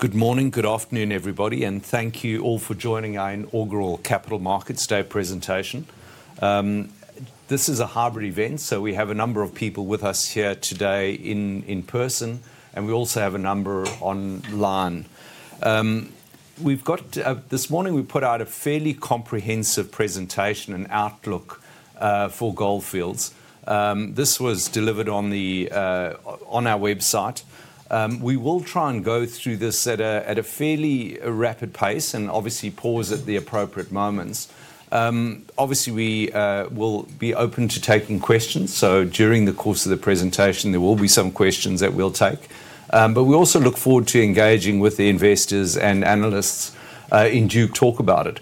Good morning, good afternoon, everybody, and thank you all for joining our inaugural Capital Markets Day presentation. This is a hybrid event, so we have a number of people with us here today in person, and we also have a number online. This morning we put out a fairly comprehensive presentation, an outlook for Gold Fields. This was delivered on our website. We will try and go through this at a fairly rapid pace and obviously pause at the appropriate moments. Obviously, we will be open to taking questions, so during the course of the presentation there will be some questions that we'll take. We also look forward to engaging with the investors and analysts in due time to talk about it.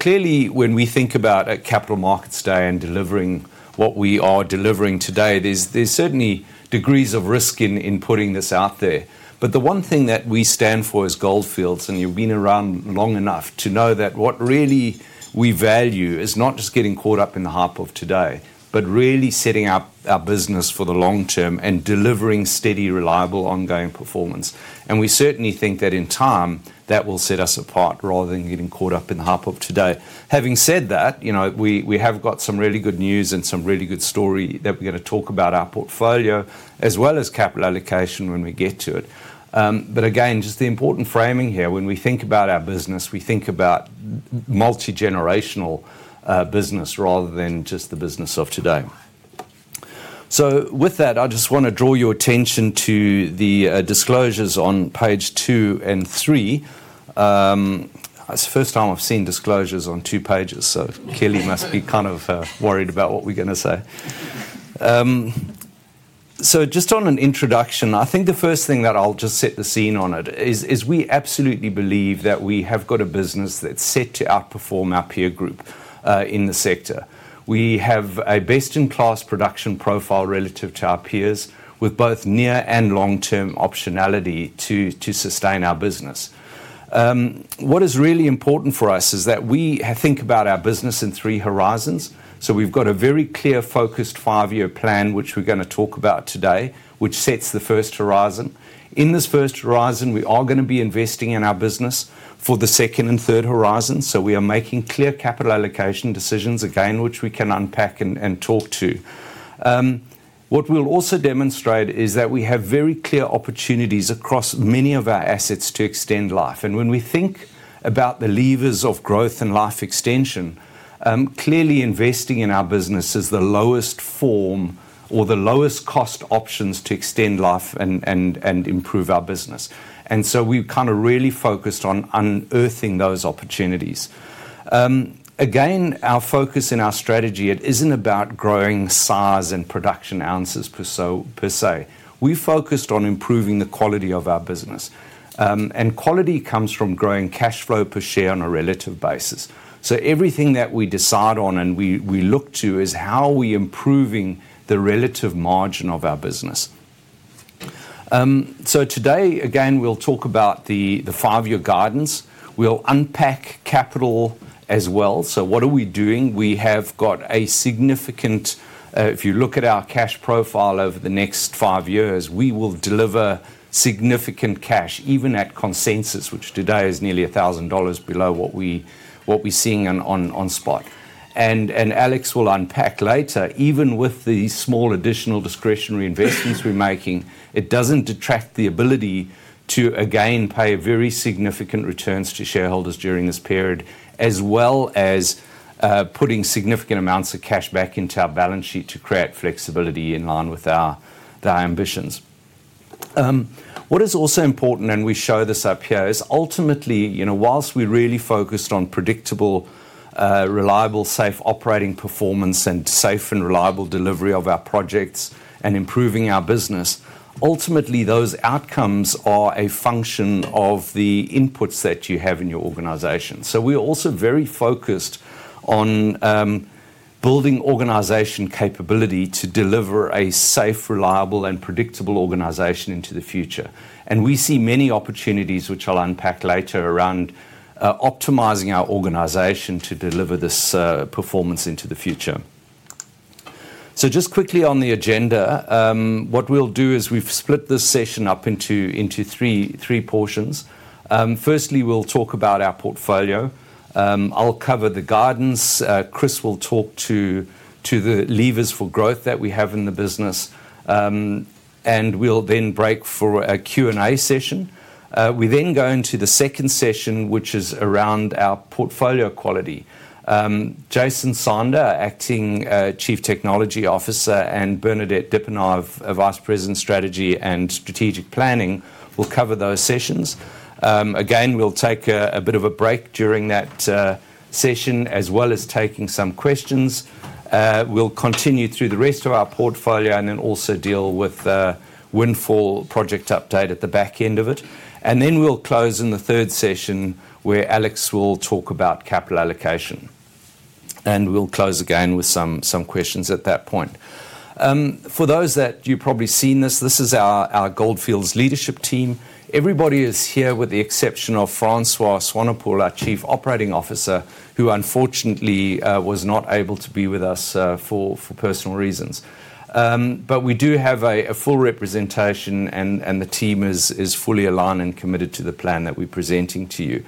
Clearly, when we think about a Capital Markets Day and delivering what we are delivering today, there's certainly degrees of risk in putting this out there. The one thing that we stand for as Gold Fields, and you've been around long enough to know that what really we value is not just getting caught up in the hype of today, but really setting up our business for the long term and delivering steady, reliable, ongoing performance. We certainly think that in time that will set us apart rather than getting caught up in the hype of today. Having said that, we have got some really good news and some really good story that we're going to talk about Our Portfolio as well as Capital allocation when we get to it. Again, just the important framing here, when we think about our business, we think about multi-generational business rather than just the business of today. With that, I just want to draw your attention to the disclosures on page two and three. It's the first time I've seen disclosures on two pages, so Kelly must be kind of worried about what we're going to say. Just on an Introduction, I think the first thing that I'll just set the scene on is we absolutely believe that we have got a business that's set to outperform our peer group in the sector. We have a best-in-class production profile relative to our peers with both near and long-term optionality to sustain our business. What is really important for us is that we think about our business in three horizons. We've got a very clear focused five-year plan, which we're going to talk about today, which sets the first horizon. In this first horizon, we are going to be investing in our business for the second and third horizons, so we are making clear capital allocation decisions, again, which we can unpack and talk to. What we will also demonstrate is that we have very clear opportunities across many of our assets to extend life. When we think about the levers of growth and life extension, clearly investing in our business is the lowest form or the lowest cost options to extend life and improve our business. We have kind of really focused on unearthing those opportunities. Again, our focus in our strategy is not about growing size and production ounces per se. We focused on improving the quality of our business. Quality comes from growing cash flow per share on a relative basis. Everything that we decide on and we look to is how are we improving the relative margin of our business. Today, again, we will talk about the five-year guidance. We will unpack capital as well. What are we doing? We have got a significant, if you look at our Cash profile over the next five years, we will deliver significant cash, even at consensus, which today is nearly $1,000 below what we are seeing on spot. Alex will unpack later, even with the small additional discretionary investments we are making, it does not detract from the ability to, again, pay very significant returns to shareholders during this period, as well as putting significant amounts of cash back into our balance sheet to create flexibility in line with our ambitions. What is also important, and we show this up here, is ultimately, whilst we're really focused on predictable, reliable, safe operating performance and safe and reliable delivery of our projects and improving our business, ultimately those outcomes are a function of the inputs that you have in your organization. We are also very focused on building organization capability to deliver a safe, reliable, and predictable organization into the future. We see many opportunities, which I'll unpack later, around optimizing our organization to deliver this performance into the future. Just quickly on the agenda, what we'll do is we've split this session up into three portions. Firstly, we'll talk about our portfolio. I'll cover the guidance. Chris will talk to the levers for growth that we have in the business. We'll then break for a Q&A session. We then go into the second session, which is around our portfolio quality. Jason Sander, Acting Chief Technology Officer, and Bernadette Dippenaar, Vice President Strategy and Strategic Planning, will cover those sessions. Again, we'll take a bit of a break during that session as well as taking some questions. We'll continue through the rest of our portfolio and then also deal with Windfall Project update at the back end of it. We'll close in the third session where Alex will talk about capital allocation. We'll close again with some questions at that point. For those that you've probably seen this, this is our Gold Fields leadership team. Everybody is here with the exception of Francois Swanepoel, our Chief Operating Officer, who unfortunately was not able to be with us for personal reasons. We do have a full representation and the team is fully aligned and committed to the plan that we're presenting to you.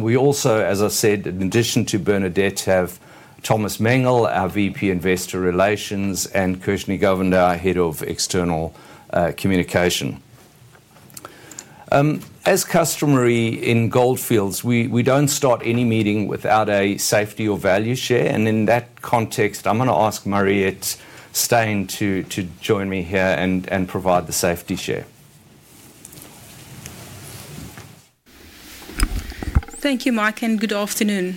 We also, as I said, in addition to Bernadette, have Thomas Mengel, our VP Investor Relations, and Kirshni Govender, our Head of External Communication. As customary in Gold Fields, we do not start any meeting without a Safety or Value Share. In that context, I'm going to ask Mariëtte Steyn to join me here and provide the Safety Share. Thank you, Mike, and good afternoon.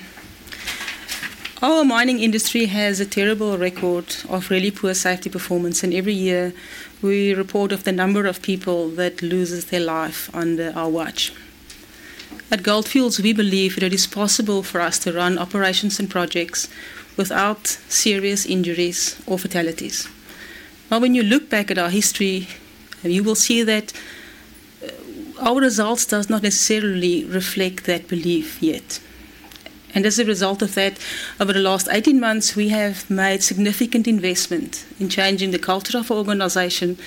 Our Mining Industry has a terrible record of really poor Safety performance, and every year we report off the number of people that lose their life under our watch. At Gold Fields, we believe that it is possible for us to run operations and projects without serious injuries or fatalities. Now, when you look back at our history, you will see that our results do not necessarily reflect that belief yet. As a result of that, over the last 18 months, we have made significant investment in changing the culture of our organization,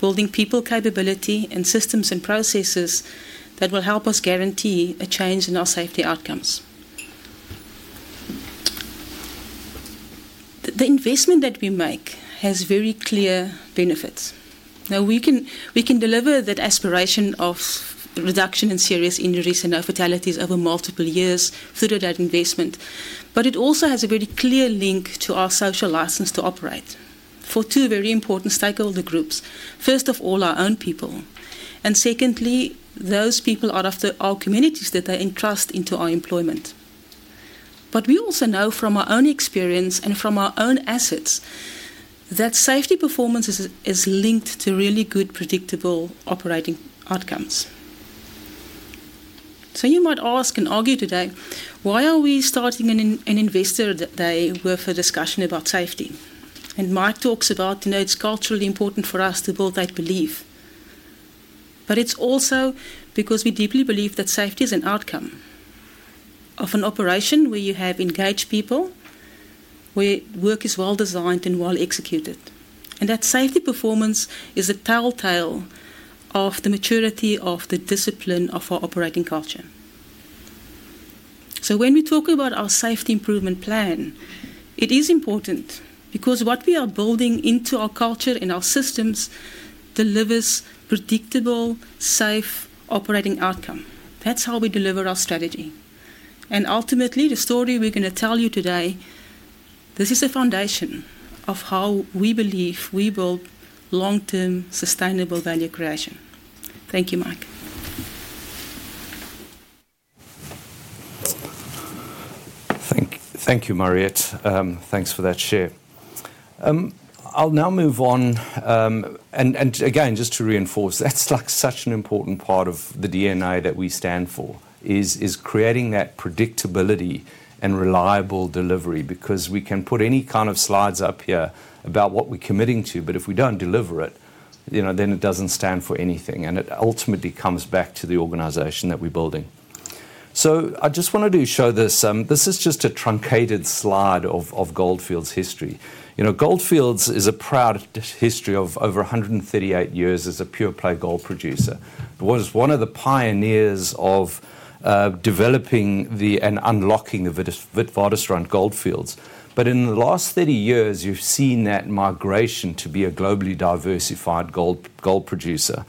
building people capability and systems and processes that will help us guarantee a change in our Safety outcomes. The investment that we make has very clear benefits. Now, we can deliver that aspiration of reduction in serious injuries and our fatalities over multiple years through that investment, but it also has a very clear link to our social license to operate for two very important stakeholder groups. First of all, our own people. Secondly, those people out of our communities that are entrusted into our employment. We also know from our own experience and from our own assets that Safety performance is linked to really good predictable operating outcomes. You might ask and argue today, why are we starting an Investor Day with a discussion about Safety? Mike talks about, you know, it's culturally important for us to build that belief. It is also because we deeply believe that Safety is an outcome of an operation where you have engaged people, where work is well designed and well executed. That Safety performance is a telltale of the maturity of the discipline of our operating culture. When we talk about our Safety Improvement Plan, it is important because what we are building into our culture and our systems delivers predictable, safe operating outcome. That is how we deliver our strategy. Ultimately, the story we are going to tell you today, this is a foundation of how we believe we build long-term sustainable value creation. Thank you, Mike. Thank you, Mariëtte. Thanks for that share. I'll now move on. Just to reinforce, that's such an important part of the DNA that we stand for, creating that predictability and reliable delivery because we can put any kind of slides up here about what we're committing to, but if we do not deliver it, then it does not stand for anything. It ultimately comes back to the organization that we're building. I just wanted to show this. This is just a truncated slide of Gold Fields history. Gold Fields has a proud history of over 138 years as a pure-play gold producer. It was one of the pioneers of developing and unlocking the Witwatersrand Gold Fields. In the last 30 years, you have seen that migration to be a globally diversified gold producer.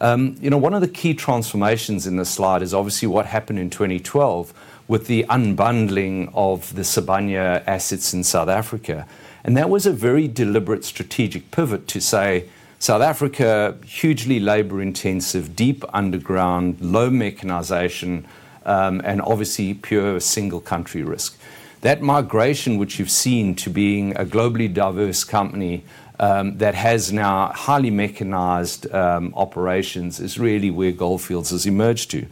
One of the key transformations in this slide is obviously what happened in 2012 with the unbundling of the Sibanye assets in South Africa. That was a very deliberate strategic pivot to say South Africa, hugely labor-intensive, deep underground, low mechanization, and obviously pure single-country risk. That migration, which you have seen to being a globally diverse company that has now highly mechanized operations, is really where Gold Fields has emerged to.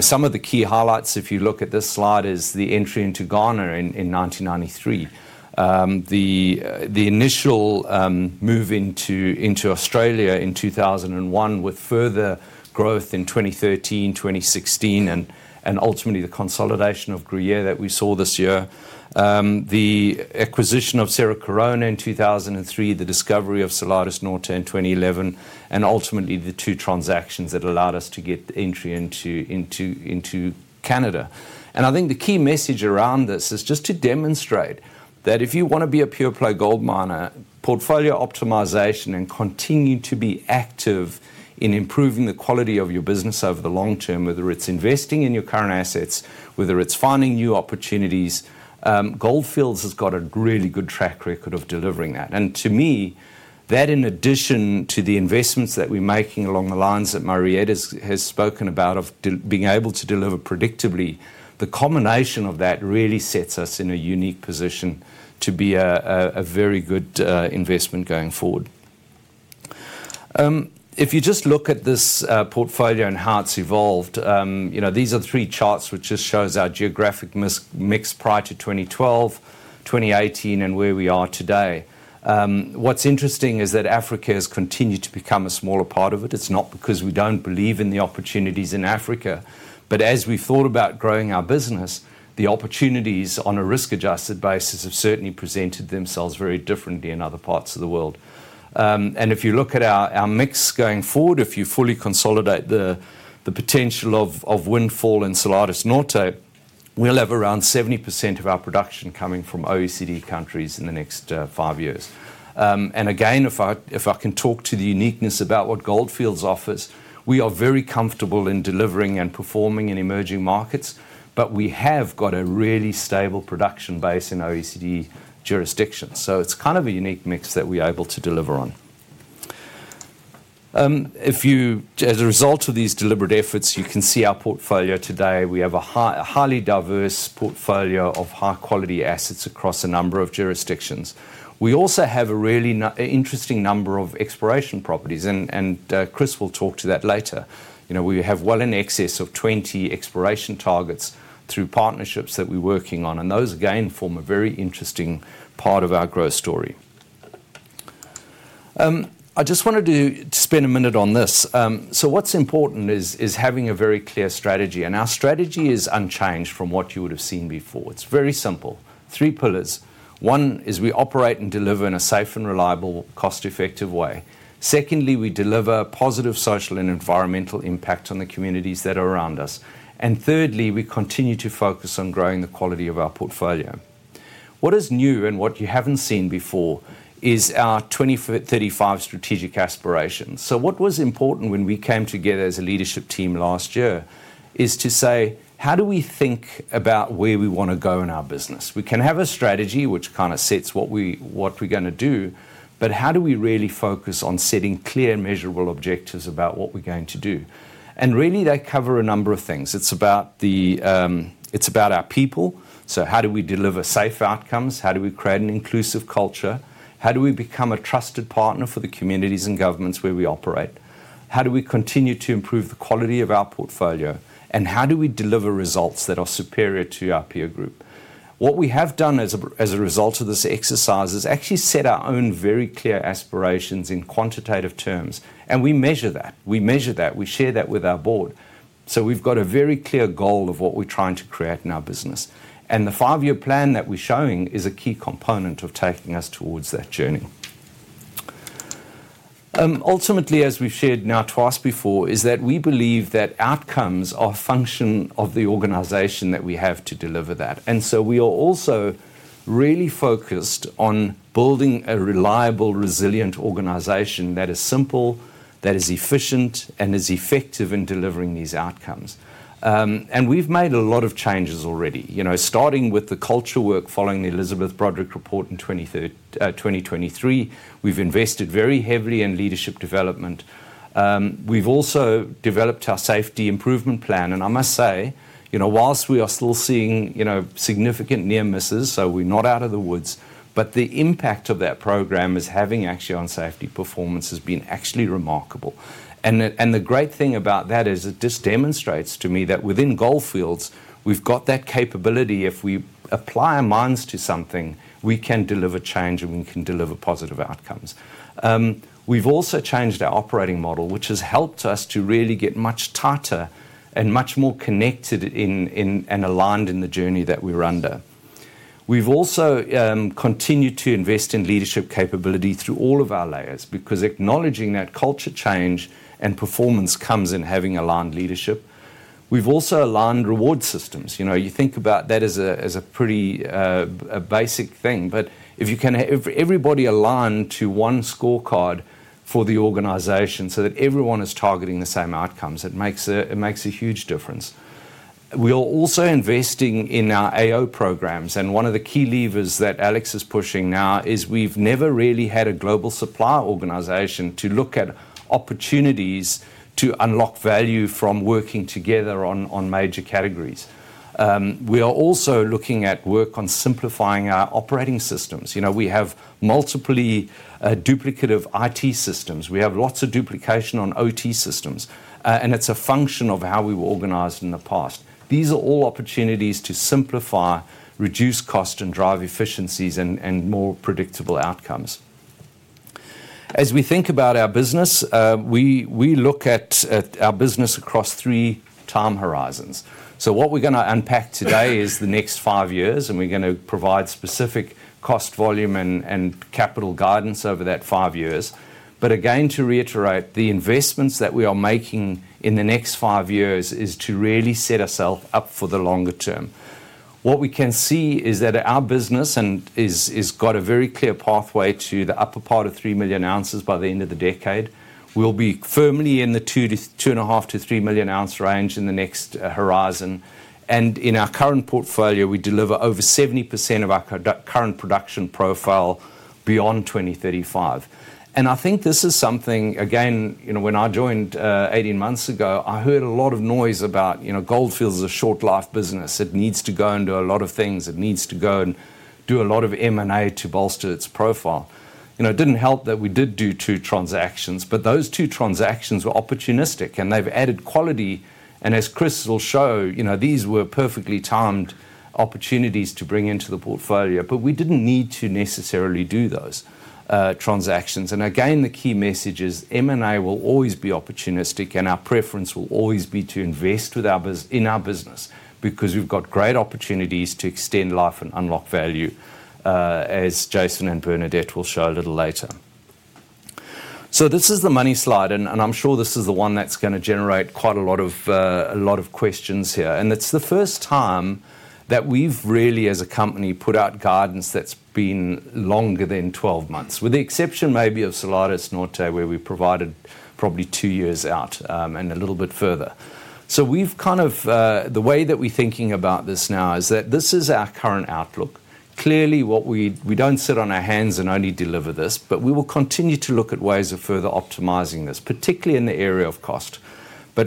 Some of the key highlights, if you look at this slide, are the entry into Ghana in 1993, the initial move into Australia in 2001 with further growth in 2013, 2016, and ultimately the consolidation of Gruyere that we saw this year, the Acquisition of Cerro Corona in 2003, the Discovery of Salares Norte in 2011, and ultimately the two transactions that allowed us to get entry into Canada. I think the key message around this is just to demonstrate that if you want to be a pure-play gold miner, portfolio optimization and continue to be active in improving the quality of your business over the long term, whether it is investing in your current assets, whether it is finding new opportunities, Gold Fields has got a really good track record of delivering that. To me, that in addition to the investments that we are making along the lines that Mariëtte has spoken about of being able to deliver predictably, the combination of that really sets us in a unique position to be a very good investment going forward. If you just look at this portfolio and how it has evolved, these are three charts which just show our geographic mix prior to 2012, 2018, and where we are today. What's interesting is that Africa has continued to become a smaller part of it. It's not because we don't believe in the opportunities in Africa, but as we thought about growing our business, the opportunities on a risk-adjusted basis have certainly presented themselves very differently in other parts of the world. If you look at our mix going forward, if you fully consolidate the potential of Windfall and Salares Norte, we'll have around 70% of our production coming from OECD countries in the next five years. If I can talk to the uniqueness about what Gold Fields offers, we are very comfortable in delivering and performing in emerging markets, but we have got a really stable production base in OECD jurisdiction. It's kind of a unique mix that we're able to deliver on. As a result of these deliberate efforts, you can see Our Portfolio today. We have a highly diverse portfolio of high-quality assets across a number of jurisdictions. We also have a really interesting number of exploration properties, and Chris will talk to that later. We have well in excess of 20 exploration targets through partnerships that we are working on, and those, again, form a very interesting part of our growth story. I just wanted to spend a minute on this. What is important is having a very clear strategy. Our strategy is unchanged from what you would have seen before. It is very simple. Three pillars. One is we operate and deliver in a safe and reliable, cost-effective way. Secondly, we deliver positive social and environmental impact on the communities that are around us. Thirdly, we continue to focus on growing the quality of Our Portfolio. What is new and what you have not seen before is our 2035 strategic aspirations. What was important when we came together as a leadership team last year is to say, how do we think about where we want to go in our business? We can have a strategy which kind of sets what we're going to do, but how do we really focus on setting clear and measurable objectives about what we're going to do? They cover a number of things. It's about our people. How do we deliver safe outcomes? How do we create an inclusive culture? How do we become a trusted partner for the communities and governments where we operate? How do we continue to improve the quality of Our Portfolio? How do we deliver results that are superior to our peer group? What we have done as a result of this exercise is actually set our own very clear aspirations in quantitative terms. We measure that. We share that with our Board. We have a very clear goal of what we are trying to create in our business. The five-year plan that we are showing is a key component of taking us towards that journey. Ultimately, as we have shared now twice before, we believe that outcomes are a function of the organization that we have to deliver that. We are also really focused on building a reliable, resilient organization that is simple, efficient, and effective in delivering these outcomes. We have made a lot of changes already. Starting with the culture work following the Elizabeth Broderick report in 2023, we have invested very heavily in leadership development. We have also developed our Safety Improvement Plan. I must say, whilst we are still seeing significant near misses, so we're not out of the woods, the impact that program is having actually on Safety performance has been actually remarkable. The great thing about that is it just demonstrates to me that within Gold Fields, we've got that capability. If we apply our minds to something, we can deliver change and we can deliver positive outcomes. We've also changed our operating model, which has helped us to really get much tighter and much more connected and aligned in the journey that we're under. We've also continued to invest in leadership capability through all of our layers because acknowledging that culture change and performance comes in having aligned leadership. We've also aligned reward systems. You think about that as a pretty basic thing, but if you can have everybody aligned to one scorecard for the organization so that everyone is targeting the same outcomes, it makes a huge difference. We are also investing in our AO programs. One of the key levers that Alex is pushing now is we've never really had a global supply organization to look at opportunities to unlock value from working together on major categories. We are also looking at work on simplifying our operating systems. We have multiple duplicative IT systems. We have lots of duplication on OT systems, and it's a function of how we were organized in the past. These are all opportunities to simplify, reduce cost, and drive efficiencies and more predictable outcomes. As we think about our business, we look at our business across three time horizons. What we are going to unpack today is the next five years, and we are going to provide specific cost, volume, and capital guidance over that five years. Again, to reiterate, the investments that we are making in the next five years are to really set ourselves up for the longer term. What we can see is that our business has got a very clear pathway to the upper part of 3 million ounces by the end of the decade. We will be firmly in the 2.5 million-3 million ounce range in the next horizon. In Our current Portfolio, we deliver over 70% of our current Production profile beyond 2035. I think this is something, again, when I joined 18 months ago, I heard a lot of noise about Gold Fields is a short-life business. It needs to go and do a lot of things. It needs to go and do a lot of M&A to bolster its profile. It did not help that we did do two transactions, but those two transactions were opportunistic, and they have added quality. As Chris will show, these were perfectly timed opportunities to bring into the portfolio, but we did not need to necessarily do those transactions. The key message is M&A will always be opportunistic, and our preference will always be to invest in our business because we have great opportunities to extend life and unlock value, as Jason and Bernadette will show a little later. This is the money slide, and I am sure this is the one that is going to generate quite a lot of questions here. It is the first time that we have really, as a company, put out guidance that has been longer than 12 months, with the exception maybe of Salares Norte, where we provided probably two years out and a little bit further. The way that we are thinking about this now is that this is our current outlook. Clearly, we do not sit on our hands and only deliver this, but we will continue to look at ways of further optimizing this, particularly in the area of cost.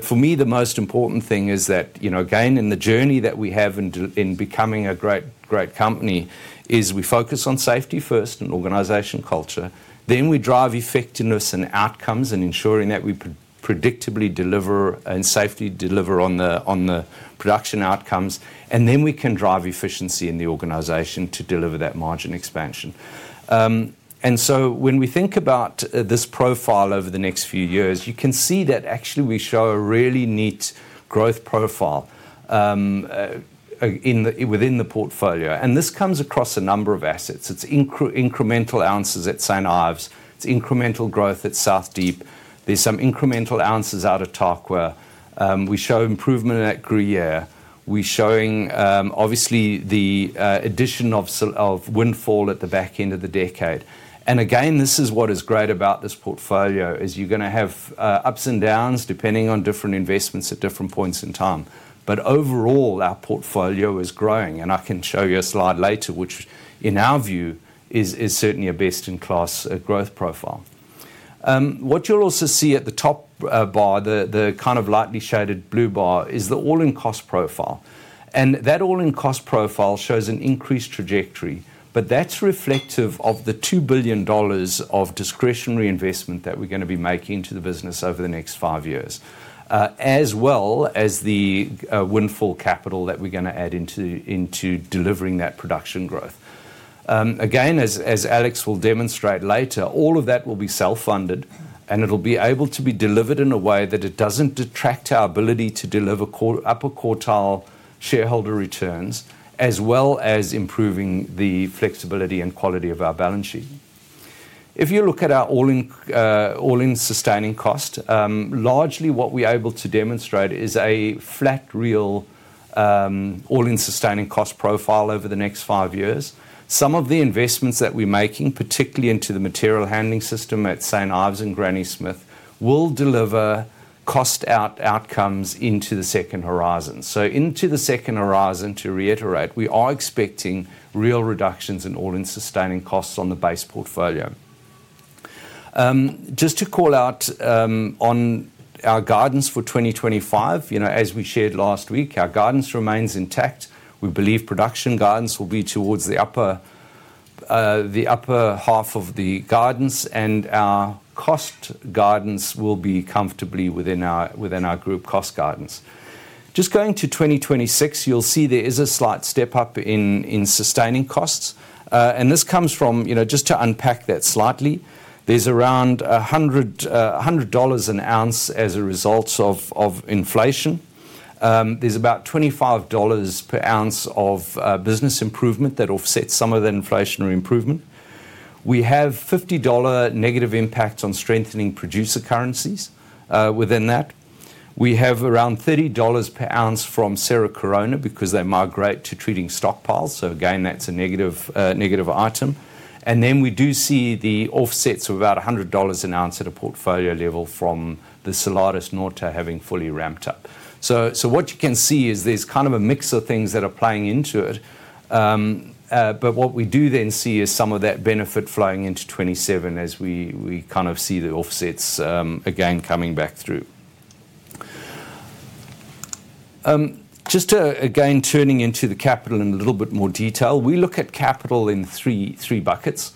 For me, the most important thing is that, again, in the journey that we have in becoming a great company, we focus on Safety First and Organization Culture. We drive effectiveness and outcomes and ensure that we predictably deliver and safely deliver on the production outcomes. We can then drive efficiency in the organization to deliver that margin expansion. When we think about this profile over the next few years, you can see that actually we show a really neat growth profile within the portfolio. This comes across a number of assets. It is incremental ounces at St. Ives. It is incremental growth at South Deep. There are some incremental ounces out at Tarkwa. We show improvement at Gruyere. We are showing, obviously, the addition of Windfall at the back end of the decade. What is great about this portfolio is you are going to have ups and downs depending on different investments at different points in time. Overall, Our Portfolio is growing. I can show you a slide later, which, in our view, is certainly a best-in-class growth profile. What you will also see at the top bar, the kind of lightly shaded blue bar, is the all-in-cost profile. That all-in-cost profile shows an increased trajectory, but that's reflective of the $2 billion of discretionary investment that we're going to be making into the business over the next five years, as well as the Windfall capital that we're going to add into delivering that production growth. Again, as Alex will demonstrate later, all of that will be self-funded, and it'll be able to be delivered in a way that it doesn't detract our ability to deliver upper quartile shareholder returns, as well as improving the flexibility and quality of our balance sheet. If you look at our all-in sustaining cost, largely what we're able to demonstrate is a flat real all-in sustaining cost profile over the next five years. Some of the investments that we're making, particularly into the material handling system at St. Ives and Granny Smith, will deliver cost-out outcomes into the second horizon. Into the second horizon, to reiterate, we are expecting real reductions in all-in sustaining costs on the base portfolio. Just to call out on our guidance for 2025, as we shared last week, our guidance remains intact. We believe Production uidance will be towards the upper half of the guidance, and our Cost Guidance will be comfortably within our group Cost Guidance. Going to 2026, you'll see there is a slight step up in sustaining costs. This comes from, just to unpack that slightly, there's around $100 an oz as a result of inflation. There's about $25 per oz of business improvement that offsets some of that inflationary improvement. We have $50 negative impact on strengthening producer currencies within that. We have around $30 per oz from Cerro Corona because they migrate to treating stockpiles. Again, that's a negative item. We do see the offsets of about $100 an oz at a portfolio level from the Salares Norte having fully ramped up. What you can see is there is kind of a mix of things that are playing into it. What we do then see is some of that benefit flowing into 2027 as we kind of see the offsets again coming back through. Turning into the capital in a little bit more detail, we look at capital in three buckets.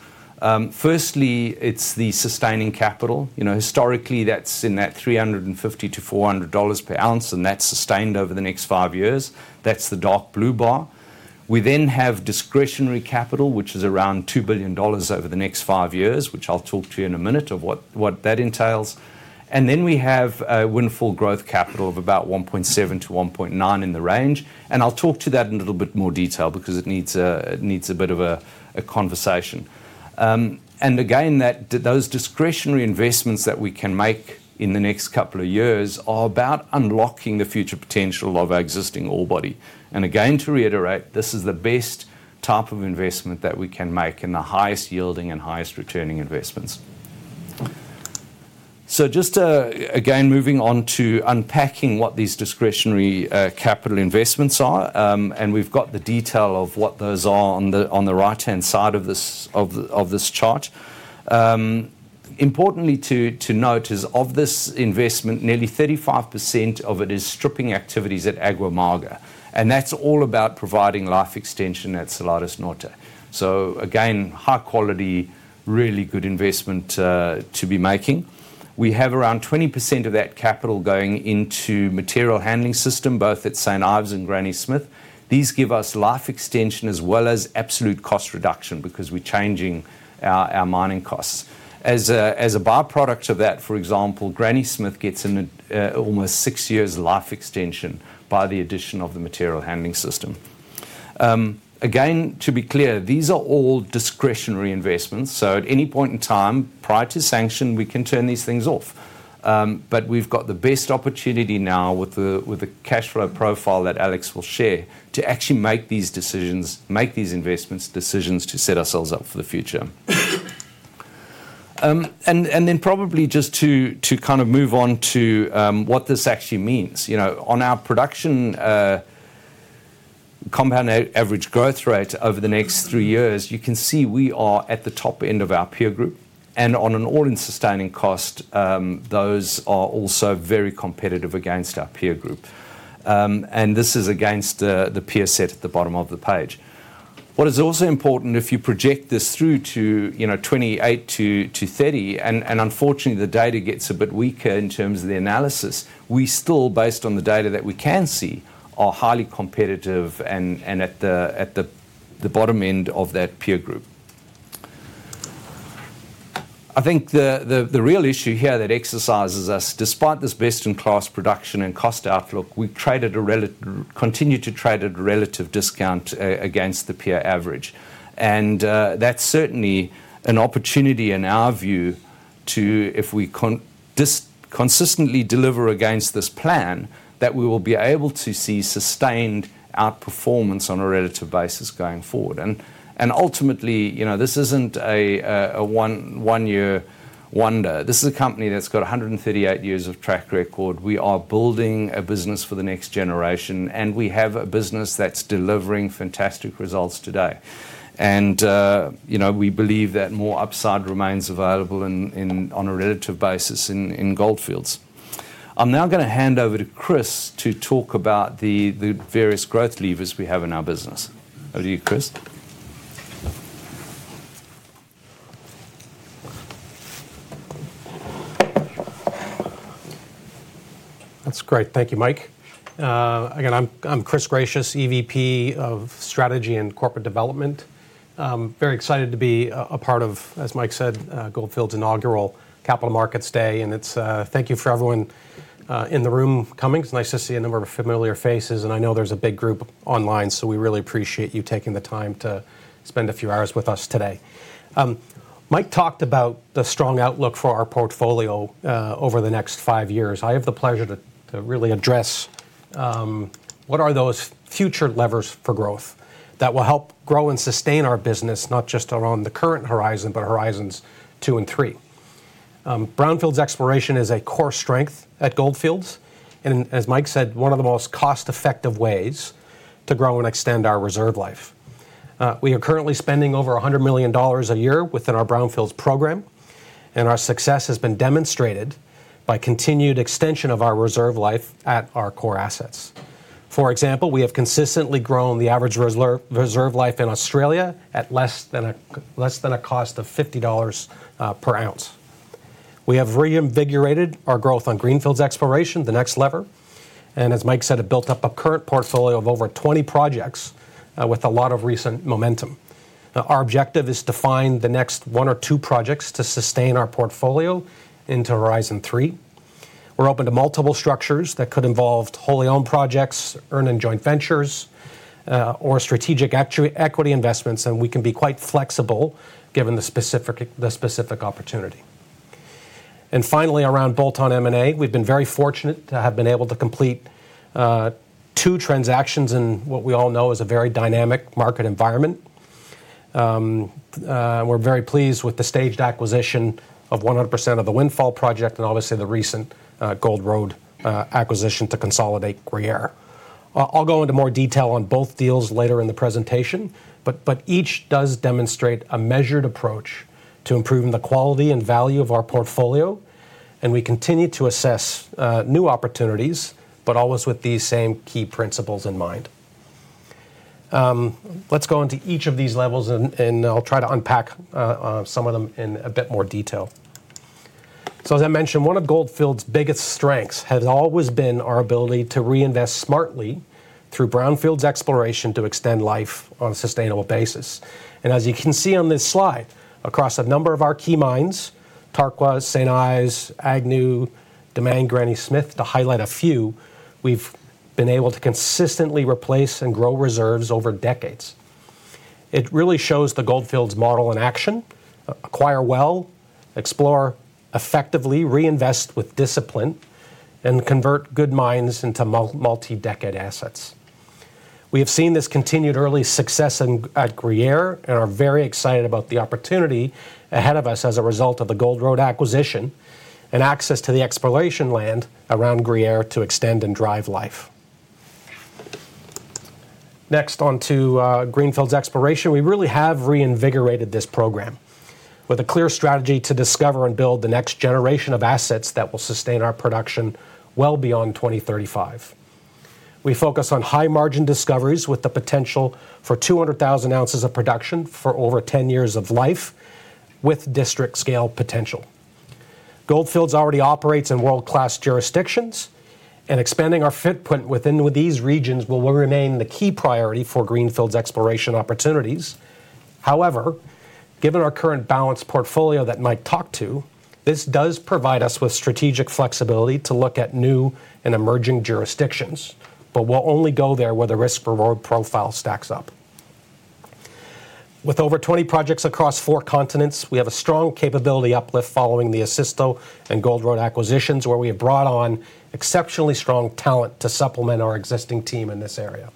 Firstly, it is the Sustaining capital. Historically, that is in that $350-$400 per oz, and that is sustained over the next five years. That is the dark blue bar. We then have Discretionary capital, which is around $2 billion over the next five years, which I will talk to you in a minute about what that entails. We have Windfall growth capital of about $1.7 billion-$1.9 billion in the range. I'll talk to that in a little bit more detail because it needs a bit of a conversation. Those discretionary investments that we can make in the next couple of years are about unlocking the future potential of our existing ore body. To reiterate, this is the best type of investment that we can make in the highest yielding and highest returning investments. Moving on to unpacking what these discretionary capital investments are, we've got the detail of what those are on the right-hand side of this chart. Importantly to note is of this investment, nearly 35% of it is stripping activities at Agua Amarga. That is all about providing life extension at Salares Norte. High-quality, really good investment to be making. We have around 20% of that capital going into material handling system, both at St. Ives and Granny Smith. These give us life extension as well as absolute cost reduction because we're changing our mining costs. As a byproduct of that, for example, Granny Smith gets almost six years life extension by the addition of the material handling system. Again, to be clear, these are all discretionary investments. At any point in time, prior to sanction, we can turn these things off. We've got the best opportunity now with the cash flow profile that Alex will share to actually make these investment decisions to set ourselves up for the future. Probably just to kind of move on to what this actually means. On our production compound average growth rate over the next three years, you can see we are at the top end of our peer group. On an all-in sustaining cost, those are also very competitive against our peer group. This is against the peer set at the bottom of the page. What is also important, if you project this through to 2028-2030, and unfortunately, the data gets a bit weaker in terms of the analysis, we still, based on the data that we can see, are highly competitive and at the bottom end of that peer group. I think the real issue here that exercises us, despite this best-in-class production and cost outlook, we continue to trade at a relative discount against the peer average. That is certainly an opportunity in our view to, if we consistently deliver against this plan, we will be able to see sustained outperformance on a relative basis going forward. Ultimately, this is not a one-year wonder. This is a company that has got 138 years of track record. We are building a business for the next generation, and we have a business that is delivering fantastic results today. We believe that more upside remains available on a relative basis in Gold Fields. I am now going to hand over to Chris to talk about the various growth levers we have in our business. Over to you, Chris. That's great. Thank you, Mike. Again, I'm Chris Gratias, EVP of Strategy and Corporate Development. Very excited to be a part of, as Mike said, Gold Fields' inaugural Capital Markets Day. Thank you for everyone in the room coming. It's nice to see a number of familiar faces, and I know there's a big group online, so we really appreciate you taking the time to spend a few hours with us today. Mike talked about the strong outlook for Our Portfolio over the next five years. I have the pleasure to really address what are those future levers for growth that will help grow and sustain our business, not just around the current horizon, but horizons two and three. Brownfields exploration is a core strength at Gold Fields and, as Mike said, one of the most cost-effective ways to grow and extend our reserve life. We are currently spending over $100 million a year within our Brownfields program, and our success has been demonstrated by continued extension of our reserve life at our core assets. For example, we have consistently grown the average reserve life in Australia at less than a cost of $50 per oz. We have reinvigorated our growth on Greenfields exploration, the next lever. As Mike said, it built up a current portfolio of over 20 projects with a lot of recent momentum. Our objective is to find the next one or two projects to sustain our portfolio into HORIZON 3. We are open to multiple structures that could involve wholly-owned projects, earn-in-joint ventures, or strategic equity investments, and we can be quite flexible given the specific opportunity. Finally, around bolt-on M&A, we've been very fortunate to have been able to complete two transactions in what we all know is a very dynamic market environment. We're very pleased with the staged acquisition of 100% of the Windfall Project and obviously the recent Gold Road Acquisition to consolidate Gruyere. I'll go into more detail on both deals later in the presentation, but each does demonstrate a measured approach to improving the quality and value of Our Portfolio, and we continue to assess new opportunities, but always with these same key principles in mind. Let's go into each of these levels, and I'll try to unpack some of them in a bit more detail. As I mentioned, one of Gold Fields' biggest strengths has always been our ability to reinvest smartly through Brownfields exploration to extend life on a sustainable basis. As you can see on this slide, across a number of our key mines, Tarkwa, St. Ives, Agnew, Damang, Granny Smith, to highlight a few, we've been able to consistently replace and grow reserves over decades. It really shows the Gold Fields model in action: acquire well, explore effectively, reinvest with discipline, and convert good mines into multi-decade assets. We have seen this continued early success at Gruyere and are very excited about the opportunity ahead of us as a result of the Gold Road acquisition and access to the exploration land around Gruyere to extend and drive life. Next, on to Greenfields exploration, we really have reinvigorated this program with a clear strategy to discover and build the next generation of assets that will sustain our production well beyond 2035. We focus on high-margin discoveries with the potential for 200,000 oz of production for over 10 years of life with district-scale potential. Gold Fields already operates in world-class jurisdictions, and expanding our footprint within these regions will remain the key priority for Greenfields exploration opportunities. However, given our current balanced portfolio that I might talk to, this does provide us with strategic flexibility to look at new and emerging jurisdictions, but we'll only go there where the risk profile stacks up. With over 20 projects across four continents, we have a strong capability uplift following the Osisko and Gold Road acquisitions where we have brought on exceptionally strong talent to supplement our existing team in this area.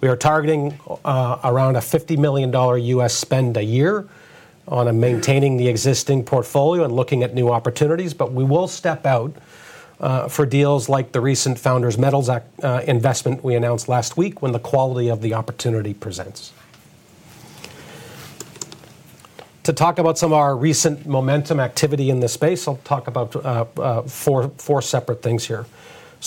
We are targeting around a $50 million U.S. spend a year on maintaining the existing portfolio and looking at new opportunities, but we will step out for deals like the recent Founders Metals investment we announced last week when the quality of the opportunity presents. To talk about some of our recent momentum activity in this space, I'll talk about four separate things here.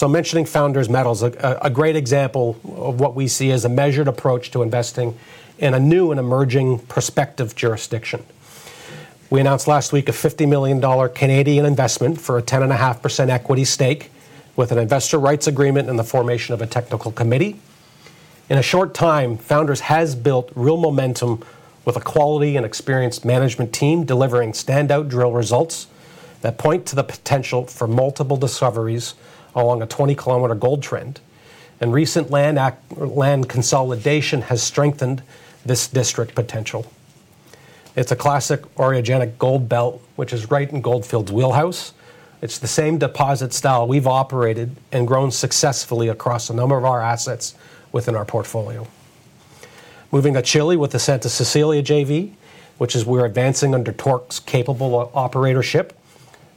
Mentioning Founders Metals, a great example of what we see as a measured approach to investing in a new and emerging prospective jurisdiction. We announced last week a 50 million Canadian dollars investment for a 10.5% equity stake with an investor rights agreement and the formation of a technical committee. In a short time, Founders has built real momentum with a quality and experienced management team delivering standout drill results that point to the potential for multiple discoveries along a 20 km gold trend, and recent land consolidation has strengthened this district potential. It's a classic orogenic gold belt, which is right in Gold Fields' wheelhouse. It's the same deposit style we've operated and grown successfully across a number of our assets within Our Portfolio. Moving to Chile with the Santa Cecilia JV, which is where advancing under Torque's capable operatorship.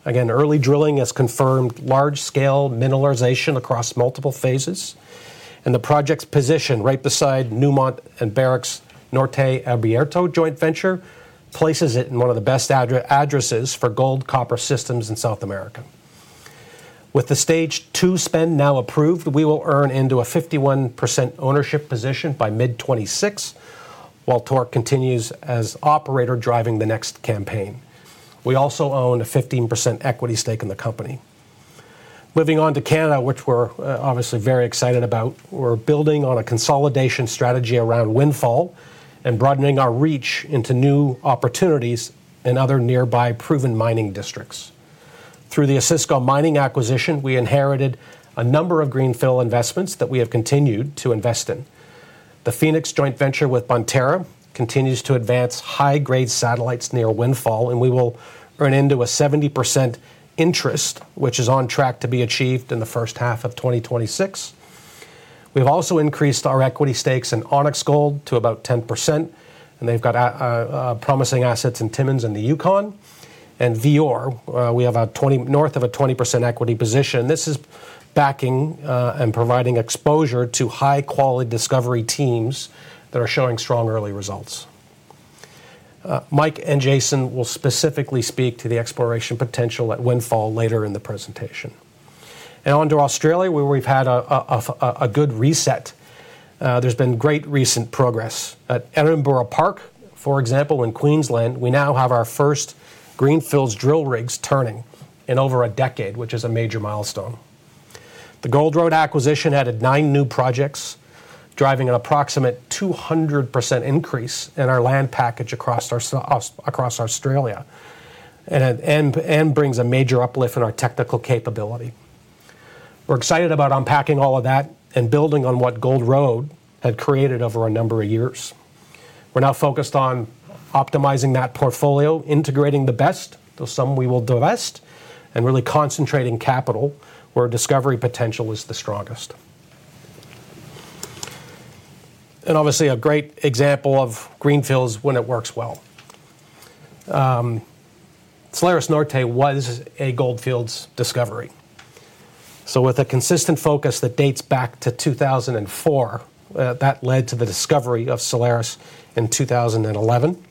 Again, early drilling has confirmed large-scale mineralization across multiple phases, and the project's position right beside Newmont and Barrick's Norte Abierto joint venture places it in one of the best addresses for gold copper systems in South America. With the stage two spend now approved, we will earn into a 51% ownership position by mid-2026 while Torque continues as operator driving the next campaign. We also own a 15% equity stake in the company. Moving on to Canada, which we're obviously very excited about, we're building on a consolidation strategy around Windfall and broadening our reach into new opportunities in other nearby proven mining districts. Through the Osisko Mining acquisition, we inherited a number of Greenfields investments that we have continued to invest in. The Phoenix joint venture with Bonterra continues to advance high-grade satellites near Windfall, and we will earn into a 70% interest, which is on track to be achieved in the first half of 2026. We've also increased our equity stakes in Onyx Gold to about 10%, and they've got promising assets in Timmins and the Yukon. Vior, we have a north of a 20% equity position. This is backing and providing exposure to high-quality discovery teams that are showing strong early results. Mike and Jason will specifically speak to the exploration potential at Windfall later in the presentation. On to Australia, where we have had a good reset. There has been great recent progress. At Edinburgh Park, for example, in Queensland, we now have our first Greenfields drill rigs turning in over a decade, which is a major milestone. The Gold Road acquisition added nine new projects, driving an approximate 200% increase in our land package across Australia, and brings a major uplift in our technical capability. We are excited about unpacking all of that and building on what Gold Road had created over a number of years. We're now focused on optimizing that portfolio, integrating the best, though some we will divest, and really concentrating capital where discovery potential is the strongest. Obviously, a great example of Greenfields when it works well. Salares Norte was a Gold Fields discovery. With a consistent focus that dates back to 2004, that led to the discovery of Salares in 2011.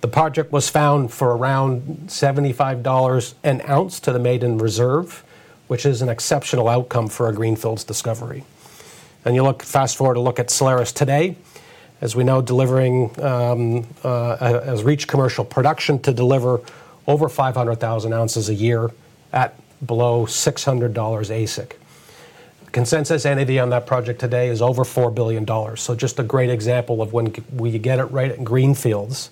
The project was found for around $75 an oz to the maiden reserve, which is an exceptional outcome for a Greenfields discovery. You look fast forward to look at Salares today, as we know, delivering as reach commercial production to deliver over 500,000 oz a year at below $600 AISC. Consensus entity on that project today is over $4 billion. Just a great example of when we get it right at Greenfields,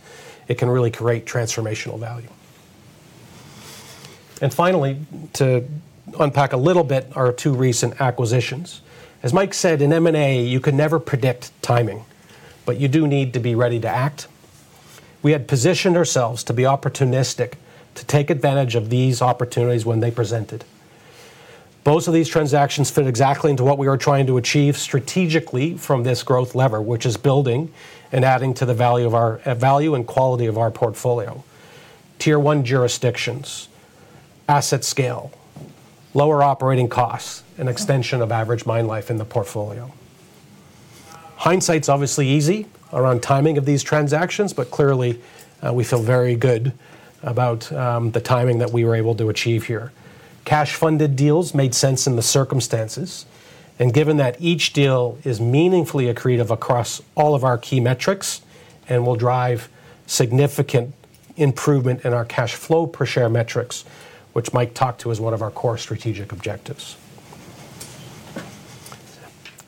it can really create transformational value. Finally, to unpack a little bit our two recent acquisitions. As Mike said, in M&A, you can never predict timing, but you do need to be ready to act. We had positioned ourselves to be opportunistic to take advantage of these opportunities when they presented. Both of these transactions fit exactly into what we are trying to achieve strategically from this growth lever, which is building and adding to the value and quality of Our Portfolio. Tier one jurisdictions, asset scale, lower operating costs, and extension of average mine life in the portfolio. Hindsight's obviously easy around timing of these transactions, but clearly, we feel very good about the timing that we were able to achieve here. Cash-funded deals made sense in the circumstances, and given that each deal is meaningfully accretive across all of our key metrics and will drive significant improvement in our cash flow per share metrics, which Mike talked to as one of our core strategic objectives.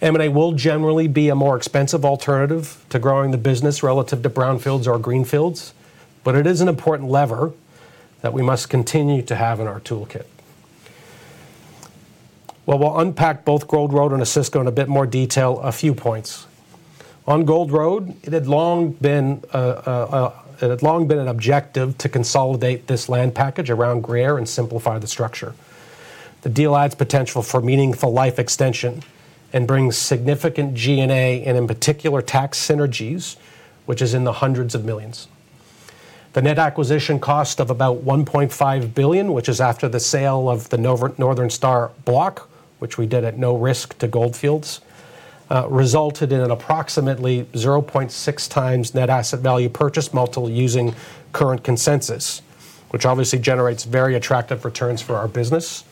M&A will generally be a more expensive alternative to growing the business relative to Brownfields or Greenfields, but it is an important lever that we must continue to have in our toolkit. We will unpack both Gold Road and Osisko in a bit more detail, a few points. On Gold Road, it had long been an objective to consolidate this land package around Gruyere and simplify the structure. The deal adds potential for meaningful life extension and brings significant G&A and, in particular, tax synergies, which is in the hundreds of millions. The net acquisition cost of about $1.5 billion, which is after the sale of the Northern Star block, which we did at no risk to Gold Fields, resulted in an approximately 0.6x net asset value purchase multiple using current consensus, which obviously generates very attractive returns for our business.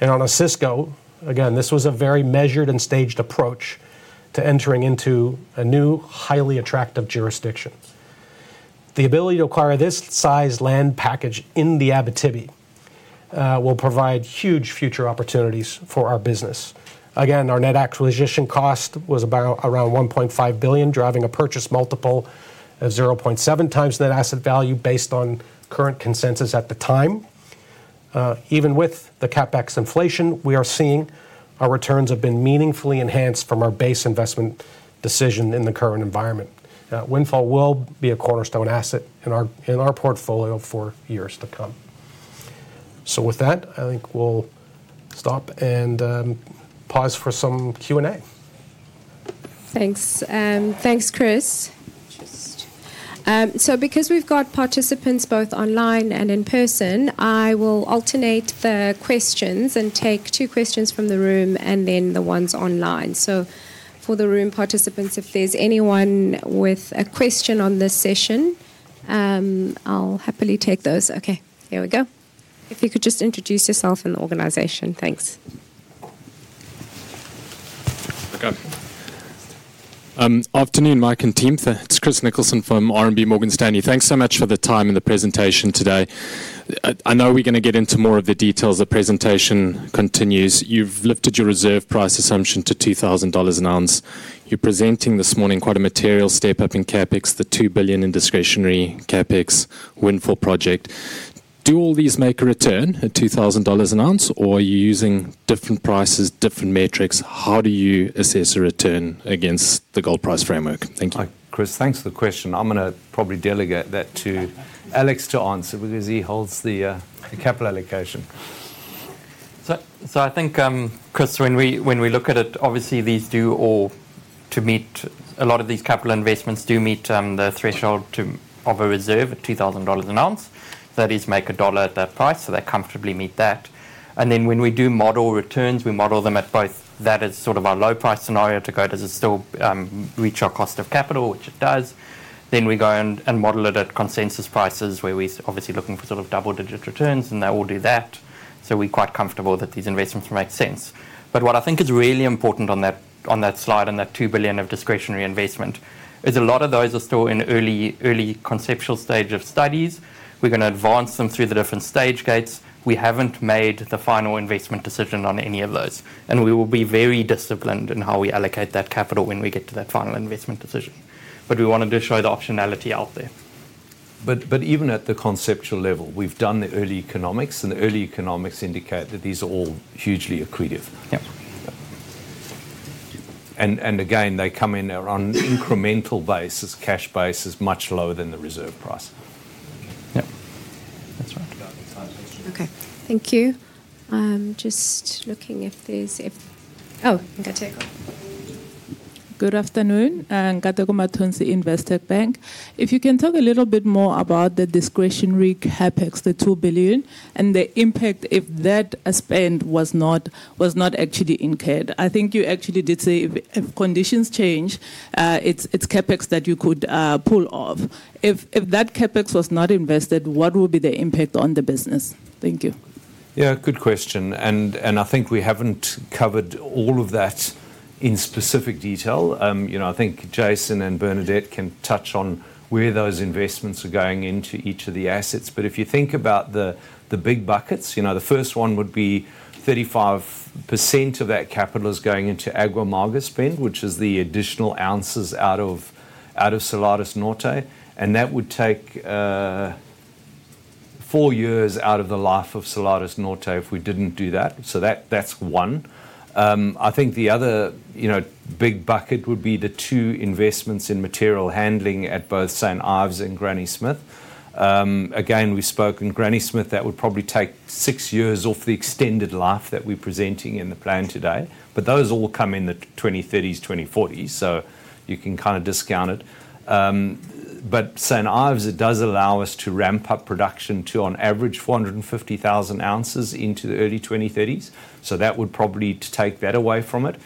On Osisko, again, this was a very measured and staged approach to entering into a new, highly attractive jurisdiction. The ability to acquire this size land package in the Abitibi will provide huge future opportunities for our business. Again, our net acquisition cost was around $1.5 billion, driving a purchase multiple of 0.7x net asset value based on current consensus at the time. Even with the CapEx inflation, we are seeing our returns have been meaningfully enhanced from our base investment decision in the current environment. Windfall will be a cornerstone asset in our portfolio for years to come. With that, I think we'll stop and pause for some Q&A. Thanks. Thanks, Chris. Because we've got participants both online and in person, I will alternate the questions and take two questions from the room and then the ones online. For the room participants, if there's anyone with a question on this session, I'll happily take those. Okay. Here we go. If you could just introduce yourself and the organization. Thanks. Welcome. Afternoon, Mike and Team. It's Chris Nicholson from RMB Morgan Stanley. Thanks so much for the time and the presentation today. I know we're going to get into more of the details as the presentation continues. You've lifted your reserve price assumption to $2,000 an oz. You're presenting this morning quite a material step up in CapEx, the $2 billion in Discretionary CapEx Windfall Project. Do all these make a return at $2,000 an oz, or are you using different prices, different metrics? How do you assess a return against the gold price framework? Thank you. Hi, Chris. Thanks for the question. I'm going to probably delegate that to Alex to answer because he holds the Capital allocation. I think, Chris, when we look at it, obviously these do all to meet a lot of these capital investments do meet the threshold of a reserve at $2,000 an oz. That is, make a dollar at that price, so they comfortably meet that. When we do model returns, we model them at both. That is sort of our low price scenario to go, does it still reach our cost of capital, which it does? We go and model it at consensus prices where we're obviously looking for sort of double-digit returns, and that will do that. We are quite comfortable that these investments make sense. What I think is really important on that slide and that $2 billion of Discretionary investment is a lot of those are still in early conceptual stage of studies. We are going to advance them through the different stage gates. We have not made the final investment decision on any of those, and we will be very disciplined in how we allocate that capital when we get to that final investment decision. We wanted to show the optionality out there. Even at the conceptual level, we have done the early economics, and the early economics indicate that these are all hugely accretive. Yep. They come in on an incremental basis, cash basis, much lower than the reserve price. Yep. That's right. Okay. Thank you. I'm just looking if there's—oh, I think I take off. Good afternoon. I'm Nkateko Mathonsi, Investec Bank. If you can talk a little bit more about the Discretionary CapEx, the $2 billion, and the impact if that spend was not actually incurred. I think you actually did say if conditions change, it's CapEx that you could pull off. If that CapEx was not invested, what would be the impact on the business? Thank you. Yeah, good question. I think we haven't covered all of that in specific detail. I think Jason and Bernadette can touch on where those investments are going into each of the assets. If you think about the big buckets, the first one would be 35% of that capital is going into Agua Amarga spend, which is the additional ounces out of Salares Norte. That would take four years out of the life of Salares Norte if we did not do that. That is one. I think the other big bucket would be the two investments in material handling at both St. Ives and Granny Smith. Again, we spoke in Granny Smith, that would probably take six years off the extended life that we are presenting in the plan today. Those all come in the 2030s, 2040s, so you can kind of discount it. St. Ives, it does allow us to ramp up production to, on average, 450,000 oz into the early 2030s. That would probably take that away from it.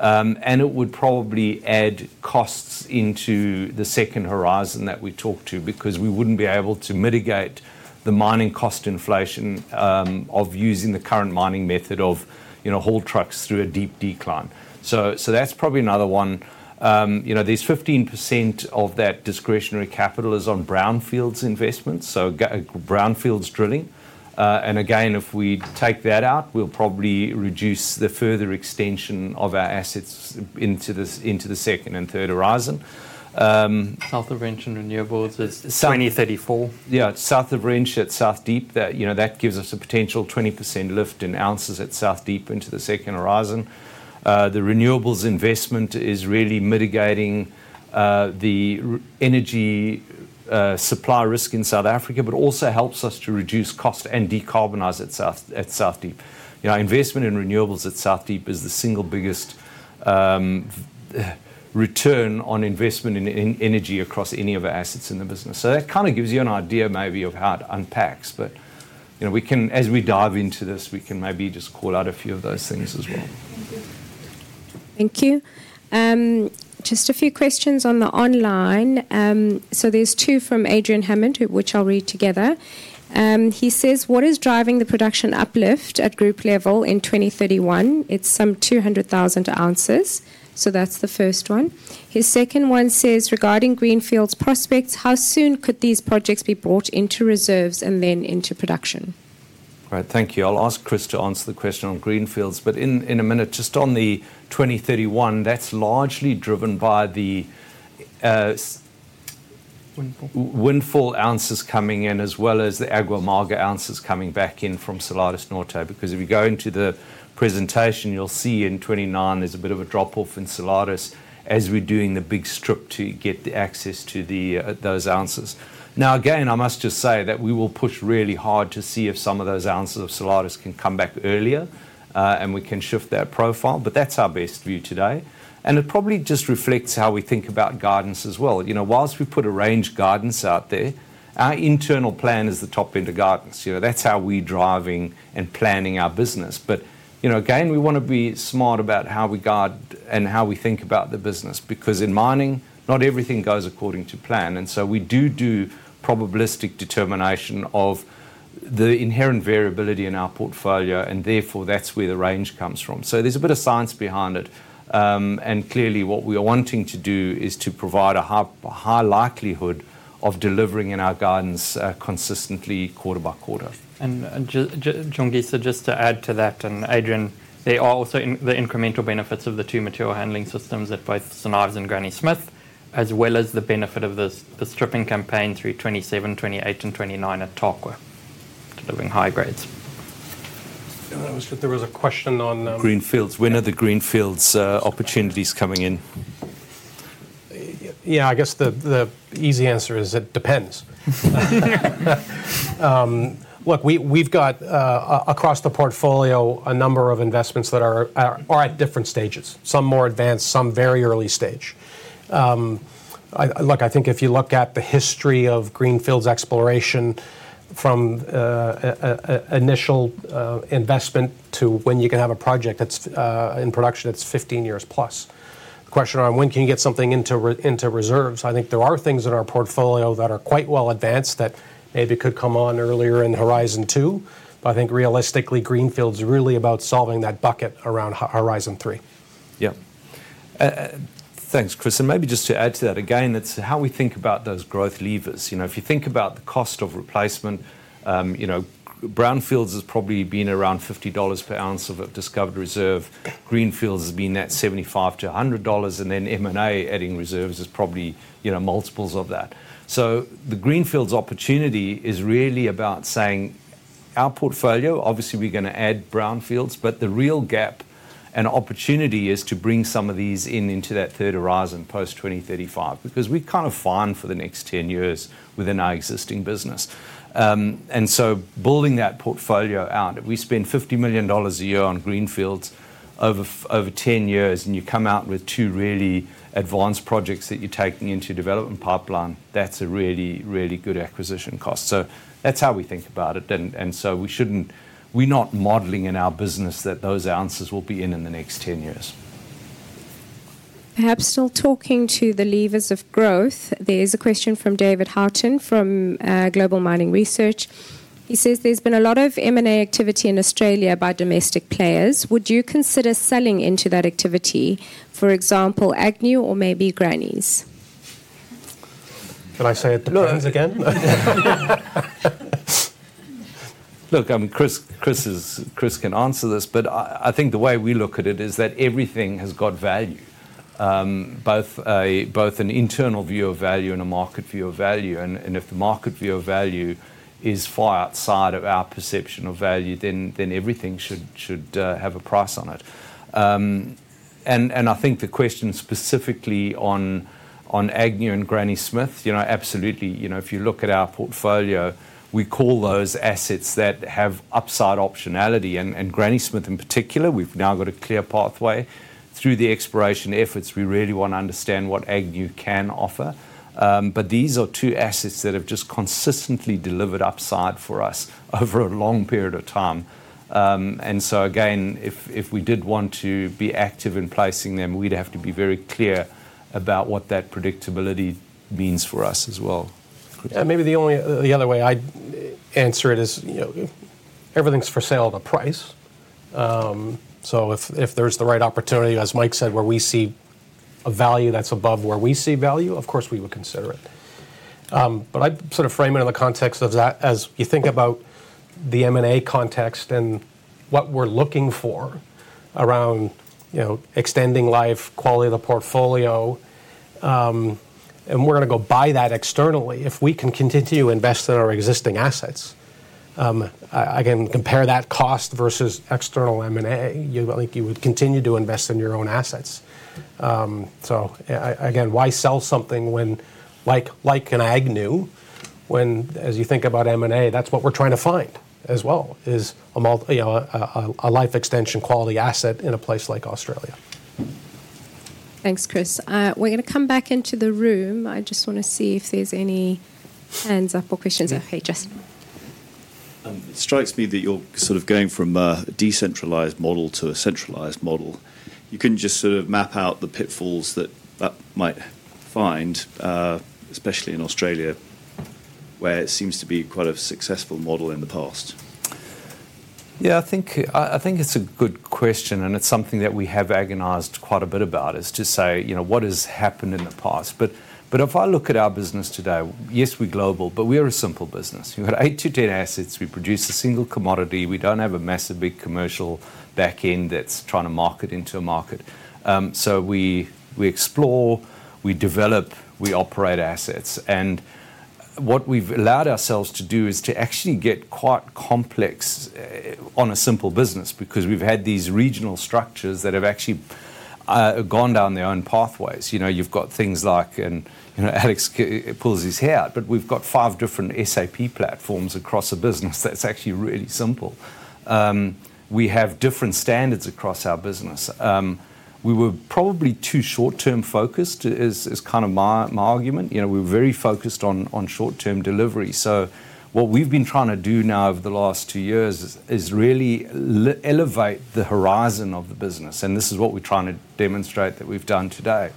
It would probably add costs into the second horizon that we talked to because we would not be able to mitigate the mining cost inflation of using the current mining method of haul trucks through a deep decline. That is probably another one. There is 15% of that discretionary capital on brownfields investments, so brownfields drilling. Again, if we take that out, we will probably reduce the further extension of our assets into the second and third horizon. South of Wrench and Renewables is 2034. Yeah, South of Wrench at South Deep, that gives us a potential 20% lift in oz at South Deep into the second horizon. The Renewables investment is really mitigating the energy supply risk in South Africa, but also helps us to reduce cost and decarbonize at South Deep. Investment in renewables at South Deep is the single biggest return on investment in energy across any of our assets in the business. That kind of gives you an idea maybe of how it unpacks. As we dive into this, we can maybe just call out a few of those things as well. Thank you. Thank you. Just a few questions on the online. There are two from Adrian Hammond, which I'll read together. He says, "What is driving the production uplift at group level in 2031? It's some 200,000 oz." That is the first one. His second one says, "Regarding Greenfields prospects, how soon could these projects be brought into reserves and then into production?" Right. Thank you. I'll ask Chris to answer the question on Greenfields. In a minute, just on the 2031, that is largely driven by the Windfall. Windfall ounces coming in, as well as the Agua Amarga ounces coming back in from Salares Norte. Because if you go into the presentation, you'll see in 2029 there's a bit of a drop-off in Salares as we're doing the big strip to get the access to those ounces. Now, again, I must just say that we will push really hard to see if some of those ounces of Salares can come back earlier and we can shift that profile. That's our best view today. It probably just reflects how we think about guidance as well. Whilst we put arranged guidance out there, our internal plan is the top end of guidance. That's how we're driving and planning our business. Again, we want to be smart about how we guide and how we think about the business. Because in mining, not everything goes according to plan. We do probabilistic determination of the inherent variability in our portfolio, and therefore that's where the range comes from. There is a bit of science behind it. Clearly, what we are wanting to do is to provide a high likelihood of delivering in our guidance consistently quarter by quarter. And just to, just to add to that, and Adrian, there are also the incremental benefits of the two material handling systems at both St. Ives and Granny Smith, as well as the benefit of the Stripping Campaign through 2027, 2028, and 2029 at Tarkwa, delivering high grades. There was a question on. Greenfields. When are the Greenfields opportunities coming in? I guess the easy answer is it depends. Look, we have across the portfolio a number of investments that are at different stages, some more advanced, some very early stage. Look, I think if you look at the history of Greenfields exploration from initial investment to when you can have a project in production, it is 15 years+. The question around when can you get something into reserves? I think there are things in our portfolio that are quite well advanced that maybe could come on earlier in HORIZON 2. I think realistically, Greenfields is really about solving that bucket around HORIZON 3. Yep. Thanks, Chris. Maybe just to add to that, again, it is how we think about those growth levers. If you think about the cost of replacement, brownfields has probably been around $50 per oz of a discovered reserve. Greenfields has been at $75-$100. M&A adding reserves is probably multiples of that. The Greenfields opportunity is really about saying our portfolio, obviously we're going to add brownfields, but the real gap and opportunity is to bring some of these into that third horizon post-2035 because we're kind of fine for the next 10 years within our existing business. Building that portfolio out, if we spend $50 million a year on Greenfields over 10 years and you come out with two really advanced projects that you're taking into development pipeline, that's a really, really good acquisition cost. That's how we think about it. We're not modeling in our business that those ounces will be in in the next 10 years. Perhaps still talking to the levers of growth, there's a question from David Haughton from Global Mining Research. He says there's been a lot of M&A activity in Australia by domestic players. Would you consider selling into that activity, for example, Agnew or maybe Grannys'? Can I say it to friends again? Look, Chris can answer this, but I think the way we look at it is that everything has got value, both an internal view of value and a market view of value. If the market view of value is far outside of our perception of value, then everything should have a price on it. I think the question specifically on Agnew and Granny Smith, absolutely. If you look at Our Portfolio, we call those assets that have upside optionality. Granny Smith in particular, we've now got a clear pathway. Through the exploration efforts, we really want to understand what Agnew can offer. These are two assets that have just consistently delivered upside for us over a long period of time. If we did want to be active in placing them, we'd have to be very clear about what that predictability means for us as well. Maybe the other way I'd answer it is everything's for sale at a price. If there's the right opportunity, as Mike said, where we see a value that's above where we see value, of course we would consider it. I'd sort of frame it in the context of that as you think about the M&A context and what we're looking for around extending life, quality of the portfolio. We're going to go buy that externally if we can continue to invest in our existing assets. I can compare that cost versus external M&A. I think you would continue to invest in your own assets. Again, why sell something like an Agnew when, as you think about M&A, that's what we're trying to find as well, is a life extension quality asset in a place like Australia? Thanks, Chris. We're going to come back into the room. I just want to see if there's any hands up or questions. Okay, just. It strikes me that you're sort of going from a decentralized model to a centralized model. You can just sort of map out the pitfalls that that might find, especially in Australia, where it seems to be quite a successful model in the past. I think it's a good question, and it's something that we have agonized quite a bit about, is to say what has happened in the past. If I look at our business today, yes, we're global, but we are a simple business. We've got eight to ten assets. We produce a single commodity. We don't have a massive big commercial back end that's trying to market into a market. We explore, we develop, we operate assets. What we've allowed ourselves to do is to actually get quite complex on a simple business because we've had these regional structures that have actually gone down their own pathways. You've got things like Alex pulls his hair out, but we've got five different SAP platforms across a business that's actually really simple. We have different standards across our business. We were probably too short-term focused, is kind of my argument. We were very focused on short-term delivery. What we've been trying to do now over the last two years is really elevate the horizon of the business. This is what we're trying to demonstrate that we've done today.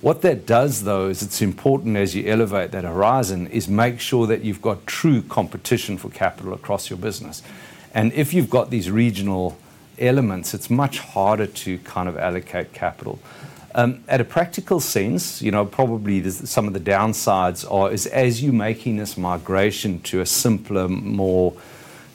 What that does, though, is it's important as you elevate that horizon is make sure that you've got true competition for capital across your business. If you've got these regional elements, it's much harder to kind of allocate capital. At a practical sense, probably some of the downsides are as you're making this migration to a simpler, more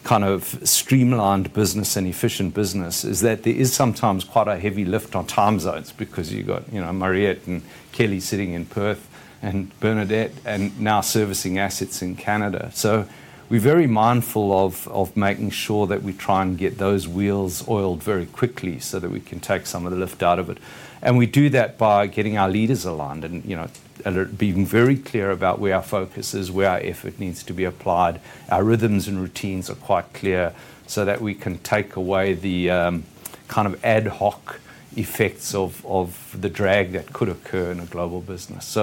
kind of streamlined business and efficient business, is that there is sometimes quite a heavy lift on time zones because you've got Mariëtte and Kelly sitting in Perth and Bernadette now servicing assets in Canada. We are very mindful of making sure that we try and get those wheels oiled very quickly so that we can take some of the lift out of it. We do that by getting our leaders aligned and being very clear about where our focus is, where our effort needs to be applied. Our rhythms and routines are quite clear so that we can take away the kind of ad hoc effects of the drag that could occur in a global business.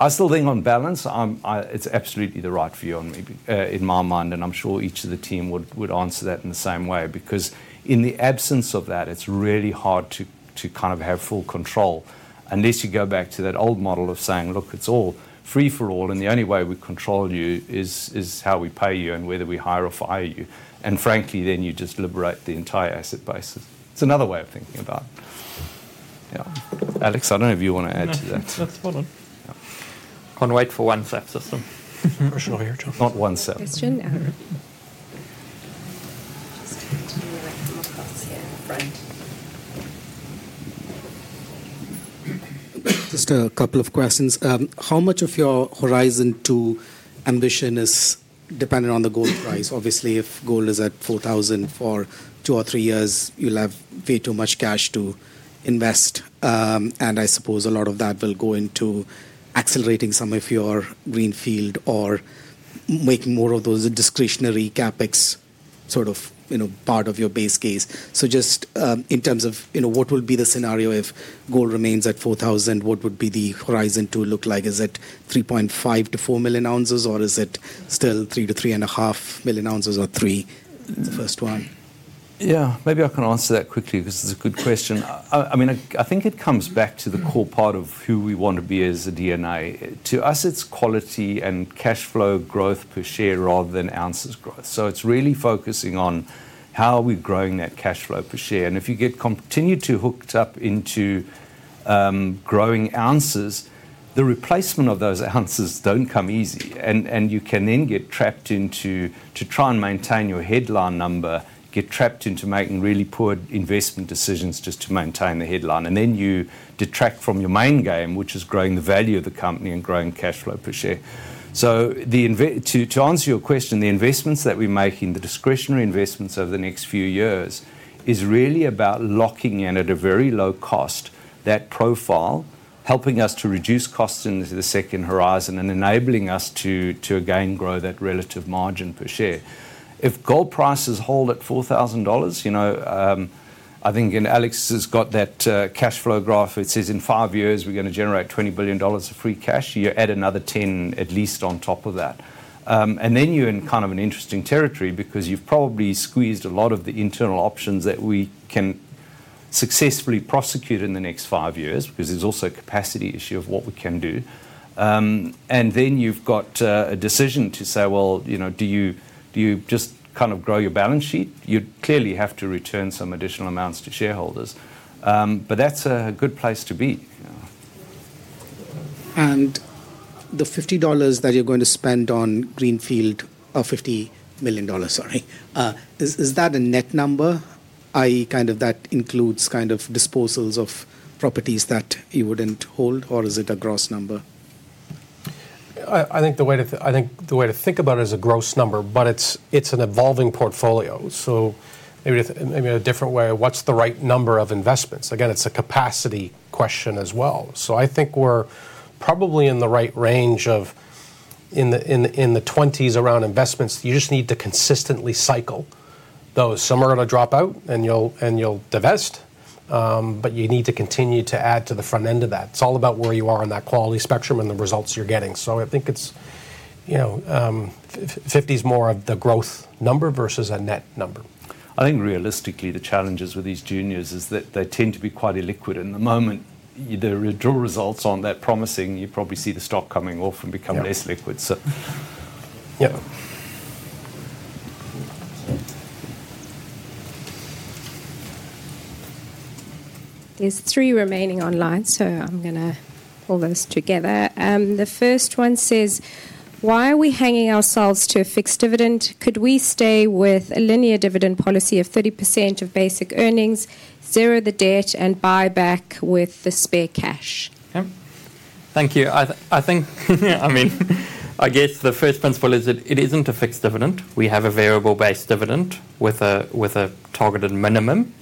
I still think on balance, it's absolutely the right view in my mind, and I'm sure each of the team would answer that in the same way. Because in the absence of that, it's really hard to kind of have full control unless you go back to that old model of saying, "Look, it's all free for all, and the only way we control you is how we pay you and whether we hire or fire you." Frankly, then you just liberate the entire asset basis. It's another way of thinking about it. Yeah. Alex, I don't know if you want to add to that. That's fine. Can't wait for one SAP system. I'm not sure here, John. Not one SAP. Question? Just continuing with some more thoughts here. Just a couple of questions. How much of your HORIZON 2 ambition is dependent on the gold price? Obviously, if gold is at $4,000 for two or three years, you'll have way too much cash to invest. I suppose a lot of that will go into accelerating some of your greenfield or making more of those Discretionary CapEx sort of part of your base case. Just in terms of what will be the scenario if gold remains at $4,000, what would the HORIZON 2 look like? Is it 3.5 million-4 million oz, or is it still 3 million-3.5 million ozor 3, the first one? Yeah, maybe I can answer that quickly because it's a good question. I mean, I think it comes back to the core part of who we want to be as a DNA. To us, it's quality and cash flow growth per share rather than ounces growth. It is really focusing on how are we growing that cash flow per share. If you get continued to hook up into growing ounces, the replacement of those ounces does not come easy. You can then get trapped into trying to maintain your headline number, get trapped into making really poor investment decisions just to maintain the headline. You detract from your main game, which is growing the value of the company and growing cash flow per share. To answer your question, the investments that we make in the discretionary investments over the next few years is really about locking in at a very low cost that profile, helping us to reduce costs into the second horizon and enabling us to again grow that relative margin per share. If gold prices hold at $4,000, I think Alex has got that cash flow graph. It says in five years, we are going to generate $20 billion of free cash. You add another 10 at least on top of that. You are in kind of an interesting territory because you have probably squeezed a lot of the internal options that we can successfully prosecute in the next five years because there is also a capacity issue of what we can do. You have a decision to say, "Do you just kind of grow your balance sheet?" You clearly have to return some additional amounts to shareholders. That is a good place to be. The $50 million that you are going to spend on Greenfield, is that a net number? I.e., that includes disposals of properties that you would not hold, or is it a gross number? I think the way to think about it is a gross number, but it is an evolving portfolio. Maybe a different way, what is the right number of investments? Again, it is a capacity question as well. I think we are probably in the right range of in the 20s around investments. You just need to consistently cycle those. Some are going to drop out and you'll divest, but you need to continue to add to the front end of that. It's all about where you are on that quality spectrum and the results you're getting. I think 50 is more of the growth number versus a net number. I think realistically, the challenges with these juniors is that they tend to be quite illiquid. In the moment, the draw results aren't that promising. You probably see the stock coming off and become less liquid. Yep. There are three remaining online, so I'm going to pull those together. The first one says, "Why are we hanging ourselves to a fixed dividend? Could we stay with a linear dividend policy of 30% of basic earnings, zero the debt, and buy back with the spare cash?" Thank you. I mean, I guess the first principle is that it isn't a fixed dividend. We have a variable-based dividend with a targeted minimum.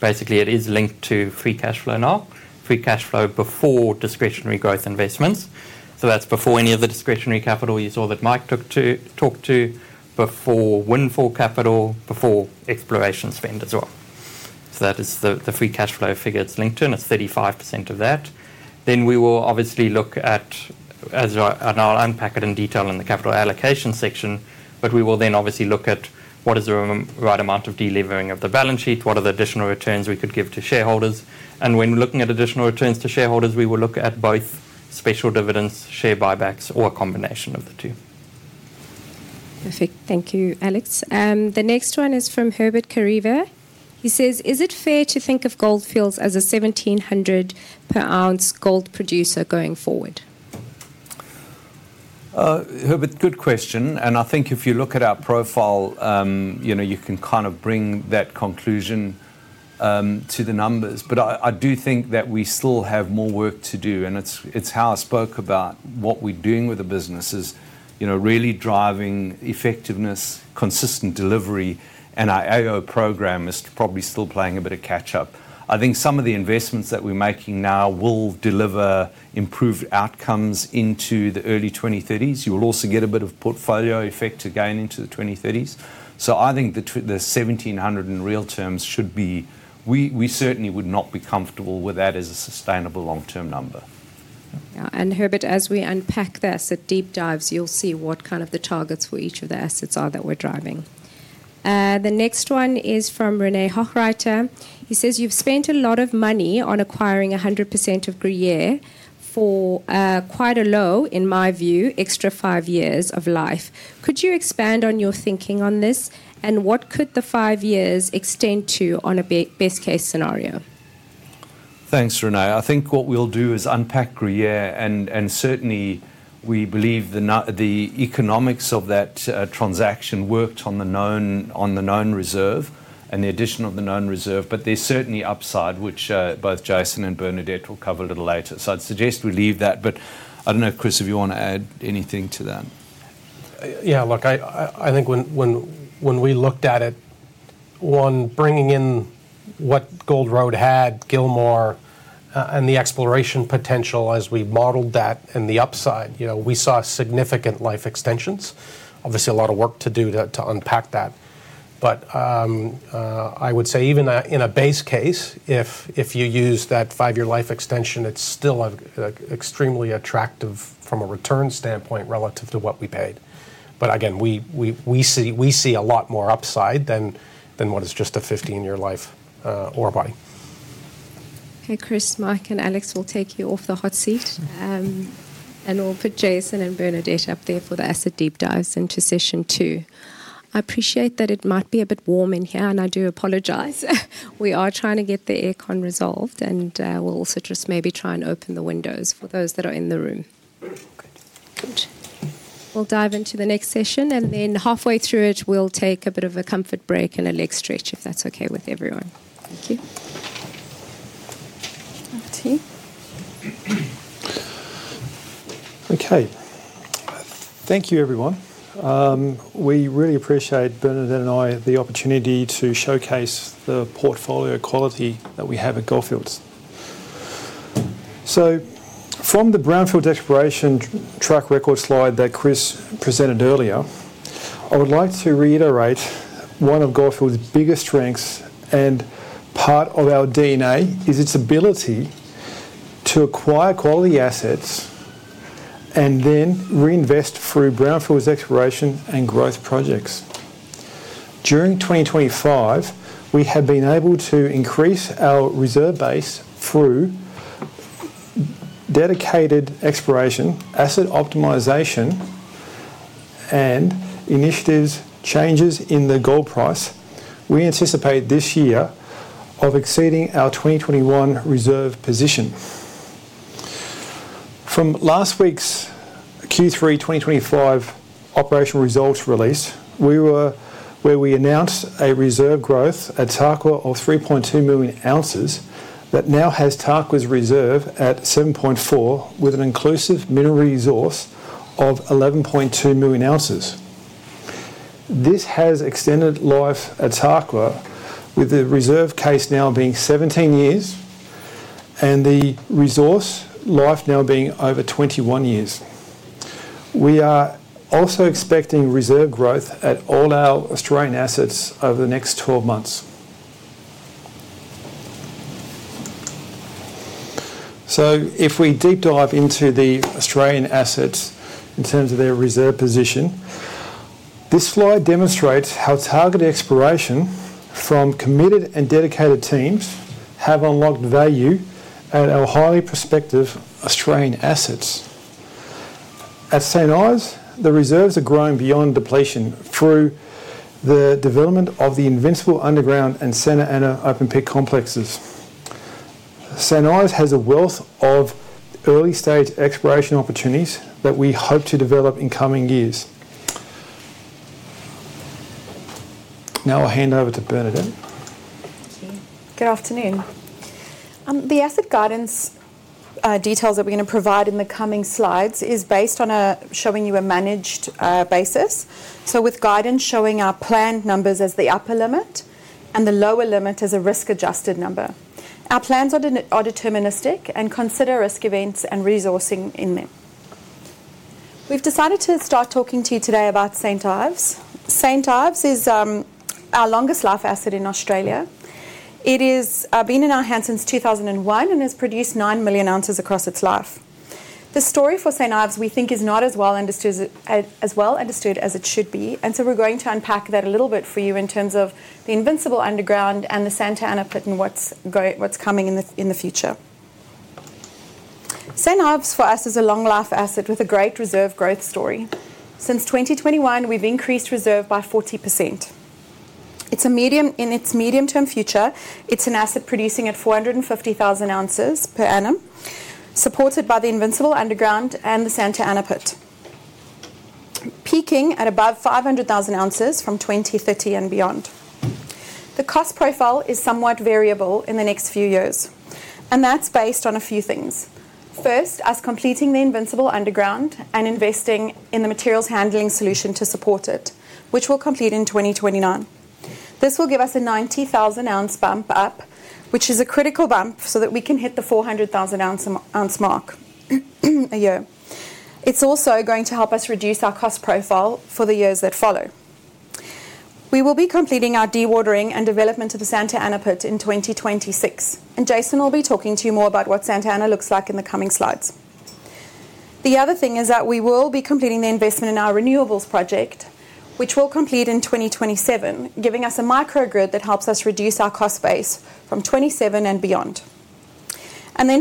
Basically, it is linked to free cash flow now, free cash flow before Discretionary growth investments. That is before any of the Discretionary capital you saw that Mike took to talk to, before Windfall capital, before exploration spend as well. That is the free cash flow figure it's linked to, and it's 35% of that. We will obviously look at, and I'll unpack it in detail in the Capital allocation section, but we will then obviously look at what is the right amount of delivering of the balance sheet, what are the additional returns we could give to shareholders. When we're looking at additional returns to shareholders, we will look at both special dividends, share buybacks, or a combination of the two. Perfect. Thank you, Alex. The next one is from Herbert Kariba. He says, "Is it fair to think of Gold Fields as a $1,700 per oz gold producer going forward?" Herbert, good question. I think if you look at our profile, you can kind of bring that conclusion to the numbers. I do think that we still have more work to do. It is how I spoke about what we are doing with the business is really driving effectiveness, consistent delivery, and our AO program is probably still playing a bit of catch-up. I think some of the investments that we are making now will deliver improved outcomes into the early 2030s. You will also get a bit of portfolio effect again into the 2030s. I think the $1,700 in real terms should be we certainly would not be comfortable with that as a sustainable long-term number. Herbert, as we unpack this at deep dives, you'll see what kind of the targets for each of the assets are that we're driving. The next one is from René Hochreiter. He says, "You've spent a lot of money on acquiring 100% of Gruyere for quite a low, in my view, extra five years of life. Could you expand on your thinking on this and what could the five years extend to on a best-case scenario?" Thanks, René. I think what we'll do is unpack Gruyere, and certainly we believe the economics of that transaction worked on the known reserve and the addition of the known reserve, but there's certainly upside, which both Jason and Bernadette will cover a little later. I suggest we leave that. I don't know, Chris, if you want to add anything to that. Yeah, look, I think when we looked at it, on bringing in what Gold Road had, Gilmore, and the exploration potential as we modeled that and the upside, we saw significant life extensions. Obviously, a lot of work to do to unpack that. I would say even in a base case, if you use that five-year life extension, it's still extremely attractive from a return standpoint relative to what we paid. Again, we see a lot more upside than what is just a 15-year life or body. Okay, Chris, Mike and Alex will take you off the hot seat, and we'll put Jason and Bernadette up there for the asset deep dives into session two. I appreciate that it might be a bit warm in here, and I do apologize. We are trying to get the aircon resolved, and we'll also just maybe try and open the windows for those that are in the room. Good. We'll dive into the next session, and then halfway through it, we'll take a bit of a comfort break and a leg stretch, if that's okay with everyone. Thank you. Okay. Thank you, everyone. We really appreciate, Bernadette and I, the opportunity to showcase the portfolio quality that we have at Gold Fields. From the Brownfields Exploration Track Record slide that Chris presented earlier, I would like to reiterate one of Gold Fields' biggest strengths and part of our DNA is its ability to acquire quality assets and then reinvest through Brownfields exploration and growth projects. During 2025, we have been able to increase our reserve base through dedicated exploration, asset optimization, and initiatives, changes in the gold price. We anticipate this year of exceeding our 2021 reserve position. From last week's Q3 2025 operational results release, where we announced a reserve growth at Tarkwa of 3.2 million oz that now has Tarkwa's reserve at 7.4 with an inclusive mineral resource of 11.2 million oz. This has extended life at Tarkwa, with the reserve case now being 17 years and the resource life now being over 21 years. We are also expecting reserve growth at all our Australian assets over the next 12 months. If we deep dive into the Australian assets in terms of their reserve position, this slide demonstrates how targeted exploration from committed and dedicated teams have unlocked value at our highly prospective Australian assets. At St. Ives, the reserves are growing beyond depletion through the development of the Invincible underground and Santa Ana open-pit complexes. St. Ives has a wealth of early-stage exploration opportunities that we hope to develop in coming years. Now I'll hand over to Bernadette. Thank you. Good afternoon. The asset guidance details that we're going to provide in the coming slides is based on showing you a managed basis. With guidance showing our planned numbers as the upper limit and the lower limit as a risk-adjusted number. Our plans are deterministic and consider risk events and resourcing in them. We've decided to start talking to you today about St. Ives. St. Ives is our longest life asset in Australia. It has been in our hands since 2001 and has produced 9 million oz across its life. The story for St. Ives, we think, is not as well understood as it should be. We're going to unpack that a little bit for you in terms of the Invincible underground and the Santa Ana pit and what's coming in the future. St. Ives, for us, is a long-life asset with a great reserve growth story. Since 2021, we've increased reserve by 40%. In its medium-term future, it's an asset producing at 450,000 oz per annum, supported by the Invincible underground and the Santa Ana pit, peaking at above 500,000 oz from 2030 and beyond. The cost profile is somewhat variable in the next few years, and that's based on a few things. First, us completing the Invincible underground and investing in the material handling solution to support it, which we'll complete in 2029. This will give us a 90,000-oz bump up, which is a critical bump so that we can hit the 400,000-oz mark a year. It's also going to help us reduce our cost profile for the years that follow. We will be completing our dewatering and development of the Santa Ana pit in 2026. Jason will be talking to you more about what Santa Ana looks like in the coming slides. The other thing is that we will be completing the investment in our renewables project, which we will complete in 2027, giving us a microgrid that helps us reduce our cost base from 2027 and beyond.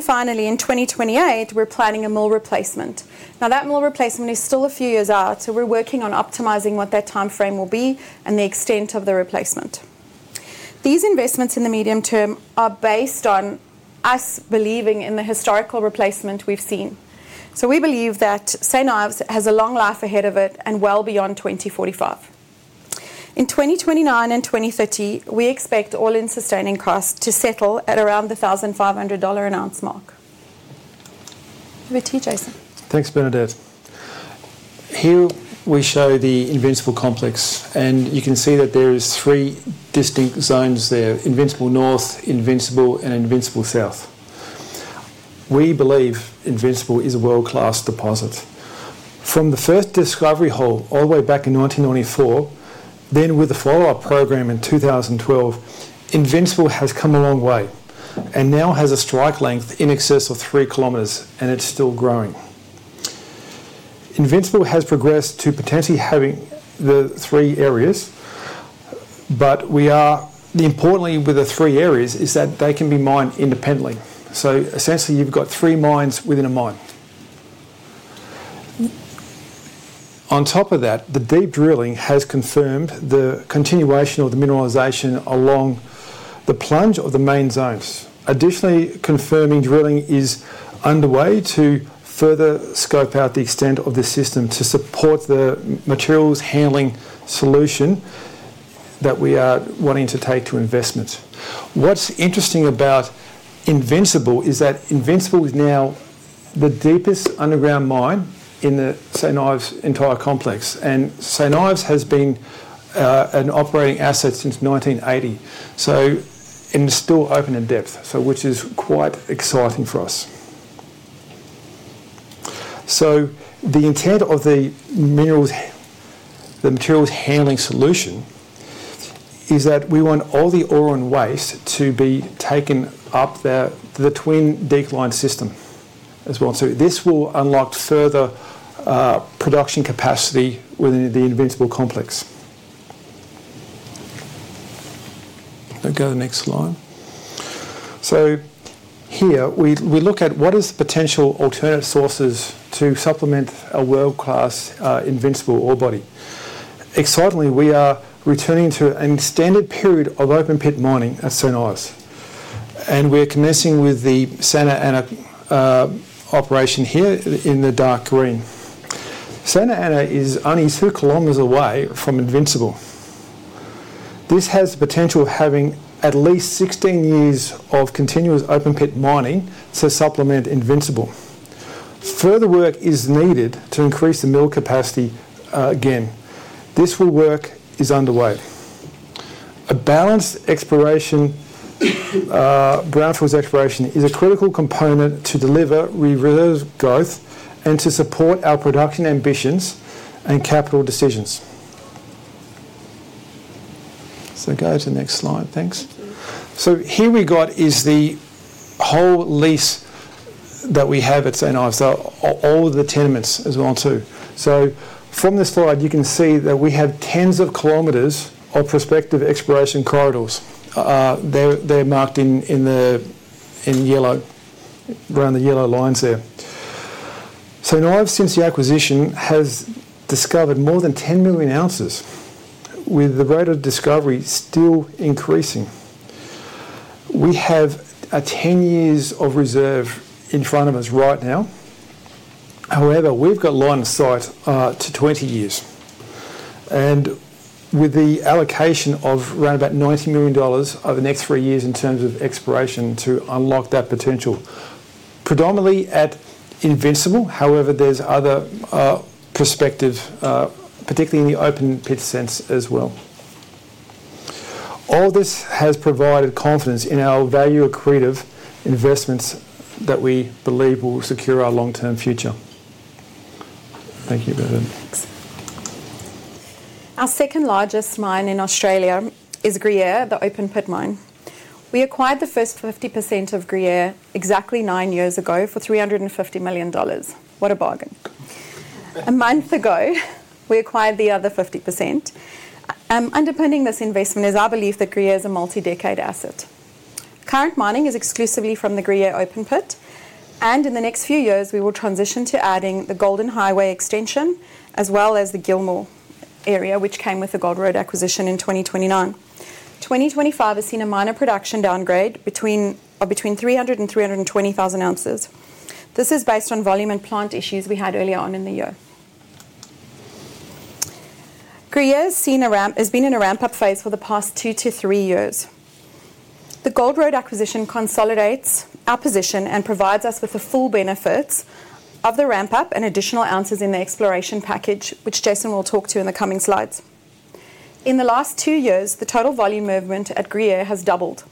Finally, in 2028, we are planning a mill replacement. Now, that mill replacement is still a few years out, so we are working on optimizing what that timeframe will be and the extent of the replacement. These investments in the medium term are based on us believing in the historical replacement we have seen. We believe that St. Ives has a long life ahead of it and well beyond 2045. In 2029 and 2030, we expect all-in sustaining costs to settle at around the $1,500 an oz mark. Over to you, Jason. Thanks, Bernadette. Here we show the Invincible complex, and you can see that there are three distinct zones there: Invincible North, Invincible, and Invincible South. We believe Invincible is a world-class deposit. From the first discovery hole all the way back in 1994, then with the follow-up program in 2012, Invincible has come a long way and now has a strike length in excess of 3 km, and it is still growing. Invincible has progressed to potentially having the three areas, but importantly with the three areas is that they can be mined independently. Essentially, you have three mines within a mine. On top of that, the deep drilling has confirmed the continuation of the mineralization along the plunge of the main zones. Additionally, confirming drilling is underway to further scope out the extent of the system to support the materials handling solution that we are wanting to take to investment. What's interesting about Invincible is that Invincible is now the deepest underground mine in the St. Ives entire complex. St. Ives has been an operating asset since 1980, and it's still open in depth, which is quite exciting for us. The intent of the materials handling solution is that we want all the ore and waste to be taken up the twin decline system as well. This will unlock further production capacity within the Invincible complex. Go to the next slide. Here, we look at what is the potential alternate sources to supplement a world-class Invincible ore body. Excitingly, we are returning to an extended period of open-pit mining at St. Ives, and we are commencing with the Santa Ana operation here in the dark green. Santa Ana is only 2 km away from Invincible. This has the potential of having at least 16 years of continuous open-pit mining to supplement Invincible. Further work is needed to increase the mill capacity again. This work is underway. A balanced exploration, Brownfields exploration, is a critical component to deliver reserve growth and to support our production ambitions and capital decisions. Go to the next slide. Thanks. Here we have the whole lease that we have at St. Ives, all the tenements as well too. From this slide, you can see that we have tens of kilometers of prospective exploration corridors. They are marked in yellow, around the yellow lines there. St. Ives, since the acquisition, has discovered more than 10 million oz, with the rate of discovery still increasing. We have 10 years of reserve in front of us right now. However, we have got line of sight to 20 years. With the allocation of around about $90 million over the next three years in terms of exploration to unlock that potential, predominantly at Invincible. However, there are other prospective, particularly in the open-pit sense as well. All this has provided confidence in our value-accretive investments that we believe will secure our long-term future. Thank you, Bernadette. Thanks. Our second largest mine in Australia is Gruyere, the open-pit mine. We acquired the first 50% of Gruyere exactly nine years ago for $350 million. What a bargain. A month ago, we acquired the other 50%. Underpinning this investment is our belief that Gruyere is a multi-decade asset. Current mining is exclusively from the Gruyere open-pit, and in the next few years, we will transition to adding the Golden Highway extension as well as the Gilmore area, which came with the Gold Road acquisition in 2023. 2025 has seen a minor production downgrade between 300,000 oz and 320,000 oz. This is based on volume and plant issues we had earlier on in the year. Gruyere has been in a ramp-up phase for the past two to three years. The Gold Road acquisition consolidates our position and provides us with the full benefits of the ramp-up and additional ounces in the exploration package, which Jason will talk to in the coming slides. In the last two years, the total volume movement at Gruyere has doubled,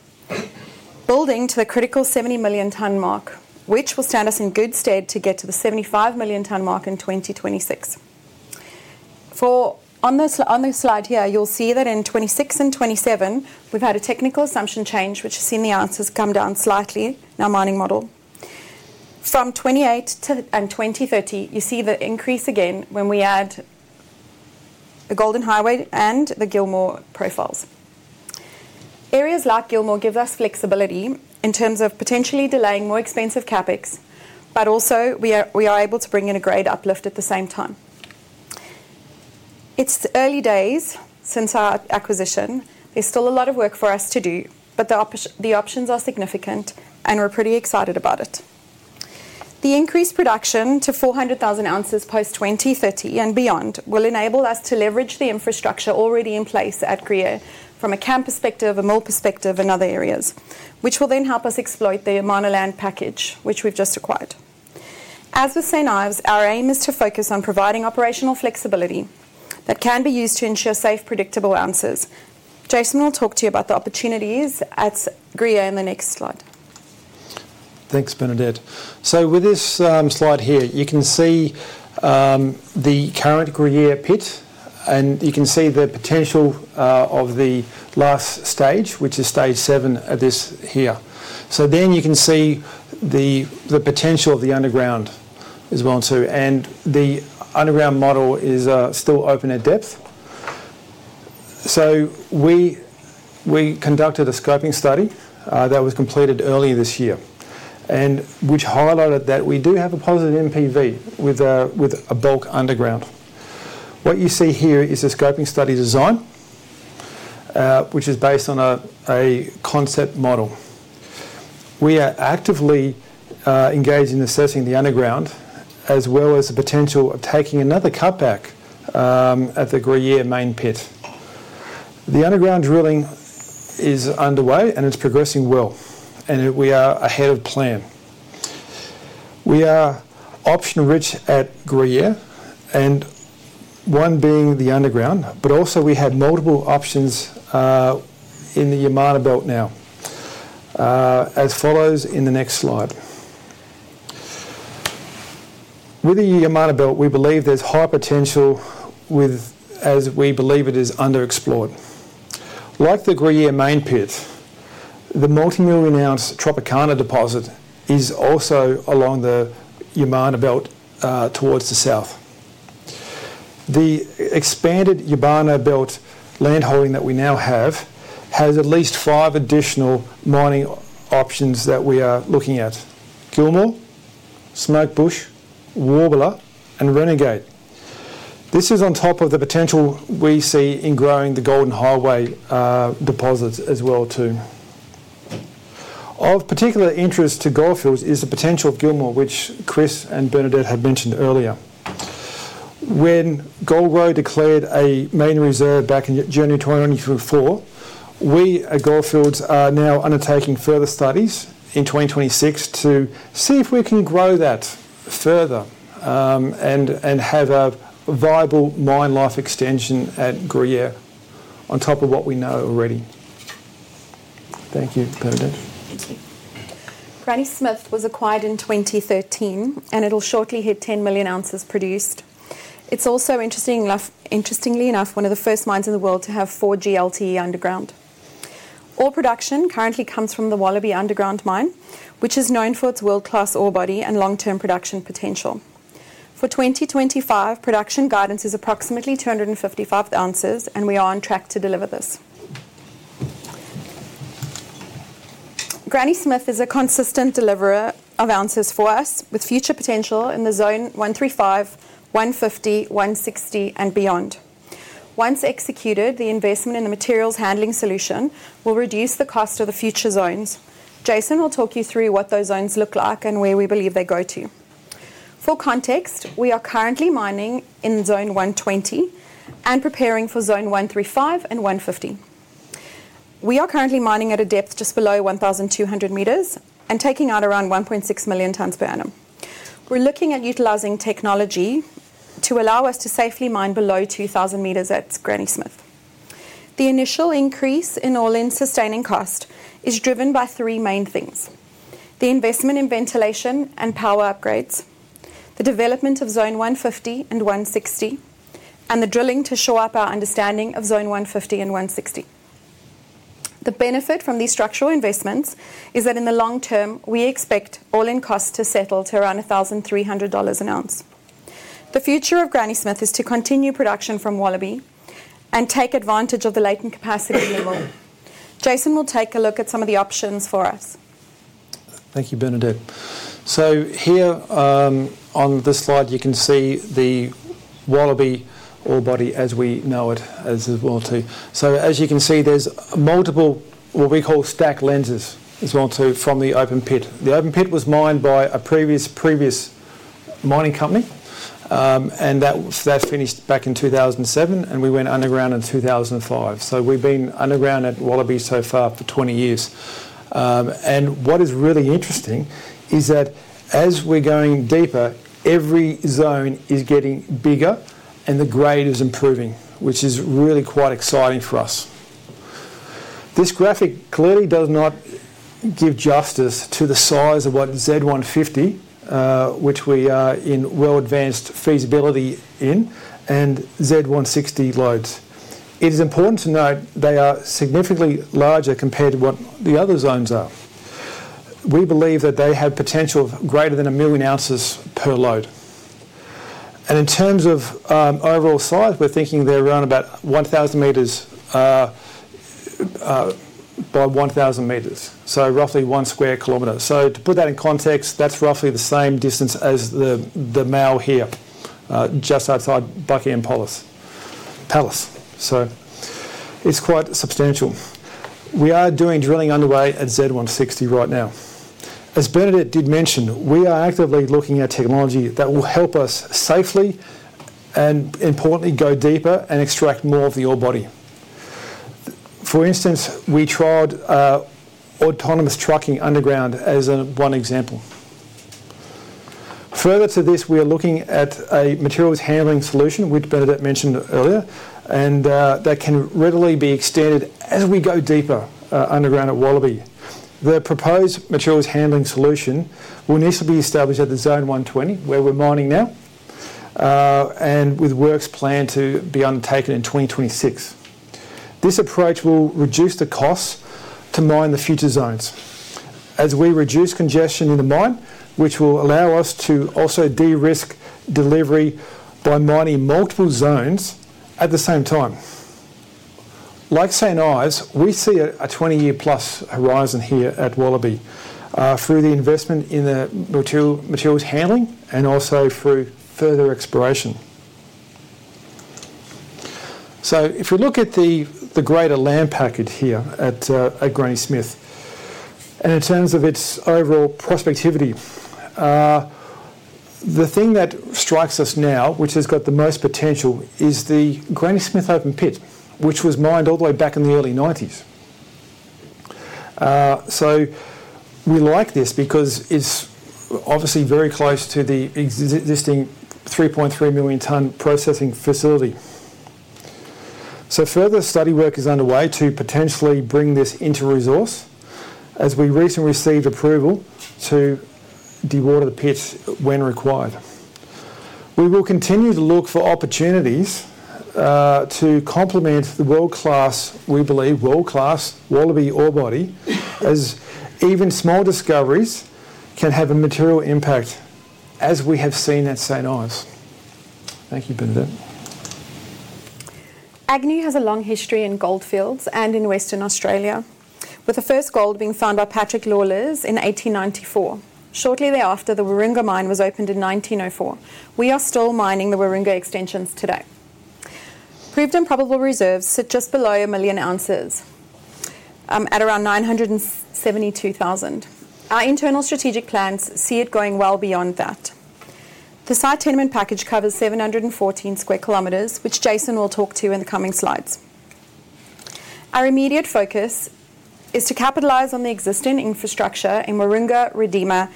building to the critical 70 million-ton mark, which will stand us in good stead to get to the 75 million-ton mark in 2026. On this slide here, you'll see that in 2026 and 2027, we've had a technical assumption change, which has seen the ounces come down slightly, our mining model. From 2028 and 2030, you see the increase again when we add the Golden Highway and the Gilmore profiles. Areas like Gilmore give us flexibility in terms of potentially delaying more expensive CapEx, but also we are able to bring in a grade uplift at the same time. It's early days since our acquisition. There's still a lot of work for us to do, but the options are significant, and we're pretty excited about it. The increased production to 400,000 oz post-2030 and beyond will enable us to leverage the infrastructure already in place at Gruyere from a camp perspective, a mill perspective, and other areas, which will then help us exploit the minor land package, which we've just acquired. As with St. Ives, our aim is to focus on providing operational flexibility that can be used to ensure safe, predictable ounces. Jason will talk to you about the opportunities at Gruyere in the next slide. Thanks, Bernadette. With this slide here, you can see the current Gruyere pit, and you can see the potential of the last stage, which is stage seven at this here. You can see the potential of the underground as well too. The underground model is still open at depth. We conducted a scoping study that was completed earlier this year, which highlighted that we do have a positive MPV with a bulk underground. What you see here is a scoping study design, which is based on a concept model. We are actively engaged in assessing the underground as well as the potential of taking another cutback at the Gruyere main pit. The underground drilling is underway, and it's progressing well, and we are ahead of plan. We are option-rich at Gruyere, one being the underground, but also we have multiple options in the Yamana Belt now, as follows in the next slide. With the Yamana Belt, we believe there's high potential as we believe it is underexplored. Like the Gruyere main pit, the multi-million-ounce Tropicana deposit is also along the Yamana Belt towards the south. The expanded Yamana Belt land holding that we now have has at least five additional mining options that we are looking at: Gilmore, Smoke Bush, Warbler, and Renegade. This is on top of the potential we see in growing the Golden Highway deposits as well too. Of particular interest to Gold Fields is the potential of Gilmore, which Chris and Bernadette had mentioned earlier. When Gold Road declared a main reserve back in January 2024, we at Gold Fields are now undertaking further studies in 2026 to see if we can grow that further and have a viable mine life extension at Gruyere on top of what we know already. Thank you, Bernadette. Thank you. Granny Smith was acquired in 2013, and it'll shortly hit 10 million oz produced. It's also, interestingly enough, one of the first mines in the world to have four GLTE underground. All production currently comes from the Wallaby underground mine, which is known for its world-class ore body and long-term production potential. For 2025, production guidance is approximately 255,000 oz, and we are on track to deliver this. Granny Smith is a consistent deliverer of ounces for us with future potential in the zone 135, 150, 160, and beyond. Once executed, the investment in the material handling solution will reduce the cost of the future zones. Jason will talk you through what those zones look like and where we believe they go to. For context, we are currently mining in zone 120 and preparing for zone 135 and 150. We are currently mining at a depth just below 1,200 m and taking out around 1.6 million tons per annum. We're looking at utilizing technology to allow us to safely mine below 2,000 m at Granny Smith. The initial increase in all-in sustaining cost is driven by three main things: the investment in ventilation and power upgrades, the development of zone 150 and 160, and the drilling to shore up our understanding of zone 150 and 160. The benefit from these structural investments is that in the long term, we expect all-in cost to settle to around $1,300 an oz. The future of Granny Smith is to continue production from Wallaby and take advantage of the latent capacity level. Jason will take a look at some of the options for us. Thank you, Bernadette. Here on this slide, you can see the Wallaby ore body as we know it as well too. As you can see, there are multiple what we call stacked lenses as well too from the open pit. The open pit was mined by a previous mining company, and that finished back in 2007, and we went underground in 2005. So we've been underground at Wallaby so far for 20 years. What is really interesting is that as we're going deeper, every zone is getting bigger and the grade is improving, which is really quite exciting for us. This graphic clearly does not give justice to the size of what Z150, which we are in well-advanced feasibility in, and Z160 loads. It is important to note they are significantly larger compared to what the other zones are. We believe that they have potential of greater than a million ounces per load. In terms of overall size, we're thinking they're around about 1,000 m by 1,000 m, so roughly 1 sq km. To put that in context, that's roughly the same distance as the mile here, just outside Buckingham Palace. It's quite substantial. We are doing drilling underway at Z160 right now. As Bernadette did mention, we are actively looking at technology that will help us safely and importantly go deeper and extract more of the ore body. For instance, we tried autonomous trucking underground as one example. Further to this, we are looking at a material handling solution, which Bernadette mentioned earlier, and that can readily be extended as we go deeper underground at Wallaby. The proposed material handling solution will initially be established at the zone 120, where we're mining now, with works planned to be undertaken in 2026. This approach will reduce the costs to mine the future zones. As we reduce congestion in the mine, which will allow us to also de-risk delivery by mining multiple zones at the same time. Like St. Ives, we see a 20-year+ horizon here at Wallaby through the investment in the material handling and also through further exploration. If we look at the greater land package here at Granny Smith, and in terms of its overall prospectivity, the thing that strikes us now, which has got the most potential, is the Granny Smith open pit, which was mined all the way back in the early 1990s. We like this because it is obviously very close to the existing 3.3 million-ton processing facility. Further study work is underway to potentially bring this into resource as we recently received approval to dewater the pit when required. We will continue to look for opportunities to complement the world-class, we believe, world-class Wallaby ore body, as even small discoveries can have a material impact, as we have seen at St. Ives. Thank you, Bernadette. Agnew has a long history in Gold Fields and in Western Australia, with the first gold being found by Patrick Lawlers in 1894. Shortly thereafter, the Waroonga mine was opened in 1904. We are still mining the Waroonga extensions today. Proved and probable reserves sit just below a million ounces at around 972,000. Our internal strategic plans see it going well beyond that. The site tenement package covers 714 sq km, which Jason will talk to in the coming slides. Our immediate focus is to capitalize on the existing infrastructure in Waroonga, Redeemer,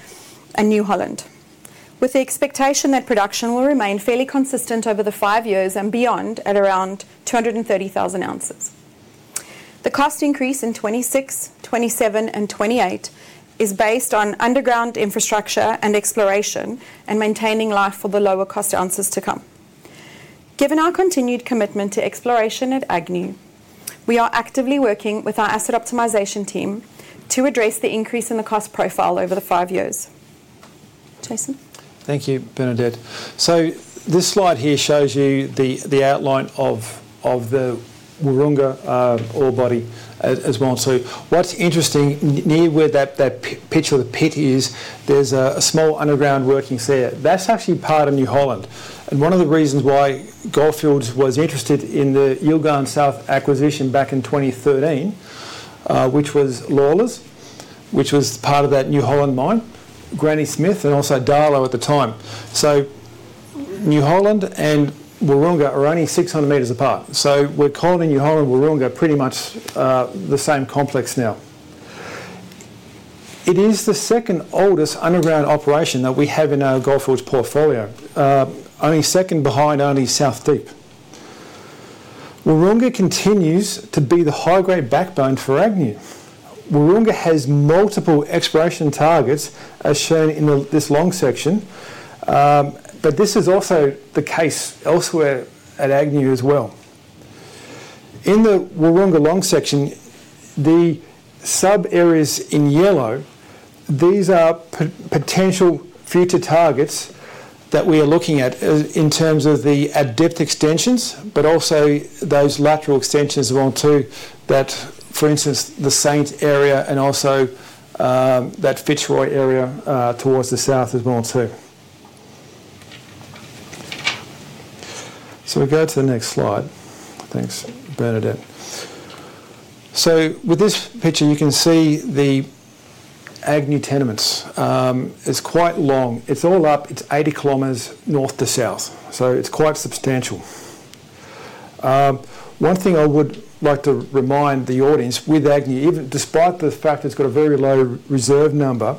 and New Holland, with the expectation that production will remain fairly consistent over the five years and beyond at around 230,000 oz. The cost increase in 2026, 2027, and 2028 is based on underground infrastructure and exploration and maintaining life for the lower-cost ounces to come. Given our continued commitment to exploration at Agnew, we are actively working with our asset optimization team to address the increase in the cost profile over the five years. Jason. Thank you, Bernadette. This slide here shows you the outline of the Waroonga ore body as well. What's interesting near where that pit is, there's a small underground working there. That's actually part of New Holland. One of the reasons why Gold Fields was interested in the Yilgarn South acquisition back in 2013, which was Lawlers, which was part of that New Holland mine, Granny Smith, and also Darlot at the time. New Holland and Waroonga are only 600 m apart. We're calling New Holland and Waroonga pretty much the same complex now. It is the second oldest underground operation that we have in our Gold Fields portfolio, only second behind only South Deep. Waroonga continues to be the high-grade backbone for Agnew. Waroonga has multiple exploration targets, as shown in this long section, but this is also the case elsewhere at Agnew as well. In the Waroonga long section, the sub-areas in yellow, these are potential future targets that we are looking at in terms of the depth extensions, but also those lateral extensions as well too, that, for instance, the Saint area and also that Fitzroy area towards the south as well too. We go to the next slide. Thanks, Bernadette. With this picture, you can see the Agnew tenements. It's quite long. It's all up. It's 80 km north to south. It's quite substantial. One thing I would like to remind the audience with Agnew, even despite the fact it's got a very low reserve number,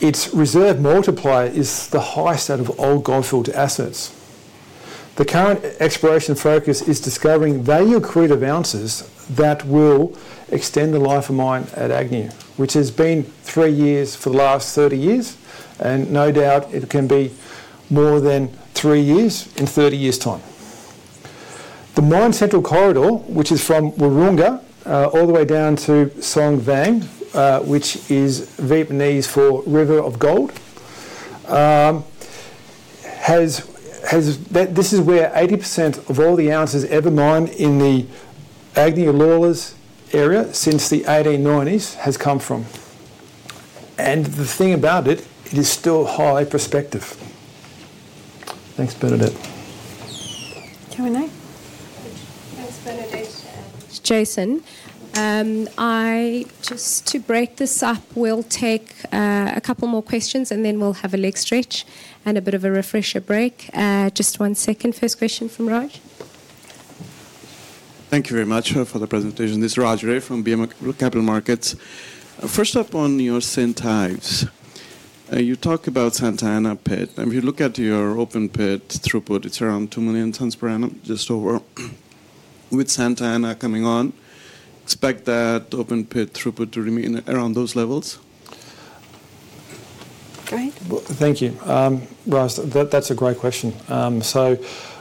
its reserve multiplier is the highest out of all Gold Fields assets. The current exploration focus is discovering valuable creative ounces that will extend the life of mine at Agnew, which has been three years for the last 30 years, and no doubt it can be more than three years in 30 years' time. The mine central corridor, which is from Waroonga all the way down to Song Vang, which is Vietnamese for River of Gold, this is where 80% of all the ounces ever mined in the Agnew Lawlers area since the 1890s has come from. The thing about it, it is still highly prospective. Thanks, Bernadette. Can we now? Thanks, Bernadette. Jason, just to break this up, we'll take a couple more questions, and then we'll have a leg stretch and a bit of a refresher break. Just one second. First question from Raj. Thank you very much for the presentation. This is Raj Ray from BM Capital Markets. First up on your St. Ives. You talk about Santa Ana pit. If you look at your open pit throughput, it's around 2 million tons per annum, just over. With Santa Ana coming on, expect that open pit throughput to remain around those levels? Great. Thank you. Raj, that's a great question. So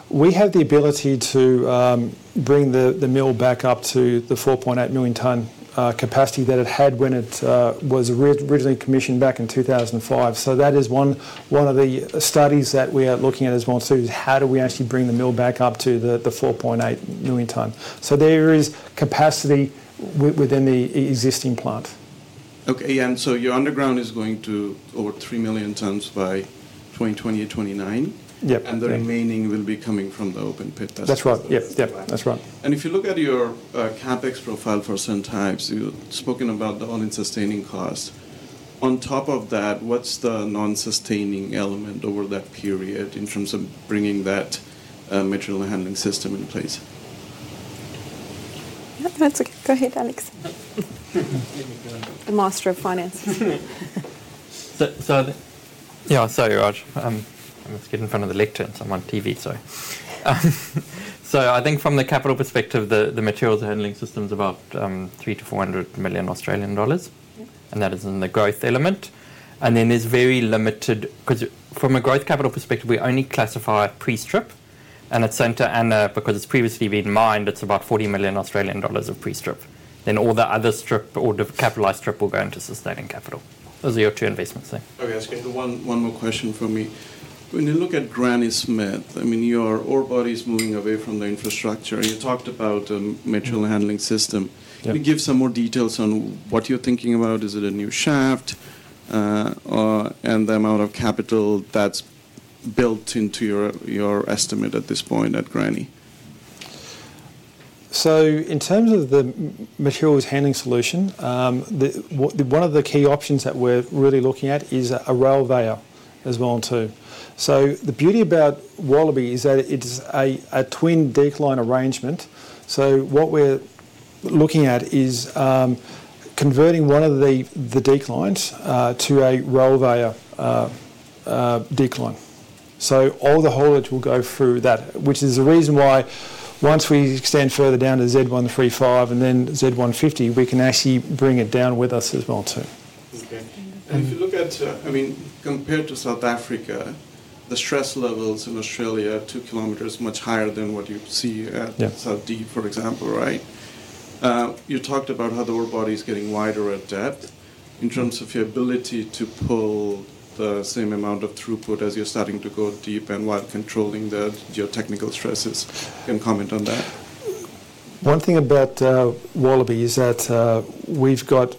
we have the ability to bring the mill back up to the 4.8 million ton capacity that it had when it was originally commissioned back in 2005. That is one of the studies that we are looking at as well too, is how do we actually bring the mill back up to the 4.8 million ton. There is capacity within the existing plant. Okay. Your underground is going to over 3 million tons by 2029? Yep. The remaining will be coming from the open pit. That's right. Yep. Yep. That's right. If you look at your CapEx profile for St. Ives, you've spoken about the all-in sustaining cost. On top of that, what's the non-sustaining element over that period in terms of bringing that material handling system in place? That's okay. Go ahead, Alex. The master of finance. Yeah, sorry, Raj. I'm going to get in front of the lectern. I'm on TV, sorry. I think from the capital perspective, the material handling system is about 300 million-400 million Australian dollars, and that is in the growth element. There is very limited, because from a growth capital perspective, we only classify pre-strip, and at Santa Ana, because it has previously been mined, it is about 40 million Australian dollars of pre-strip. All the other strip or capitalized strip will go into sustaining capital. Those are your two investments there. Okay. I was going to ask one more question from me. When you look at Granny Smith, I mean, your ore body is moving away from the infrastructure. You talked about the material handling system. Can you give some more details on what you are thinking about? Is it a new shaft and the amount of capital that is built into your estimate at this point at Granny? In terms of the materials handling solution, one of the key options that we're really looking at is a rail veil as well too. The beauty about Wallaby is that it's a twin decline arrangement. What we're looking at is converting one of the declines to a rail veil decline. All the haulage will go through that, which is the reason why once we extend further down to Z135 and then Z150, we can actually bring it down with us as well too. Okay. If you look at, I mean, compared to South Africa, the stress levels in Australia at 2 km are much higher than what you see at South Deep, for example, right? You talked about how the ore body is getting wider at depth in terms of your ability to pull the same amount of throughput as you're starting to go deep and while controlling the geotechnical stresses. Can you comment on that? One thing about Wallaby is that we've got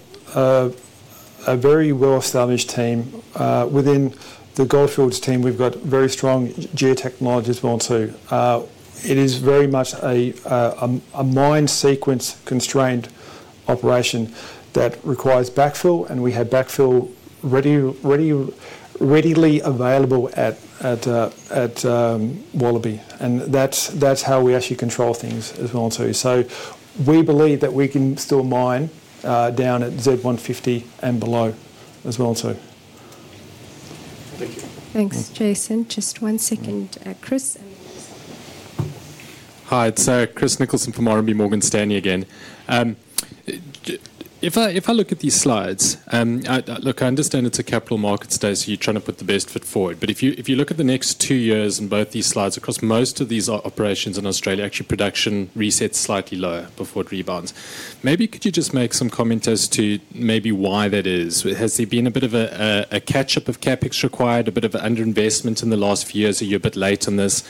a very well-established team. Within the Gold Fields team, we've got very strong geotechnology as well too. It is very much a mine sequence-constrained operation that requires backfill, and we have backfill readily available at Wallaby. That is how we actually control things as well too. We believe that we can still mine down at Z150 and below as well too. Thank you. Thanks, Jason. Just one second. Chris. Hi. It's Chris Nicholson from Morgan Stanley again. If I look at these slides, look, I understand it's a capital markets day, so you're trying to put the best foot forward. If you look at the next two years in both these slides, across most of these operations in Australia, actually production resets slightly lower before it rebounds. Maybe could you just make some comment as to maybe why that is? Has there been a bit of a catch-up of CapEx required, a bit of an underinvestment in the last few years? Are you a bit late on this?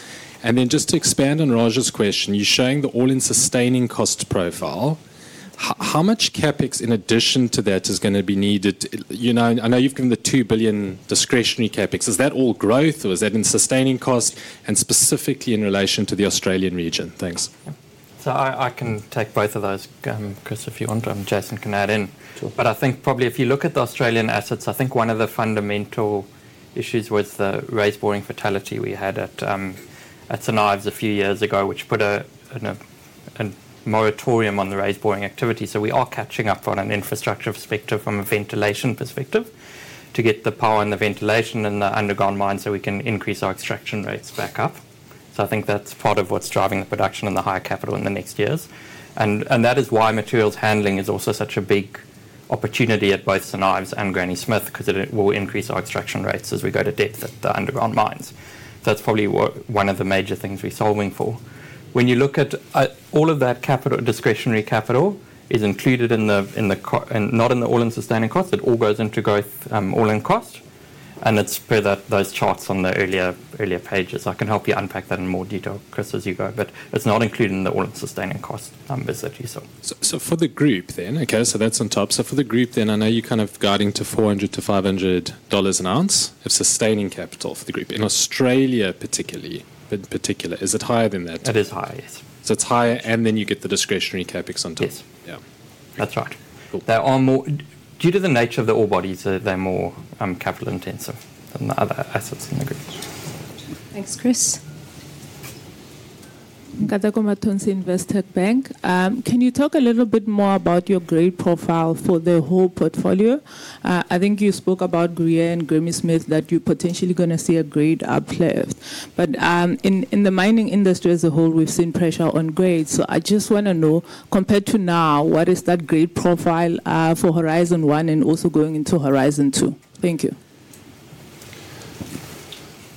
Just to expand on Raj's question, you're showing the all-in sustaining cost profile. How much CapEx in addition to that is going to be needed? I know you've given the $2 billion discretionary CapEx. Is that all growth, or is that in sustaining cost, and specifically in relation to the Australian region? Thanks. I can take both of those, Chris, if you want. Jason can add in. I think probably if you look at the Australian assets, I think one of the fundamental issues was the raised boring fatality we had at St. Ives a few years ago, which put a moratorium on the raised boring activity. We are catching up from an infrastructure perspective, from a ventilation perspective, to get the power and the ventilation in the underground mine so we can increase our extraction rates back up. I think that is part of what is driving the production and the higher capital in the next years. That is why materials handling is also such a big opportunity at both St. Ives and Granny Smith because it will increase our extraction rates as we go to depth at the underground mines. That is probably one of the major things we are solving for. When you look at all of that Discretionary capital, it is included in the not in the all-in sustaining cost, it all goes into growth all-in cost, and it is per those charts on the earlier pages. I can help you unpack that in more detail, Chris, as you go, but it is not included in the all-in sustaining cost numbers that you saw. For the group then, okay, that is on top. For the group then, I know you are kind of guiding to $400-$500 an oz of sustaining capital for the group. In Australia, particularly, is it higher than that? It is higher, yes. It is higher, and then you get the discretionary CapEx on top? Yes. Yeah. That is right. Due to the nature of the ore bodies, they are more capital-intensive than the other assets in the group. Thanks, Chris. Can you talk a little bit more about your grade profile for the whole portfolio? I think you spoke about Gruyere and Granny Smith that you're potentially going to see a grade uplift. In the mining industry as a whole, we've seen pressure on grade. I just want to know, compared to now, what is that grade profile for HORIZON 1 and also going into HORIZON 2? Thank you.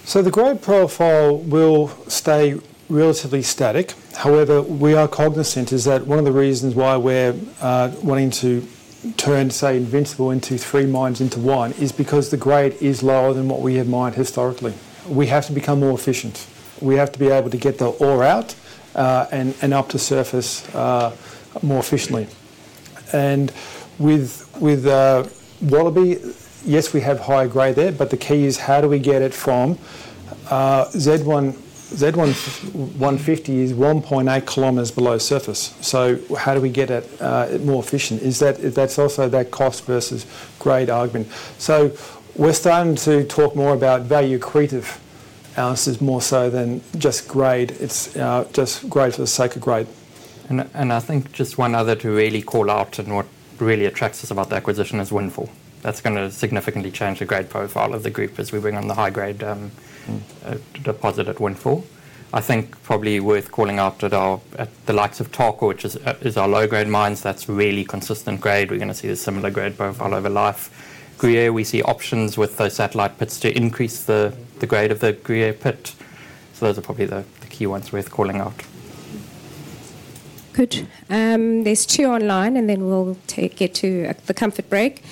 The grade profile will stay relatively static. However, we are cognizant that one of the reasons why we're wanting to turn, say, Invincible into three mines into one is because the grade is lower than what we have mined historically. We have to become more efficient. We have to be able to get the ore out and up to surface more efficiently. With Wallaby, yes, we have higher grade there, but the key is how do we get it from Z150, which is 1.8 km below surface. How do we get it more efficient? That is also that cost versus grade argument. We are starting to talk more about value creative ounces more so than just grade. It is not just grade for the sake of grade. I think just one other to really call out and what really attracts us about the acquisition is Windfall. That is going to significantly change the grade profile of the group as we bring on the high-grade deposit at Windfall. I think probably worth calling out at the likes of Tarkwa, which is our low-grade mines. That is really consistent grade. We are going to see a similar grade profile over life. Gruyere, we see options with those satellite pits to increase the grade of the Gruyere pit. Those are probably the key ones worth calling out. Good. There are two online, and then we'll get to the comfort break.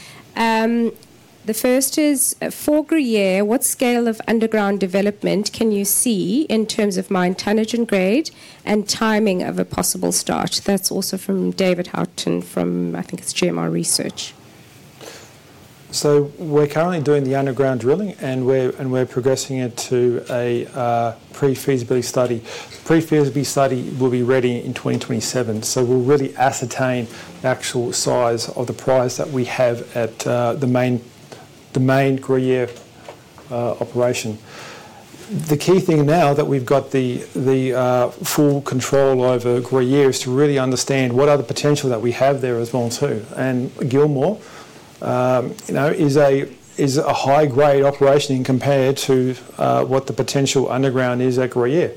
The first is, for Gruyere, what scale of underground development can you see in terms of mine tonnage and grade and timing of a possible start? That's also from David Houghton from, I think it's GMR Research. We're currently doing the underground drilling, and we're progressing it to a pre-feasibility study. Pre-feasibility study will be ready in 2027. We'll really ascertain the actual size of the prize that we have at the main Gruyere operation. The key thing now that we've got the full control over Gruyere is to really understand what other potential that we have there as well too. Gilmore is a high-grade operation compared to what the potential underground is at Gruyere.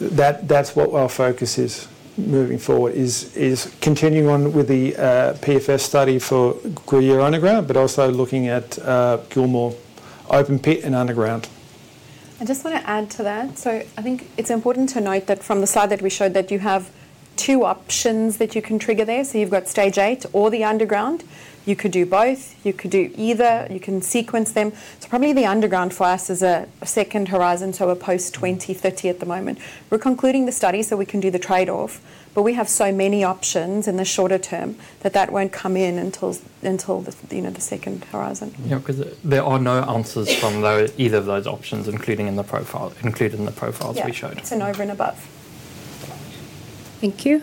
That's what our focus is moving forward, is continuing on with the PFS study for Gruyere underground, but also looking at Gilmore open pit and underground. I just want to add to that. I think it's important to note that from the slide that we showed that you have two options that you can trigger there. You've got stage eight or the underground. You could do both. You could do either. You can sequence them. Probably the underground for us is a second horizon, so we're post-2030 at the moment. We're concluding the study so we can do the trade-off, but we have so many options in the shorter term that that will not come in until the second horizon. Yeah, because there are no answers from either of those options, including in the profiles we showed. Yeah, it's an over and above. Thank you.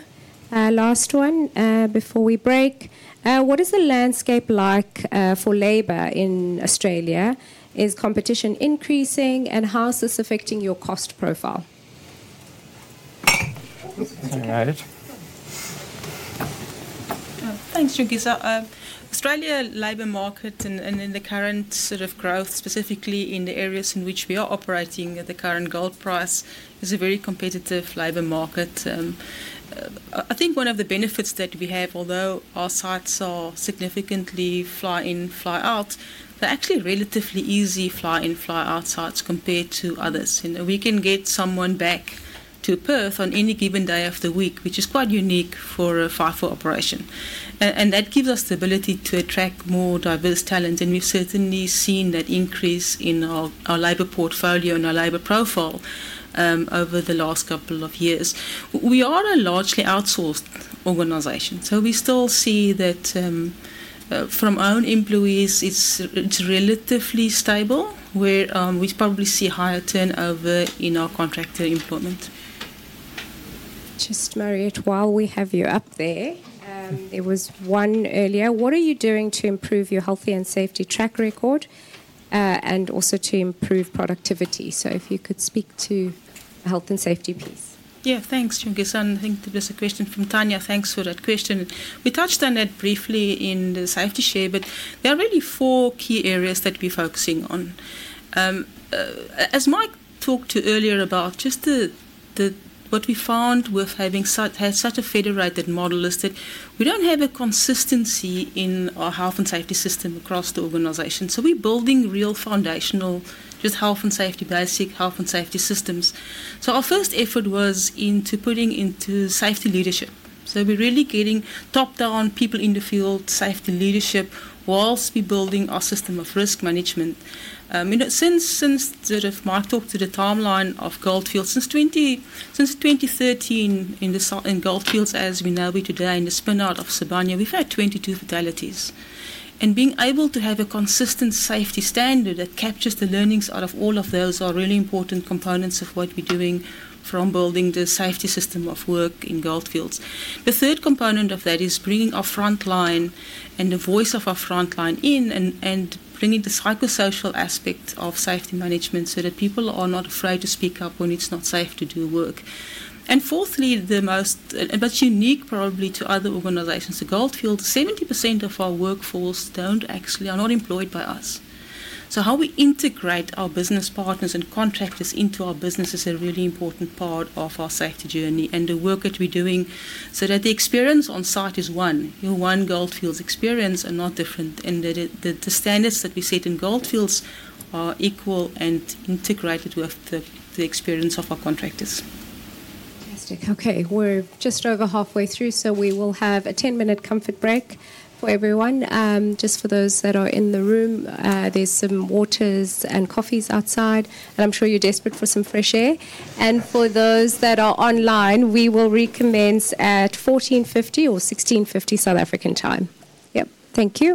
Last one before we break. What is the landscape like for labor in Australia? Is competition increasing, and how is this affecting your cost profile? Thanks, Jongisa. Australia labor market and in the current sort of growth, specifically in the areas in which we are operating at the current gold price, is a very competitive labor market. I think one of the benefits that we have, although our sites are significantly fly-in, fly-out, they are actually relatively easy fly-in, fly-out sites compared to others. We can get someone back to Perth on any given day of the week, which is quite unique for a FIFO operation. That gives us the ability to attract more diverse talent. We have certainly seen that increase in our Labor portfolio and our Labor profile over the last couple of years. We are a largely outsourced organization, so we still see that from our own employees, it's relatively stable, where we probably see a higher turnover in our contractor employment. Just Mariëtte, while we have you up there, there was one earlier. What are you doing to improve your Health and Safety track record and also to improve productivity? If you could speak to the Health and Safety piece. Yeah, thanks, Jongisa. I think there's a question from Tanya. Thanks for that question. We touched on it briefly in the Safety share, but there are really four key areas that we're focusing on. As Mike talked to earlier about just what we found with having had such a federated model is that we do not have a consistency in our Health and Safety System across the organization. We're building real foundational just Health and Safety basic, Health and Safety systems. Our first effort was into putting into Safety leadership. We're really getting top-down people in the field, Safety leadership, whilst we're building our system of risk management. Since Mike talked to the timeline of Gold Fields, since 2013 in Gold Fields, as we know it today in the spin-out of Sibanye, we've had 22 fatalities. Being able to have a consistent Safety standard that captures the learnings out of all of those are really important components of what we're doing from building the Safety System of work in Gold Fields. The third component of that is bringing our frontline and the voice of our frontline in and bringing the psychosocial aspect of Safety management so that people are not afraid to speak up when it's not safe to do work. Fourthly, the most unique probably to other organizations, at Gold Fields, 70% of our workforce are not actually employed by us. How we integrate our business partners and contractors into our business is a really important part of our Safety journey and the work that we are doing so that the experience on site is one, your one Gold Fields experience and not different, and that the standards that we set in Gold Fields are equal and integrated with the experience of our contractors. Fantastic. Okay. We are just over halfway through, so we will have a 10-minute comfort break for everyone. For those that are in the room, there are some waters and coffees outside, and I am sure you are desperate for some fresh air. For those that are online, we will recommence at 2:50 P.M. or 4:50 P.M. South African time. Yep. Thank you.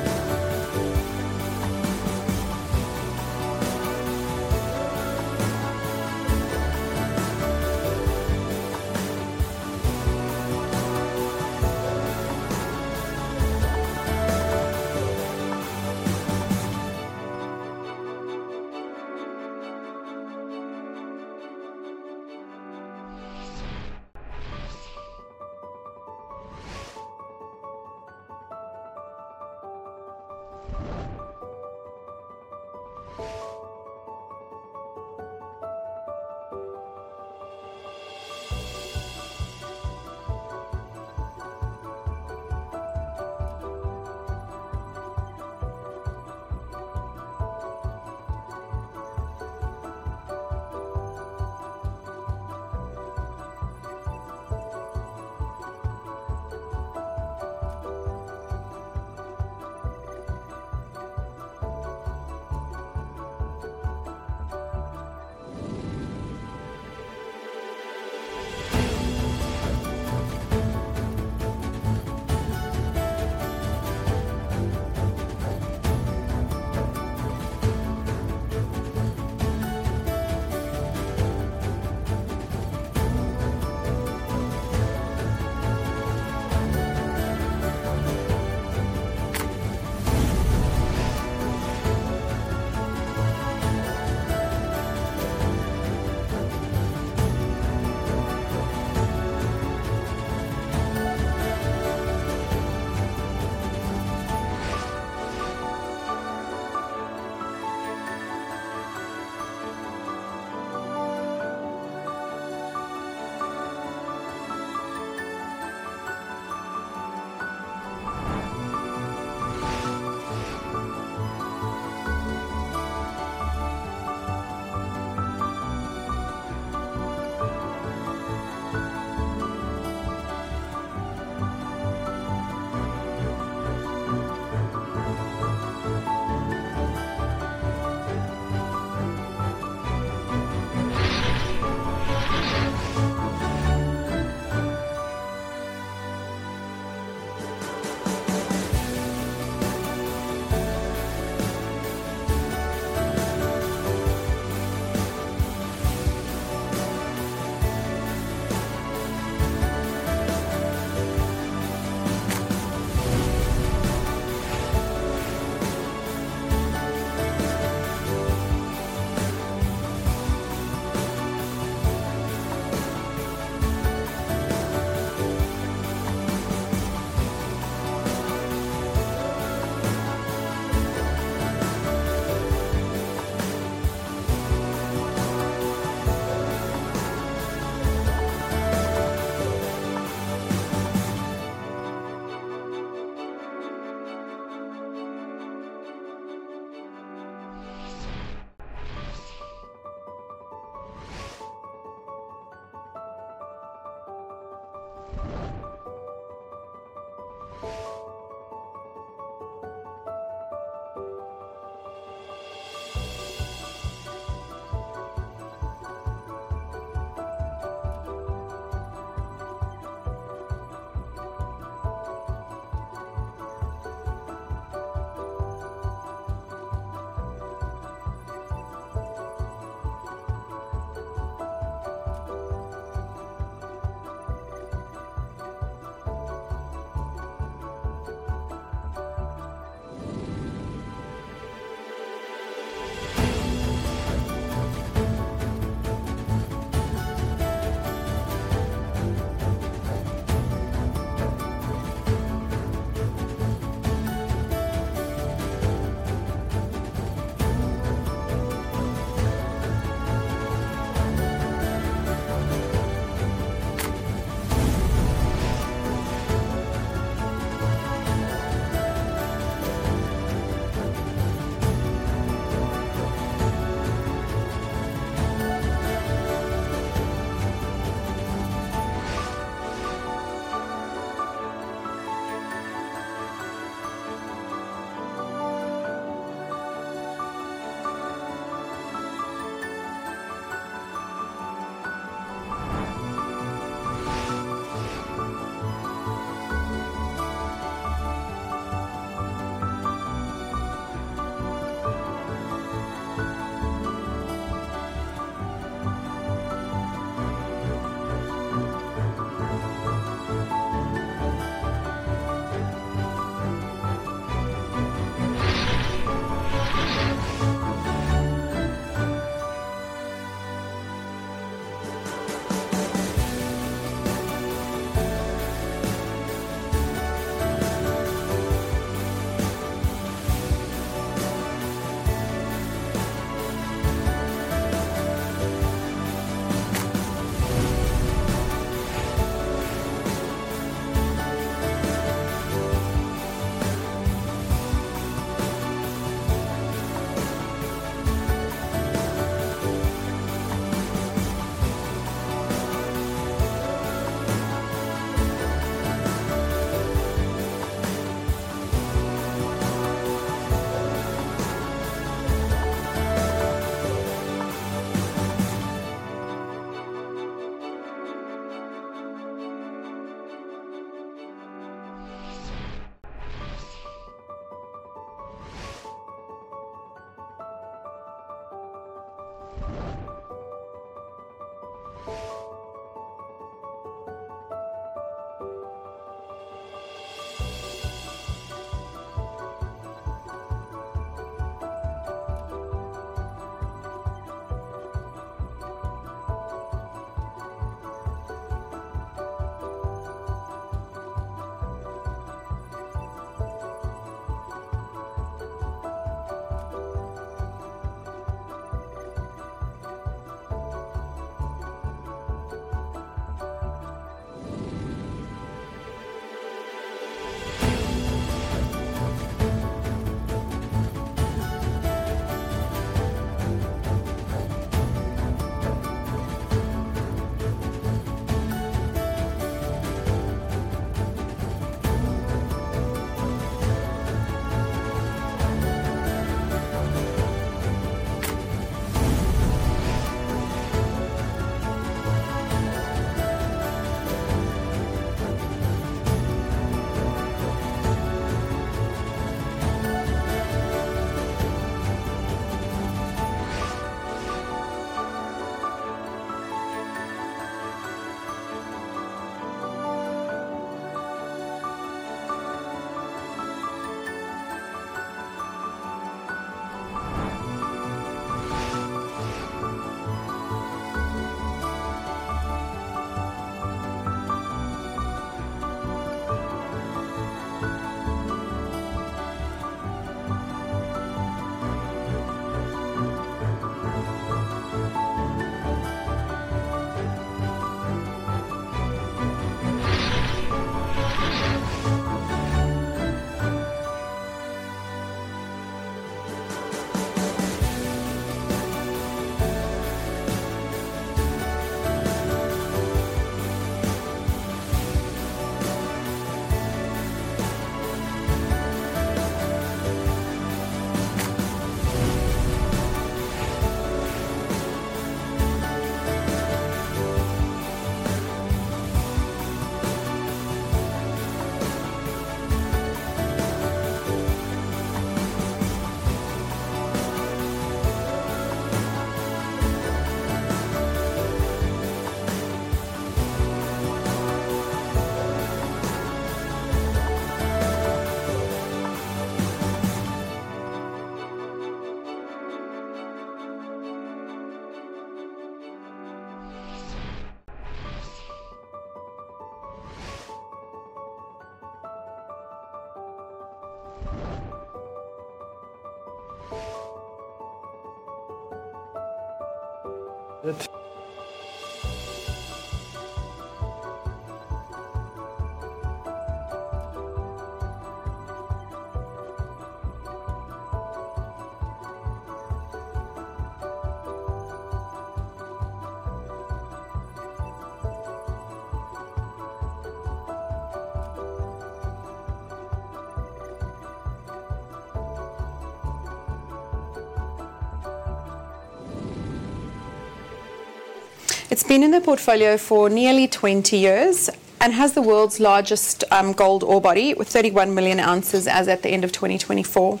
It's been in the portfolio for nearly 20 years and has the world's largest gold ore body with 31 million oz as at the end of 2024.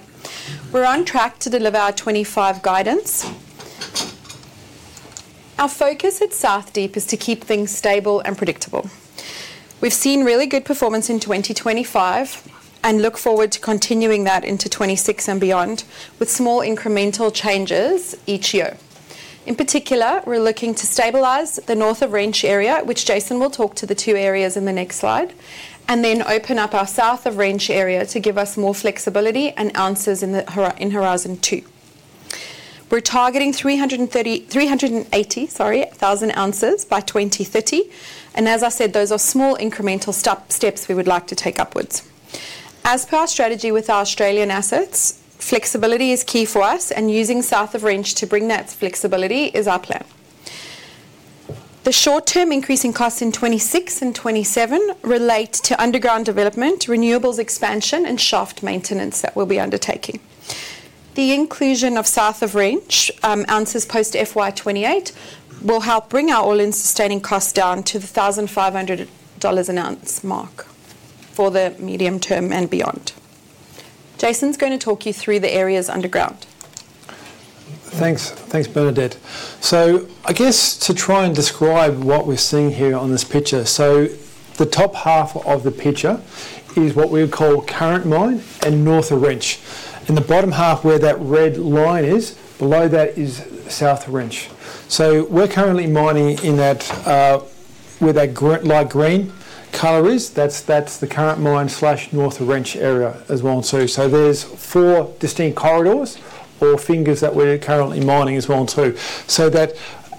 We're on track to deliver our 2025 guidance. Our focus at South Deep is to keep things stable and predictable. We've seen really good performance in 2025 and look forward to continuing that into 2026 and beyond with small incremental changes each year. In particular, we're looking to stabilize the North of Wrench area, which Jason will talk to the two areas in the next slide, and then open up our South of Wrench area to give us more flexibility and ounces in the horizon too. We're targeting 380, sorry, 1,000 oz by 2030, and as I said, those are small incremental steps we would like to take upwards. As per our strategy with our Australian assets, flexibility is key for us, and using South of Wrench to bring that flexibility is our plan. The short-term increasing costs in 2026 and 2027 relate to underground development, renewables expansion, and shaft maintenance that we'll be undertaking. The inclusion of South of Wrench ounces post-FY28 will help bring our all-in sustaining costs down to the $1,500 an oz mark for the medium term and beyond. Jason's going to talk you through the areas underground. Thanks, Benedict. I guess to try and describe what we're seeing here on this picture, the top half of the picture is what we would call current mine and North of Wrench. In the bottom half, where that red line is, below that is South of Wrench. We're currently mining in that, where that light green color is, that's the current mine slash North of Wrench area as well. There are four distinct corridors or fingers that we're currently mining as well too.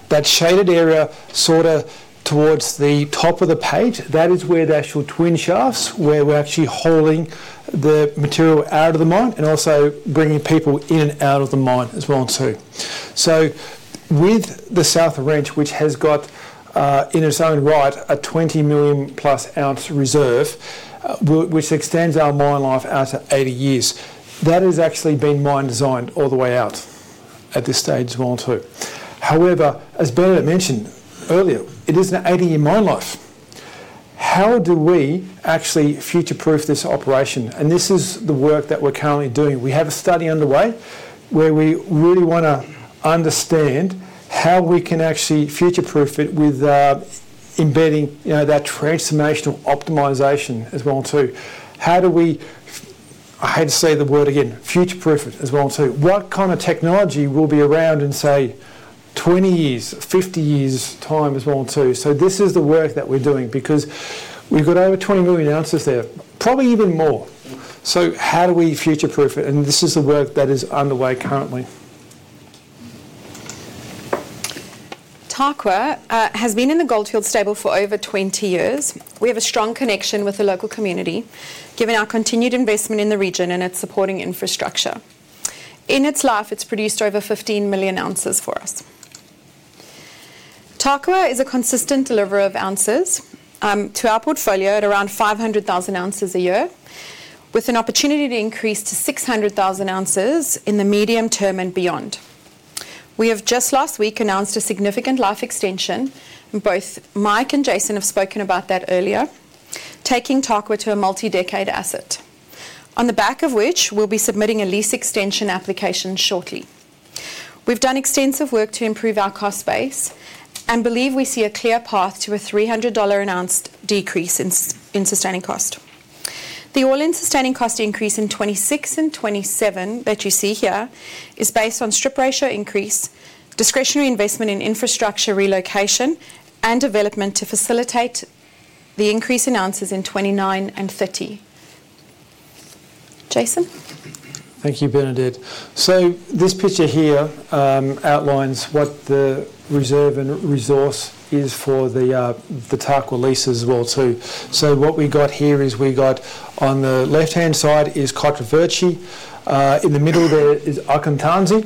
That shaded area sort of towards the top of the page, that is where the actual twin shafts are, where we're actually hauling the material out of the mine and also bringing people in and out of the mine as well too. With the South of Wrench, which has got, in its own right, a 20 million+ oz reserve, which extends our mine life out to 80 years, that has actually been mine designed all the way out at this stage as well too. However, as Benedict mentioned earlier, it is an 80-year mine life. How do we actually future-proof this operation? This is the work that we're currently doing. We have a study underway where we really want to understand how we can actually future-proof it with, embedding, you know, that transformational optimization as well too. How do we, I hate to say the word again, future-proof it as well too? What kind of technology will be around in, say, 20 years, 50 years' time as well too? This is the work that we're doing because we've got over 20 million oz there, probably even more. How do we future-proof it? This is the work that is underway currently. Tarkwa has been in the Gold Fields stable for over 20 years. We have a strong connection with the local community, given our continued investment in the region and its supporting infrastructure. In its life, it has produced over 15 million oz for us. Tarkwa is a consistent delivery of ounces to our portfolio at around 500,000 oz a year, with an opportunity to increase to 600,000 oz in the medium term and beyond. We have just last week announced a significant life extension. Both Mike and Jason have spoken about that earlier, taking Tarkwa to a multi-decade asset, on the back of which we'll be submitting a lease extension application shortly. We've done extensive work to improve our cost base and believe we see a clear path to a $300 an oz decrease in sustaining cost. The all-in sustaining cost increase in 2026 and 2027 that you see here is based on strip ratio increase, discretionary investment in infrastructure relocation, and development to facilitate the increase in ounces in 2029 and 2030. Jason. Thank you, Bernadette. This picture here outlines what the reserve and resource is for the Tarkwa leases as well too. What we got here is on the left-hand side is Kottraverchy. In the middle there is Akontansi.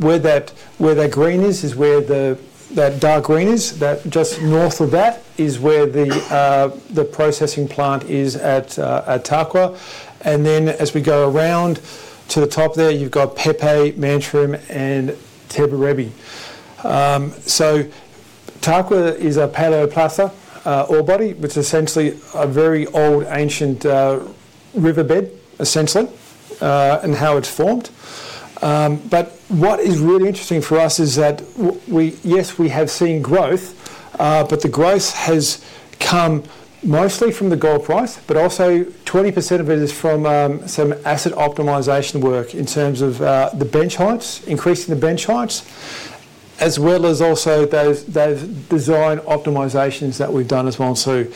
Where that green is, that dark green, just north of that is where the processing plant is at Tarkwa. As we go around to the top there, you've got Pepe, Mantraim, and Teberebie. Tarkwa is a paleoplacer ore body, which is essentially a very old, ancient riverbed, essentially, and how it's formed. What is really interesting for us is that we, yes, we have seen growth, but the growth has come mostly from the gold price, but also 20% of it is from some asset optimization work in terms of the bench heights, increasing the bench heights, as well as also those design optimizations that we have done as well too.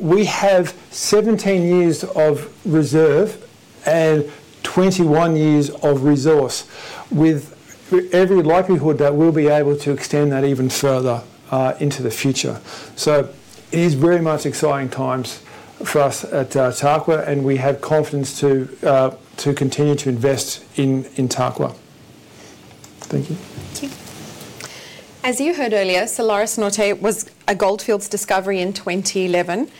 We have 17 years of reserve and 21 years of resource, with every likelihood that we will be able to extend that even further into the future. It is very much exciting times for us at Tarkwa, and we have confidence to continue to invest in Tarkwa. Thank you. Thank you. As you heard earlier, Salares Norte was a Gold Fields discovery in 2011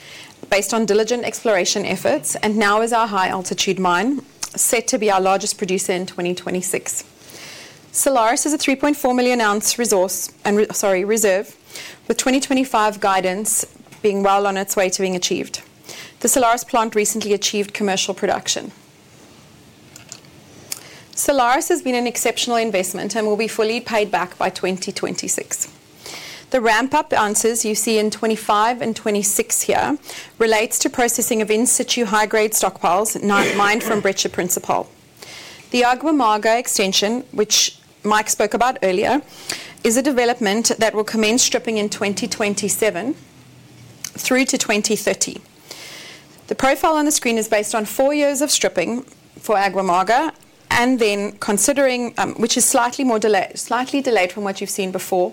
based on diligent exploration efforts, and now is our high-altitude mine set to be our largest producer in 2026. Salares is a 3.4 million oz resource and, sorry, reserve, with 2025 guidance being well on its way to being achieved. The Salares plant recently achieved commercial production. Salares has been an exceptional investment and will be fully paid back by 2026. The ramp-up ounces you see in 25 and 26 here relates to processing of in-situ high-grade stockpiles mined from Breccia Principal. The Agua Amarga extension, which Mike spoke about earlier, is a development that will commence stripping in 2027 through to 2030. The profile on the screen is based on four years of stripping for Agua Amarga, and then considering, which is slightly more delayed, slightly delayed from what you've seen before,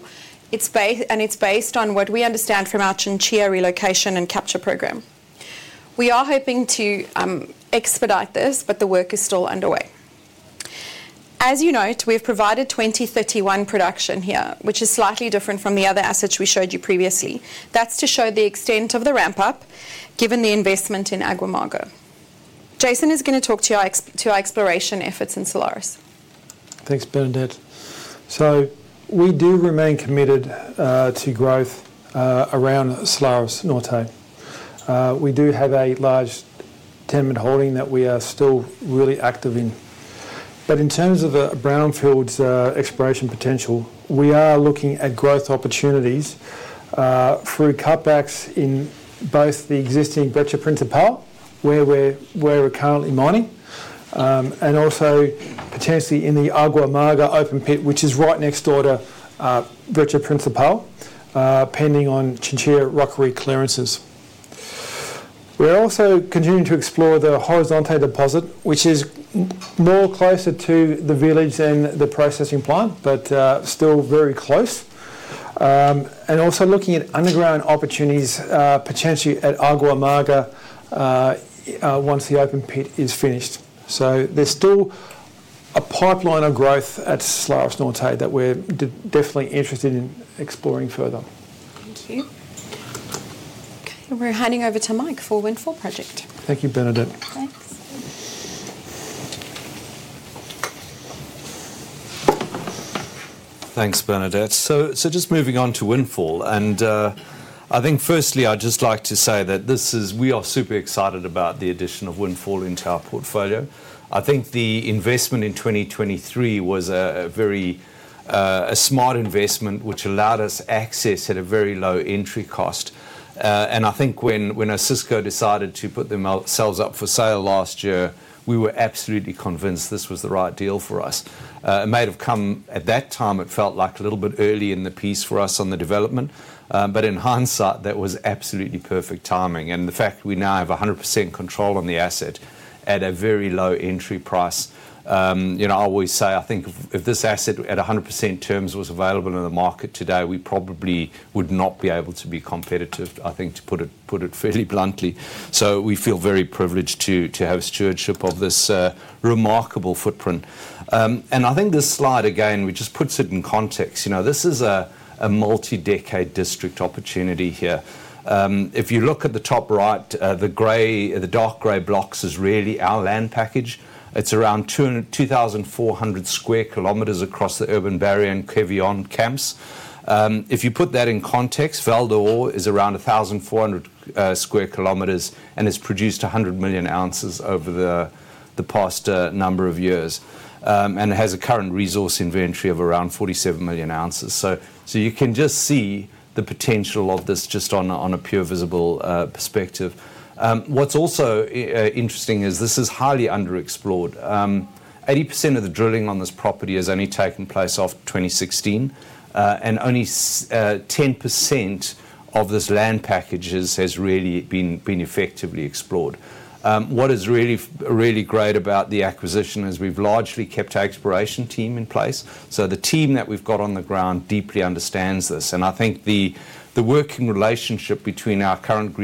it's based, and it's based on what we understand from our Chinchilla relocation and capture program. We are hoping to expedite this, but the work is still underway. As you note, we have provided 2031 production here, which is slightly different from the other assets we showed you previously. That is to show the extent of the ramp-up given the investment in Agua Amarga. Jason is going to talk to our exploration efforts in Salares. Thanks, Bernadette. We do remain committed to growth around Salares Norte. We do have a large tenement holding that we are still really active in. In terms of the Brownfields exploration potential, we are looking at growth opportunities through cutbacks in both the existing Breccia Principal, where we are currently mining, and also potentially in the Agua Amarga open pit, which is right next door to Breccia Principal, pending on Chinchilla rockery clearances. We are also continuing to explore the Horizonte deposit, which is closer to the village than the processing plant, but still very close. and also looking at underground opportunities, potentially at Agua Amarga, once the open pit is finished. So there's still a pipeline of growth at Salares Norte that we're definitely interested in exploring further. Thank you. Okay, we're handing over to Mike for Windfall Project. Thank you, Bernadette. Thanks. Thanks, Bernadette. Just moving on to Windfall, and, I think firstly I'd just like to say that this is, we are super excited about the addition of Windfall into Our Portfolio. I think the investment in 2023 was a very, a smart investment, which allowed us access at a very low entry cost. and I think when when Osisko decided to put themselves up for sale last year, we were absolutely convinced this was the right deal for us. It might have come at that time, it felt like a little bit early in the piece for us on the development, but in hindsight that was absolutely perfect timing. The fact we now have 100% control on the asset at a very low entry price, you know, I always say, I think if this asset at 100% terms was available in the market today, we probably would not be able to be competitive, I think, to put it fairly bluntly. We feel very privileged to have stewardship of this remarkable footprint. I think this slide again, which just puts it in context, you know, this is a multi-decade district opportunity here. If you look at the top right, the gray, the dark gray blocks is really our land package. It is around 2,400 sq km across the Urban-Barry and Quévillon camps. If you put that in context, Val d'Or is around 1,400 sq km and has produced 100 million oz over the past number of years. It has a current resource inventory of around 47 million oz. You can just see the potential of this just on a pure visible perspective. What's also interesting is this is highly underexplored. 80% of the drilling on this property has only taken place since 2016, and only 10% of this land package has really been effectively explored. What is really, really great about the acquisition is we've largely kept our exploration team in place. The team that we've got on the ground deeply understands this. I think the working relationship between our current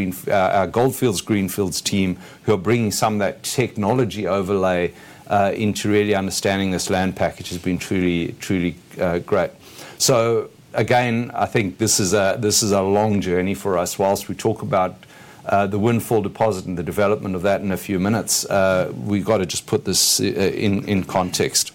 Gold Fields Greenfields team, who are bringing some of that technology overlay into really understanding this land package, has been truly, truly great. Again, I think this is a long journey for us. Whilst we talk about the Windfall deposit and the development of that in a few minutes, we have to just put this in context.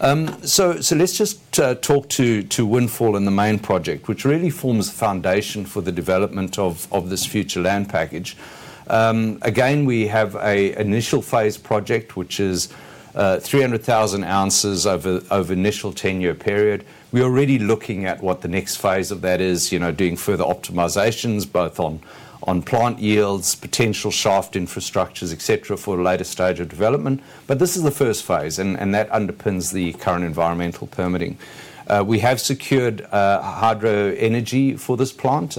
Let's just talk to Windfall and the main project, which really forms the foundation for the development of this future land package. Again, we have an initial phase project, which is 300,000 oz over an initial 10-year period. We're already looking at what the next phase of that is, you know, doing further optimizations, both on plant yields, potential shaft infrastructures, etc., for the later stage of development. This is the first phase, and that underpins the current environmental permitting. We have secured hydro energy for this plant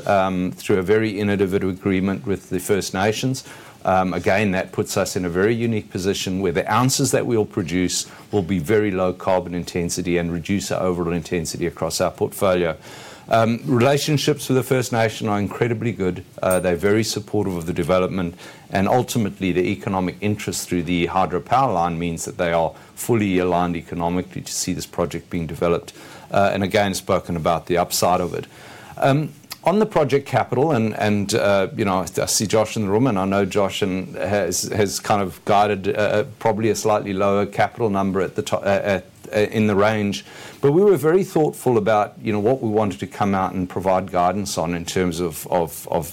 through a very innovative agreement with the First Nations. Again, that puts us in a very unique position where the ounces that we'll produce will be very low carbon intensity and reduce our overall intensity across our portfolio. Relationships with the First Nation are incredibly good. They're very supportive of the development, and ultimately the economic interest through the hydropower line means that they are fully aligned economically to see this project being developed. Again, spoken about the upside of it. On the project capital, and, you know, I see Josh in the room, and I know Josh has kind of guided probably a slightly lower capital number at the top in the range. We were very thoughtful about, you know, what we wanted to come out and provide guidance on in terms of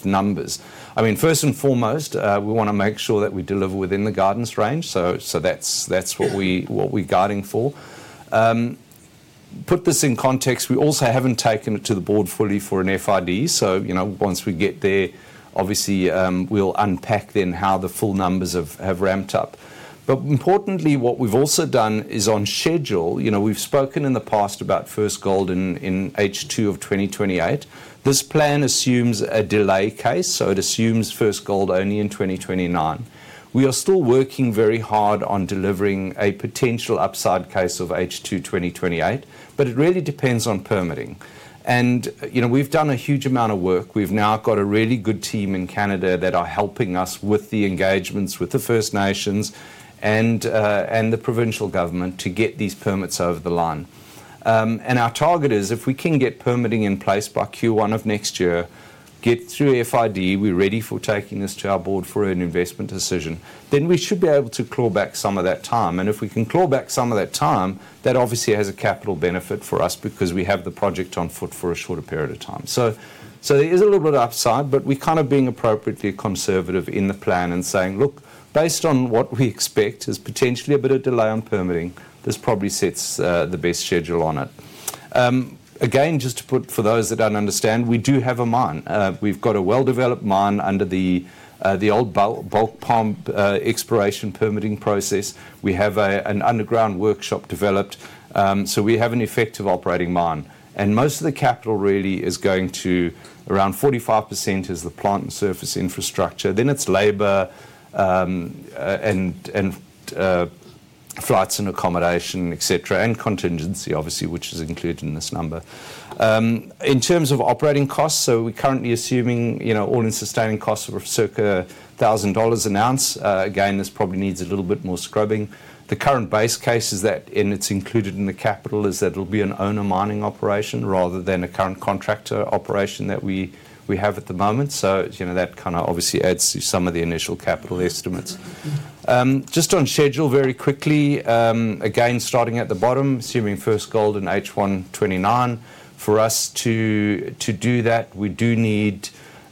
numbers. I mean, first and foremost, we want to make sure that we deliver within the guidance range. That is what we are guiding for. To put this in context, we also have not taken it to the board fully for an FID. Once we get there, obviously, we will unpack then how the full numbers have ramped up. Importantly, what we have also done is on schedule, you know, we have spoken in the past about first gold in H2 of 2028. This plan assumes a delay case, so it assumes first gold only in 2029. We are still working very hard on delivering a potential upside case of H2 2028, but it really depends on permitting. You know, we've done a huge amount of work. We've now got a really good team in Canada that are helping us with the engagements with the First Nations and the provincial government to get these permits over the line. Our target is if we can get permitting in place by Q1 of next year, get through FID, we're ready for taking this to our Board for an investment decision, then we should be able to claw back some of that time. If we can claw back some of that time, that obviously has a capital benefit for us because we have the project on foot for a shorter period of time. There is a little bit of upside, but we're kind of being appropriately conservative in the plan and saying, look, based on what we expect is potentially a bit of delay on permitting, this probably sets the best schedule on it. Again, just to put for those that do not understand, we do have a mine. We've got a well-developed mine under the old bulk pump exploration permitting process. We have an underground workshop developed, so we have an effective operating mine. Most of the capital really is going to around 45% is the plant and surface infrastructure. Then it is labor, and flights and accommodation, et cetera, and contingency, obviously, which is included in this number. In terms of operating costs, we are currently assuming, you know, all-in sustaining costs of circa $1,000 an oz. Again, this probably needs a little bit more scrubbing. The current base case is that, and it's included in the capital, is that it'll be an owner mining operation rather than a current contractor operation that we have at the moment. You know, that kind of obviously adds to some of the initial capital estimates. Just on schedule, very quickly, again, starting at the bottom, assuming first gold in H1 2029, for us to do that, we do need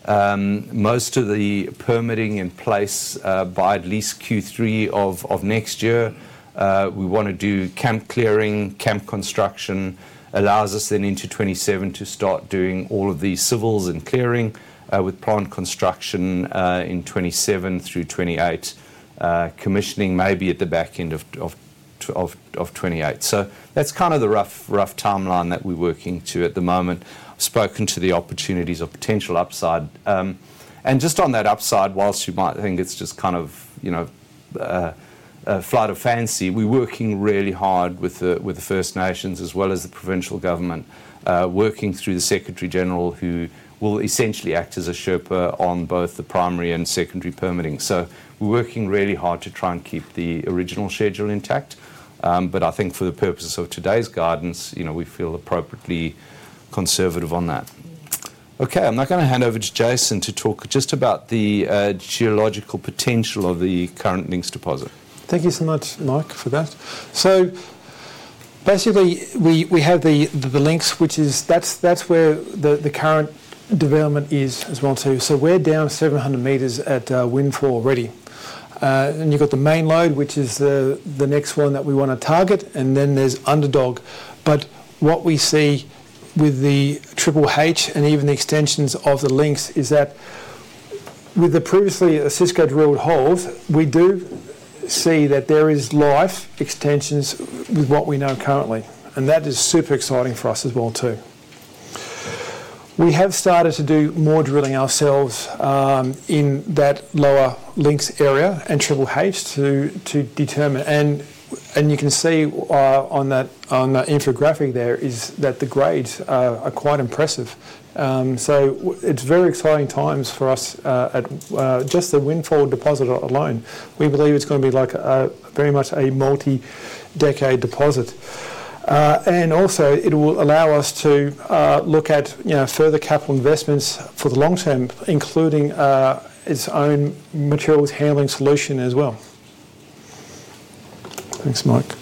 most of the permitting in place by at least Q3 of next year. We want to do camp clearing, camp construction, allows us then into 2027 to start doing all of these civils and clearing, with plant construction in 2027 through 2028, commissioning maybe at the back end of 2028. That's kind of the rough timeline that we're working to at the moment. I've spoken to the opportunities of potential upside. and just on that upside, whilst you might think it's just kind of, you know, a flight of fancy, we're working really hard with the First Nations as well as the provincial government, working through the Secretary General, who will essentially act as a Sherpa on both the primary and secondary permitting. So we're working really hard to try and keep the original schedule intact. but I think for the purposes of today's guidance, you know, we feel appropriately conservative on that. Okay, I'm now going to hand over to Jason to talk just about the geological potential of the current Links deposit. Thank you so much, Mike, for that. So basically we have the Links, which is that's where the current development is as well too. So we're down 700 m at Windfall already. You have got the main load, which is the next one that we want to target, and then there is Underdog. What we see with the Triple H and even the extensions of the Links is that with the previously Osisko drilled holes, we do see that there are life extensions with what we know currently. That is super exciting for us as well. We have started to do more drilling ourselves in that lower Links area and Triple H to determine. You can see on that infographic there that the grades are quite impressive. It is very exciting times for us at just the Windfall deposit alone. We believe it is going to be very much a multi-decade deposit. and also it will allow us to, look at, you know, further capital investments for the long term, including, its own materials handling solution as well. Thanks, Mike.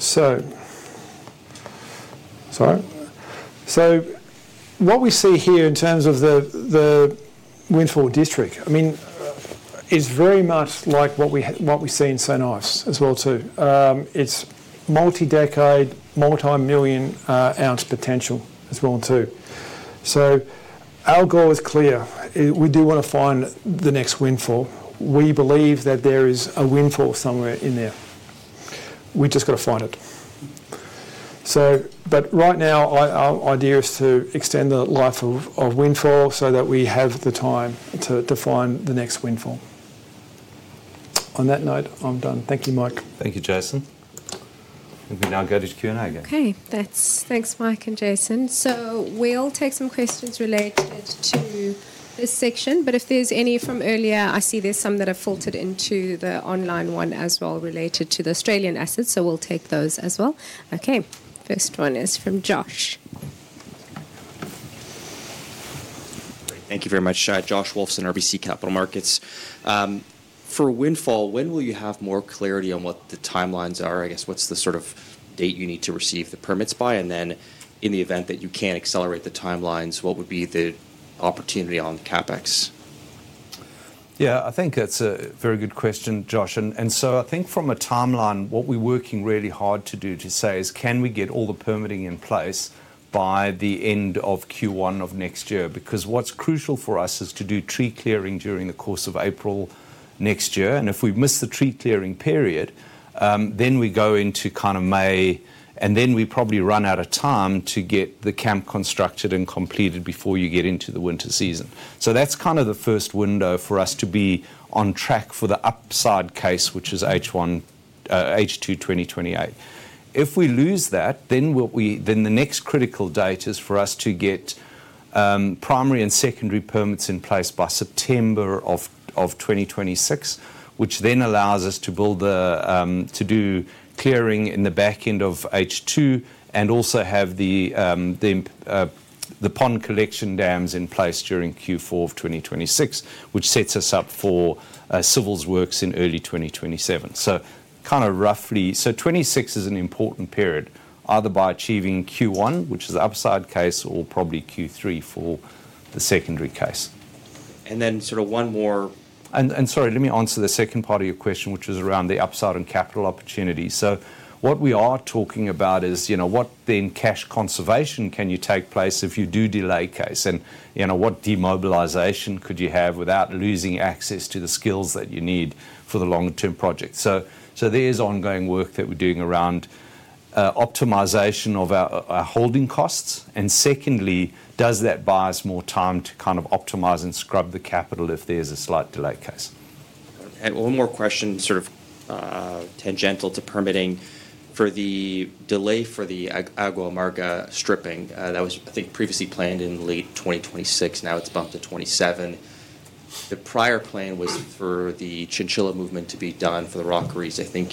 Sorry. What we see here in terms of the Windfall district, I mean, it's very much like what we see in St. Ives as well. It's multi-decade, multi-million ounce potential as well. Our goal is clear. We do want to find the next Windfall. We believe that there is a Windfall somewhere in there. We just got to find it. Right now our idea is to extend the life of Windfall so that we have the time to find the next Windfall. On that note, I'm done. Thank you, Mike. Thank you, Jason. We can now go to Q&A again. Okay, thanks, Mike and Jason. We'll take some questions related to this section, but if there's any from earlier, I see there's some that have filtered into the online one as well related to the Australian assets, so we'll take those as well. Okay, first one is from Josh. Thank you very much, Josh Wolfson, RBC Capital Markets. For Windfall, when will you have more clarity on what the timelines are? I guess what's the sort of date you need to receive the permits by? And then in the event that you can't accelerate the timelines, what would be the opportunity on CapEx? Yeah, I think that's a very good question, Josh. I think from a timeline, what we're working really hard to do is to say can we get all the permitting in place by the end of Q1 of next year? Because what's crucial for us is to do tree clearing during the course of April next year. If we miss the tree clearing period, we go into kind of May, and then we probably run out of time to get the camp constructed and completed before you get into the winter season. That's kind of the first window for us to be on track for the upside case, which is H1, H2 2028. If we lose that, the next critical date is for us to get primary and secondary permits in place by September of 2026, which then allows us to do clearing in the back end of H2 and also have the pond collection dams in place during Q4 of 2026, which sets us up for civils works in early 2027. Kind of roughly, 2026 is an important period, either by achieving Q1, which is the upside case, or probably Q3 for the secondary case. Let me answer the second part of your question, which was around the upside on capital opportunity. What we are talking about is, you know, what then cash conservation can take place if you do delay case? And, you know, what demobilization could you have without losing access to the skills that you need for the longer term project? There is ongoing work that we're doing around optimization of our holding costs. Secondly, does that buy us more time to kind of optimize and scrub the capital if there's a slight delay case? One more question, sort of tangential to permitting for the delay for the Agua Amarga stripping. That was, I think, previously planned in late 2026. Now it is bumped to 2027. The prior plan was for the Chinchilla movement to be done for the rockeries, I think,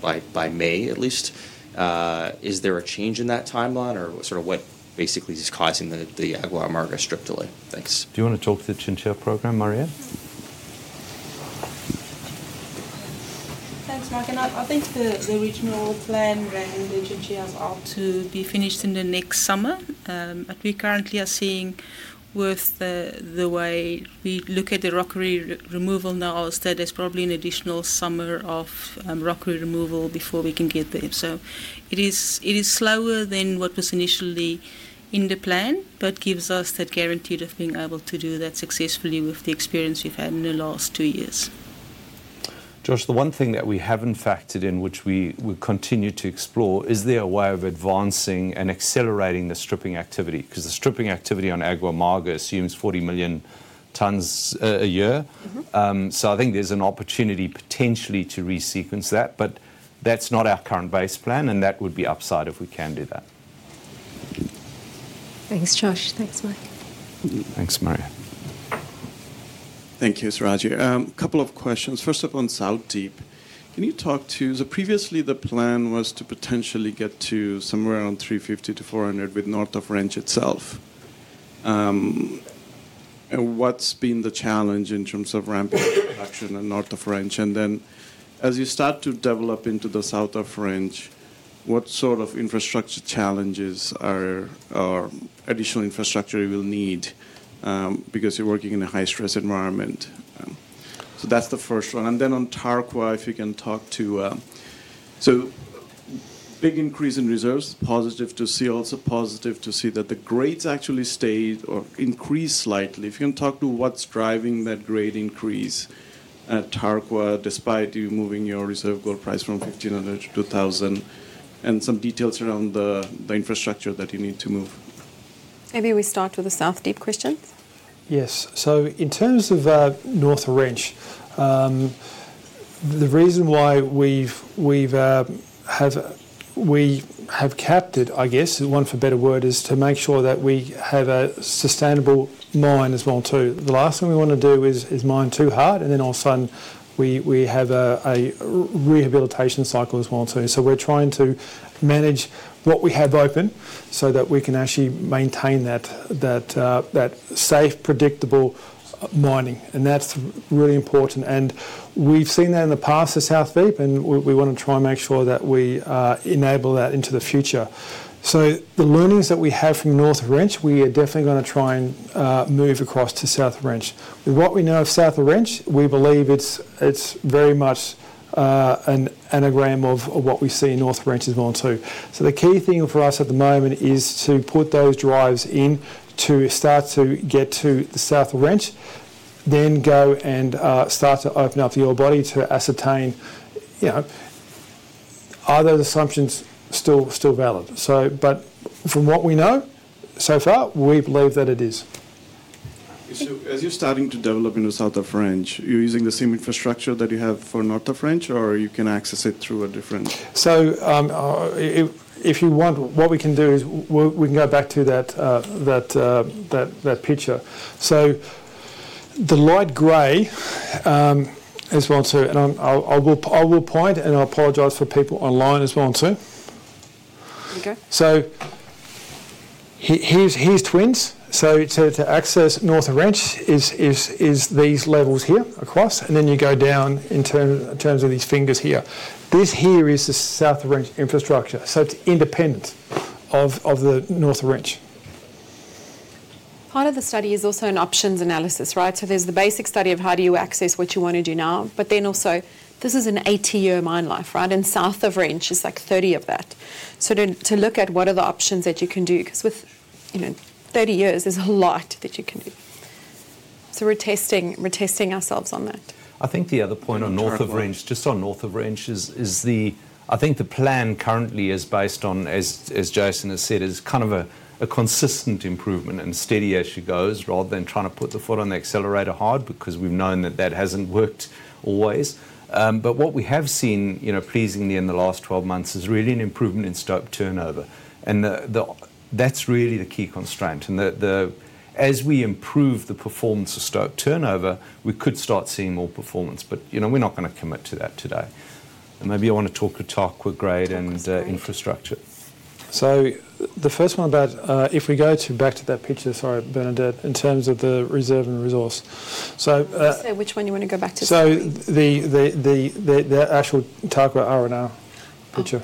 by May at least. Is there a change in that timeline or what basically is causing the Agua Amarga strip delay? Thanks. Do you want to talk to the Chinchilla program, Mariëtte? Thanks, Mike. I think the original plan ran the Chinchillas out to be finished in the next summer, but we currently are seeing with the way we look at the rockery removal now that there is probably an additional summer of rockery removal before we can get there. It is slower than what was initially in the plan, but gives us that guarantee of being able to do that successfully with the experience we've had in the last two years. Josh, the one thing that we haven't factored in, which we will continue to explore, is there a way of advancing and accelerating the stripping activity? Because the stripping activity on Agua Amarga assumes 40 million tons a year. I think there's an opportunity potentially to resequence that, but that's not our current base plan, and that would be upside if we can do that. Thanks, Josh. Thanks, Mike. Thanks, Mariëtte. Thank you, it's Raj here. A couple of questions. First of all, in South Deep, can you talk to, so previously the plan was to potentially get to somewhere around 350 to 400 with North of Wrench itself. What's been the challenge in terms of ramping production in North of Wrench? As you start to develop into the South of Wrench, what sort of infrastructure challenges or additional infrastructure will you need, because you're working in a high stress environment? That's the first one. On Tarkwa, if you can talk to the big increase in reserves, positive to see, also positive to see that the grades actually stayed or increased slightly. If you can talk to what's driving that grade increase at Tarkwa, despite you moving your reserve gold price from $1,500 to $2,000, and some details around the infrastructure that you need to move. Maybe we start with the South Deep questions. Yes, in terms of North of Wrench, the reason why we have capped it, I guess, for a better word, is to make sure that we have a sustainable mine as well too. The last thing we want to do is mine too hard, and then all of a sudden we have a rehabilitation cycle as well too. We are trying to manage what we have open so that we can actually maintain that safe, predictable mining. That is really important. We have seen that in the past at South Deep, and we want to try and make sure that we enable that into the future. The learnings that we have from North of Wrench, we are definitely going to try and move across to South of Wrench. What we know of South of Wrench, we believe it's very much an anagram of what we see in North of Wrench as well too. The key thing for us at the moment is to put those drives in to start to get to the South of Wrench, then go and start to open up the ore body to ascertain, you know, are those assumptions still valid? From what we know so far, we believe that it is. As you're starting to develop into South of Wrench, you're using the same infrastructure that you have for North of Wrench, or you can access it through a different. If you want, what we can do is we can go back to that picture. The light gray, as well, too, and I will point and I apologize for people online as well, too. Okay. Here is twins. It says to access north of wrench is these levels here across, and then you go down in terms of these fingers here. This here is the South of Wrench infrastructure. It is independent of the North of Wrench. Part of the study is also an options analysis, right? There is the basic study of how do you access what you want to do now, but then also this is an 80 year mine life, right? South of Wrench is like 30 of that. To look at what are the options that you can do, because with, you know, 30 years, there is a lot that you can do. We're testing ourselves on that. I think the other point on North of Wrench, just on North of Wrench, is the, I think the plan currently is based on, as Jason has said, kind of a consistent improvement and steady as she goes, rather than trying to put the foot on the accelerator hard, because we've known that that hasn't worked always. What we have seen, you know, pleasingly in the last 12 months is really an improvement in stope turnover. That's really the key constraint. As we improve the performance of stope turnover, we could start seeing more performance. You know, we're not going to commit to that today. Maybe I want to talk to Tarkwa grade and infrastructure. The first one about if we go back to that picture, sorry, Bernadette, in terms of the reserve and resource. Which one do you want to go back to? The actual Tarkwa R&R picture.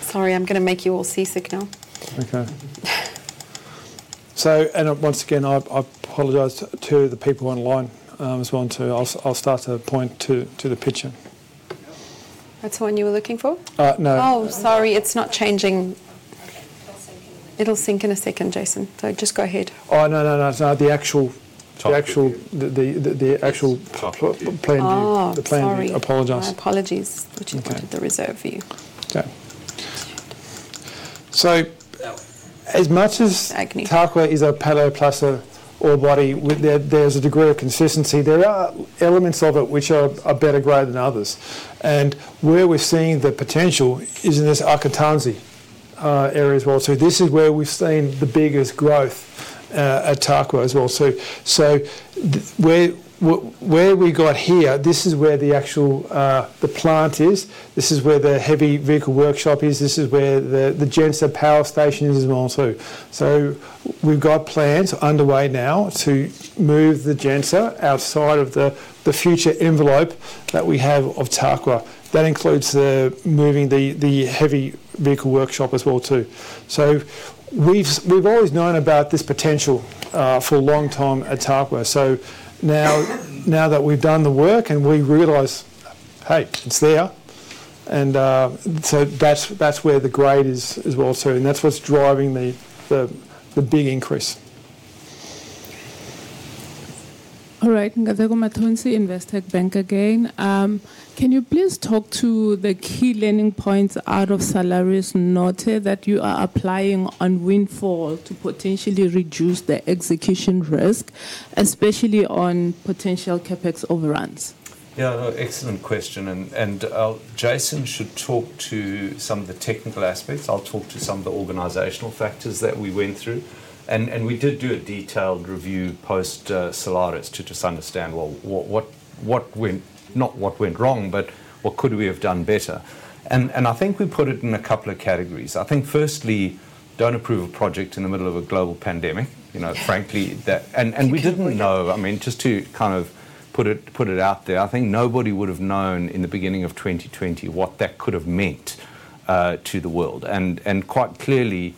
Sorry, I'm going to make you all seasick now. Okay. Once again, I apologize to the people online as well too. I'll start to point to the picture. That's the one you were looking for? No. Oh, sorry, it's not changing. It'll sink in a second, Jason. Just go ahead. Oh, no, no, the actual plan. Oh, sorry. Apologies, which included the reserve view. As much as Tarkwa is a paleoplacer ore body, there's a degree of consistency. There are elements of it which are better grade than others. Where we're seeing the potential is in this Akontansi area as well. This is where we've seen the biggest growth at Tarkwa as well. Where we got here, this is where the actual plant is. This is where the heavy vehicle workshop is. This is where the Genser power station is as well too. We've got plans underway now to move the Genser outside of the future envelope that we have of Tarkwa. That includes moving the heavy vehicle workshop as well too. We've always known about this potential for a long time at Tarkwa. Now that we've done the work and we realize, hey, it's there. That's where the grade is as well too. That's what's driving the big increase. All right, Nkateko Mathonsi, Investtec Bank again. Can you please talk to the key learning points out of Salares Norte that you are applying on Windfall to potentially reduce the execution risk, especially on potential CapEx overruns? Yeah, excellent question. Jason should talk to some of the technical aspects. I'll talk to some of the organizational factors that we went through. We did do a detailed review post Salares to just understand what could we have done better. I think we put it in a couple of categories. I think firstly, do not approve a project in the middle of a global pandemic. You know, frankly, that, and we did not know, I mean, just to kind of put it out there, I think nobody would have known in the beginning of 2020 what that could have meant to the world. Quite clearly,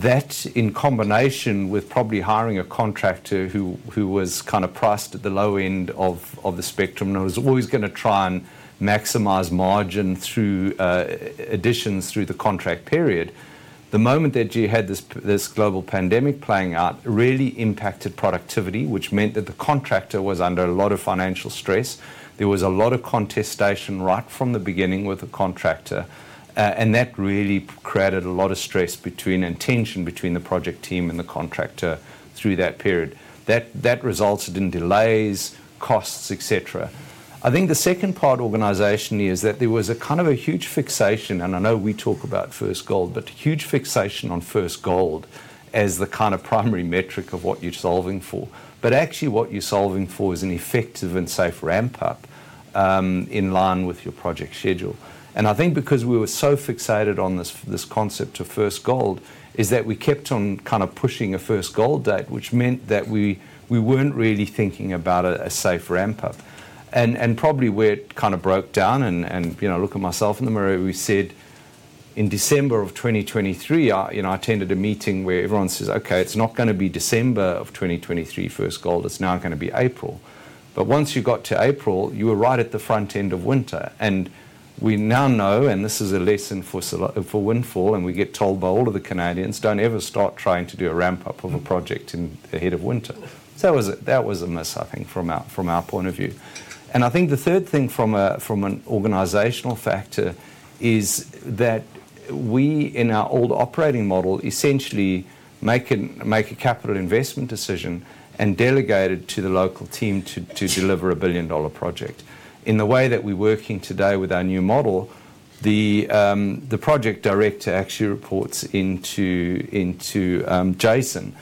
that in combination with probably hiring a contractor who was kind of priced at the low end of the spectrum and was always going to try and maximize margin through additions through the contract period, the moment that you had this global pandemic playing out really impacted productivity, which meant that the contractor was under a lot of financial stress. There was a lot of contestation right from the beginning with the contractor. That really created a lot of stress and tension between the project team and the contractor through that period. That resulted in delays, costs, et cetera. I think the second part organizationally is that there was a kind of a huge fixation, and I know we talk about first gold, but huge fixation on first gold as the kind of primary metric of what you're solving for. What you're solving for is an effective and safe ramp up in line with your project schedule. I think because we were so fixated on this concept of first gold is that we kept on kind of pushing a first gold date, which meant that we were not really thinking about a safe ramp up. Probably where it kind of broke down, and you know, look at myself in the mirror, we said in December of 2023, you know, I attended a meeting where everyone says, okay, it is not going to be December of 2023 first gold, it is now going to be April. Once you got to April, you were right at the front end of winter. We now know, and this is a lesson for Windfall, and we get told by all of the Canadians, do not ever start trying to do a ramp up of a project in the head of winter. That was a miss, I think, from our point of view. I think the third thing from an organizational factor is that we in our old operating model essentially make a capital investment decision and delegate it to the local team to deliver a billion dollar project. In the way that we are working today with our new model, the project director actually reports into Jason.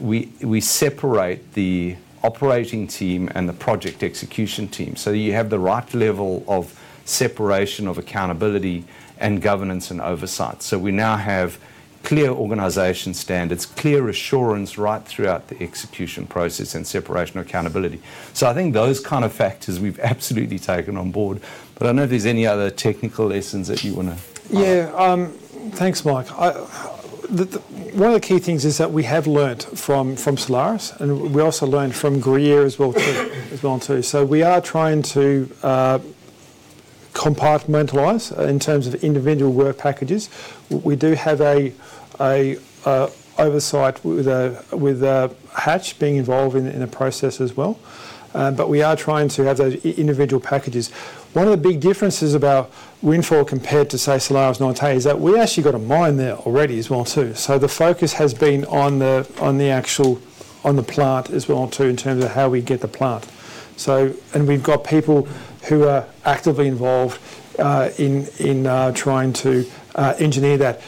We separate the operating team and the project execution team. You have the right level of separation of accountability and governance and oversight. We now have clear organization standards, clear assurance right throughout the execution process and separation of accountability. I think those kind of factors we have absolutely taken on board. I do not know if there are any other technical lessons that you want to. Yeah, thanks, Mike. One of the key things is that we have learned from Salares, and we also learned from Gruyere as well too. We are trying to compartmentalize in terms of individual work packages. We do have an oversight with Hatch being involved in the process as well. We are trying to have those individual packages. One of the big differences about Windfall compared to, say, Salares Norte is that we actually have a mine there already as well too. The focus has been on the actual plant as well too in terms of how we get the plant. We have people who are actively involved in trying to engineer that.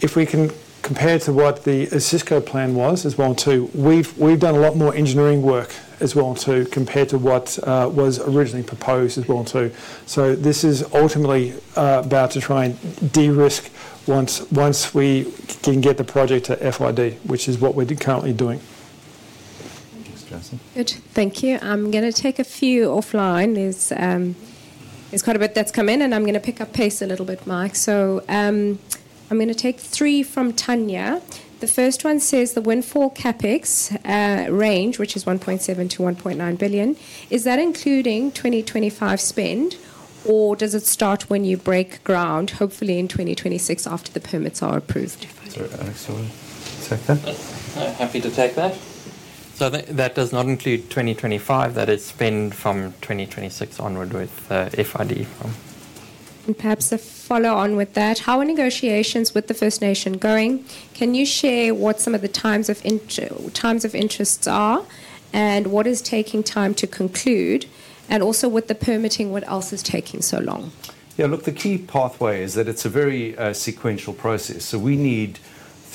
If we can compare to what the Osisko plan was as well too, we've done a lot more engineering work as well too compared to what was originally proposed as well too. This is ultimately about trying to de-risk once we can get the project to FID, which is what we're currently doing. Thanks, Jason. Good, thank you. I'm going to take a few offline. There's quite a bit that's come in, and I'm going to pick up pace a little bit, Mike. I'm going to take three from Tanya. The first one says, the Windfall CapEx range, which is $1.7 billion-$1.9 billion, is that including 2025 spend, or does it start when you break ground, hopefully in 2026 after the permits are approved? Excellent. Take that. Happy to take that. That does not include 2025, that is from 2026 onward with the FID from. Perhaps a follow-on with that, how are negotiations with the First Nation going? Can you share what some of the times of interests are and what is taking time to conclude? Also with the permitting, what else is taking so long? Yeah, look, the key pathway is that it is a very sequential process. We need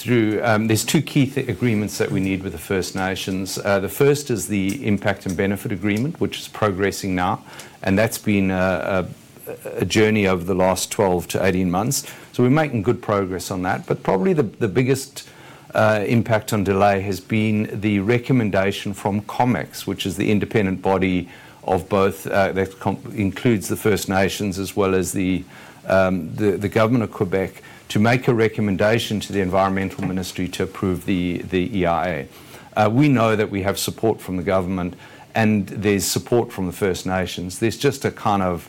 through, there are two key agreements that we need with the First Nations. The first is the impact and benefit agreement, which is progressing now. That has been a journey over the last 12-18 months. We are making good progress on that. Probably the biggest impact on delay has been the recommendation from Comex, which is the independent body that includes the First Nations as well as the government of Quebec to make a recommendation to the Environmental Ministry to approve the EIA. We know that we have support from the government and there's support from the First Nations. There's just a kind of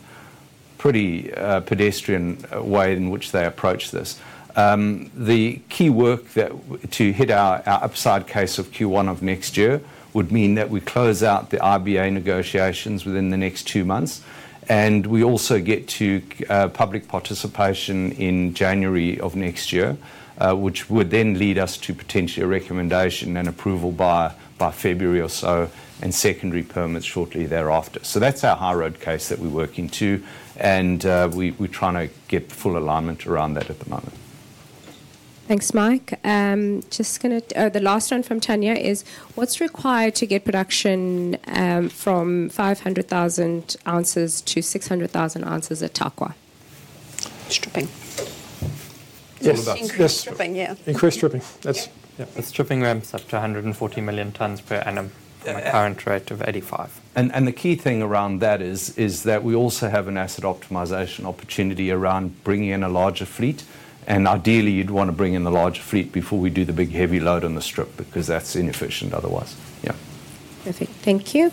pretty pedestrian way in which they approach this. The key work to hit our upside case of Q1 of next year would mean that we close out the IBA negotiations within the next two months. We also get to public participation in January of next year, which would then lead us to potentially a recommendation and approval by February or so and secondary permits shortly thereafter. That is our high road case that we're working to. We're trying to get full alignment around that at the moment. Thanks, Mike. Just going to, the last one from Tanya is, what's required to get production from 500,000 oz-600,000 oz at Tarkwa? Stripping. Yes. Increase stripping, yeah. Increase stripping. That stripping ramps up to 140 million tons per annum at a current rate of 85. The key thing around that is that we also have an asset optimization opportunity around bringing in a larger fleet. Ideally, you'd want to bring in the larger fleet before we do the big heavy load on the strip because that's inefficient otherwise. Yeah. Perfect. Thank you.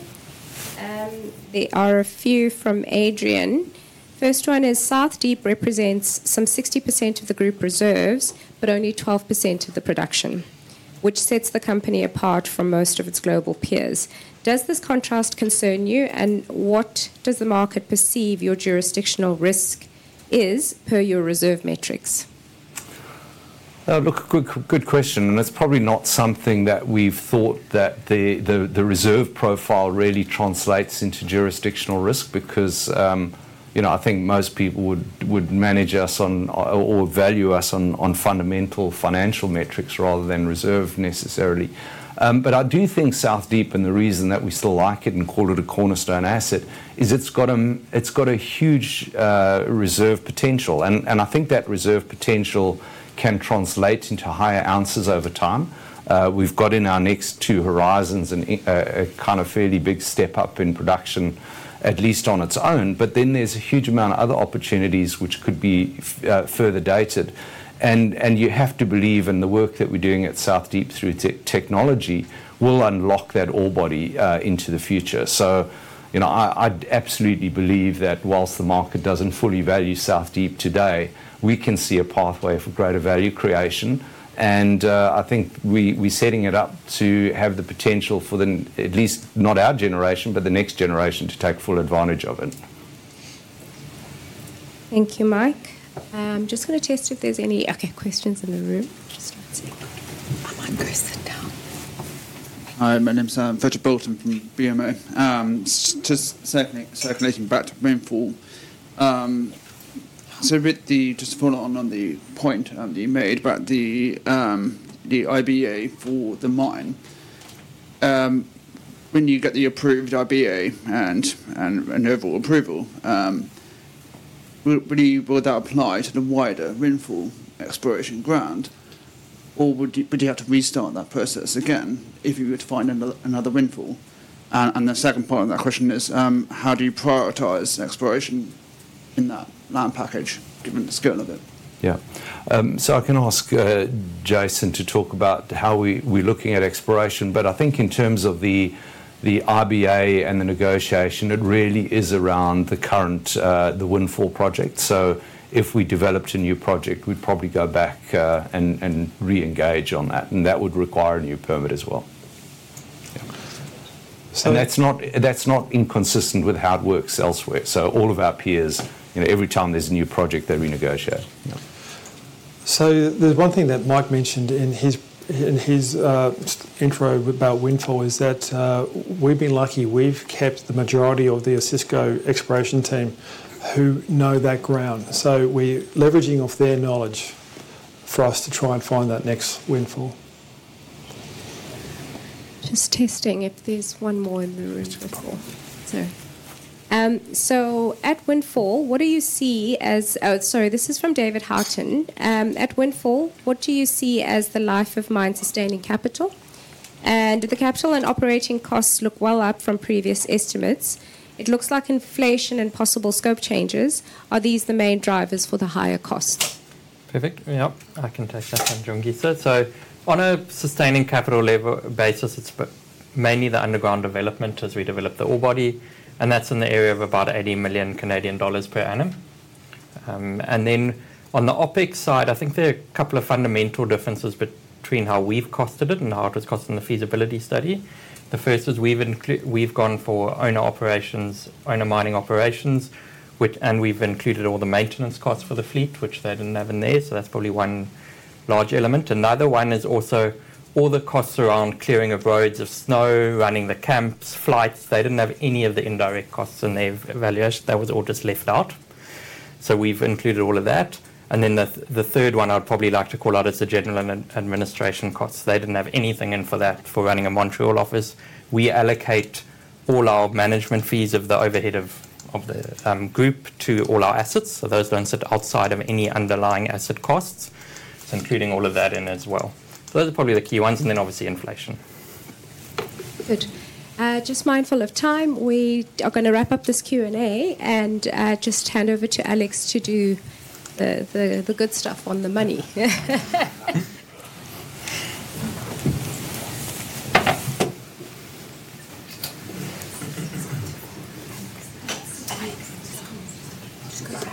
There are a few from Adrian. First one is South Deep represents some 60% of the group reserves, but only 12% of the production, which sets the company apart from most of its global peers. Does this contrast concern you? What does the market perceive your jurisdictional risk is per your reserve metrics? Good question. It is probably not something that we have thought that the reserve profile really translates into jurisdictional risk because, you know, I think most people would manage us on or value us on fundamental financial metrics rather than reserve necessarily. I do think South Deep and the reason that we still like it and call it a cornerstone asset is it has got a huge reserve potential. I think that reserve potential can translate into higher ounces over time. We have got in our next two horizons a kind of fairly big step up in production, at least on its own. There is a huge amount of other opportunities which could be further dated. You have to believe in the work that we are doing at South Deep through technology will unlock that ore body into the future. You know, I absolutely believe that whilst the market does not fully value South Deep today, we can see a pathway for greater value creation. I think we are setting it up to have the potential for, at least not our generation, but the next generation to take full advantage of it. Thank you, Mike. I am just going to test if there are any questions in the room. Just wait a second. My mic is set down. Hi, my name is Frederic Bolton from BMO. Just circulating back to Windfall. With the, just to follow on the point that you made, the IBA for the mine, when you get the approved IBA and an overall approval, will that apply to the wider Windfall exploration ground, or would you have to restart that process again if you were to find another Windfall? The second part of that question is, how do you prioritize exploration in that land package given the scale of it? Yeah. I can ask Jason to talk about how we're looking at exploration. I think in terms of the IBA and the negotiation, it really is around the current, the Windfall Project. If we developed a new project, we'd probably go back and re-engage on that. That would require a new permit as well. That's not inconsistent with how it works elsewhere. All of our peers, you know, every time there's a new project that we negotiate. There's one thing that Mike mentioned in his intro about Windfall, that we've been lucky. We've kept the majority of the Osisko exploration team who know that ground. We're leveraging off their knowledge for us to try and find that next Windfall. Just testing if there's one more in the room before. Sorry. At Windfall, what do you see as, sorry, this is from David Haughton. At Windfall, what do you see as the life of mine sustaining capital? Did the capital and operating costs look well up from previous estimates? It looks like inflation and possible scope changes. Are these the main drivers for the higher cost? Perfect. Yep. I can take that one, Jongisa. On a sustaining capital level basis, it is mainly the underground development as we develop the ore body. That is in the area of about 80 million Canadian dollars per annum. On the OpEx side, I think there are a couple of fundamental differences between how we have costed it and how it was costed in the feasibility study. The first is we have gone for owner operations, owner mining operations, and we have included all the maintenance costs for the fleet, which they did not have in there. That is probably one large element. The other one is also all the costs around clearing of roads of snow, running the camps, flights. They did not have any of the indirect costs in their evaluation. That was all just left out. We have included all of that. The third one I would probably like to call out is the general administration costs. They did not have anything in for that for running a Montreal office. We allocate all our management fees of the overhead of the group to all our assets. Those do not sit outside of any underlying asset costs. Including all of that in as well. Those are probably the key ones. Obviously inflation. Good. Just mindful of time, we are going to wrap up this Q&A and just hand over to Alex to do the good stuff on the money. Keep going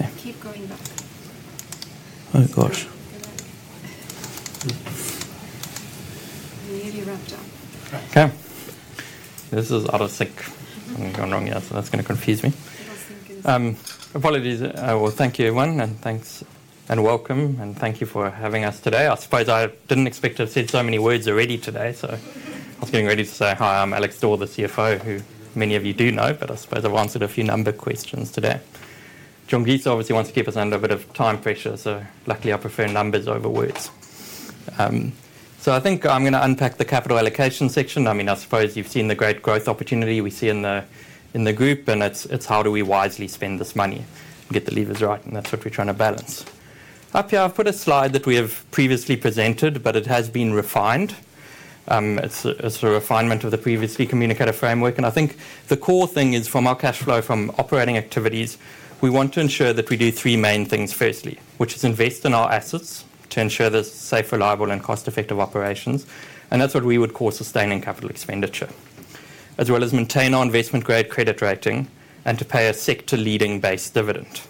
back. Oh gosh. Nearly wrapped up. Okay. This is out of sync. I am going wrong here, so that is going to confuse me. Apologies, I will thank you everyone and thanks and welcome and thank you for having us today. I suppose I did not expect to have said so many words already today. I was getting ready to say hi, I'm Alex Dall, the CFO, who many of you do know, but I suppose I've answered a few number questions today. Jongisa obviously wants to keep us under a bit of time pressure, so luckily I prefer numbers over words. I think I'm going to unpack the Capital allocation section. I mean, I suppose you've seen the great growth opportunity we see in the group, and it's how do we wisely spend this money and get the levers right. That's what we're trying to balance. Up here, I've put a slide that we have previously presented, but it has been refined. It's a refinement of the previously communicated framework. I think the core thing is from our cash flow from operating activities, we want to ensure that we do three main things firstly, which is invest in our assets to ensure there is safe, reliable, and cost-effective operations. That is what we would call sustaining capital expenditure, as well as maintain our investment grade credit rating and to pay a sector-leading base dividend.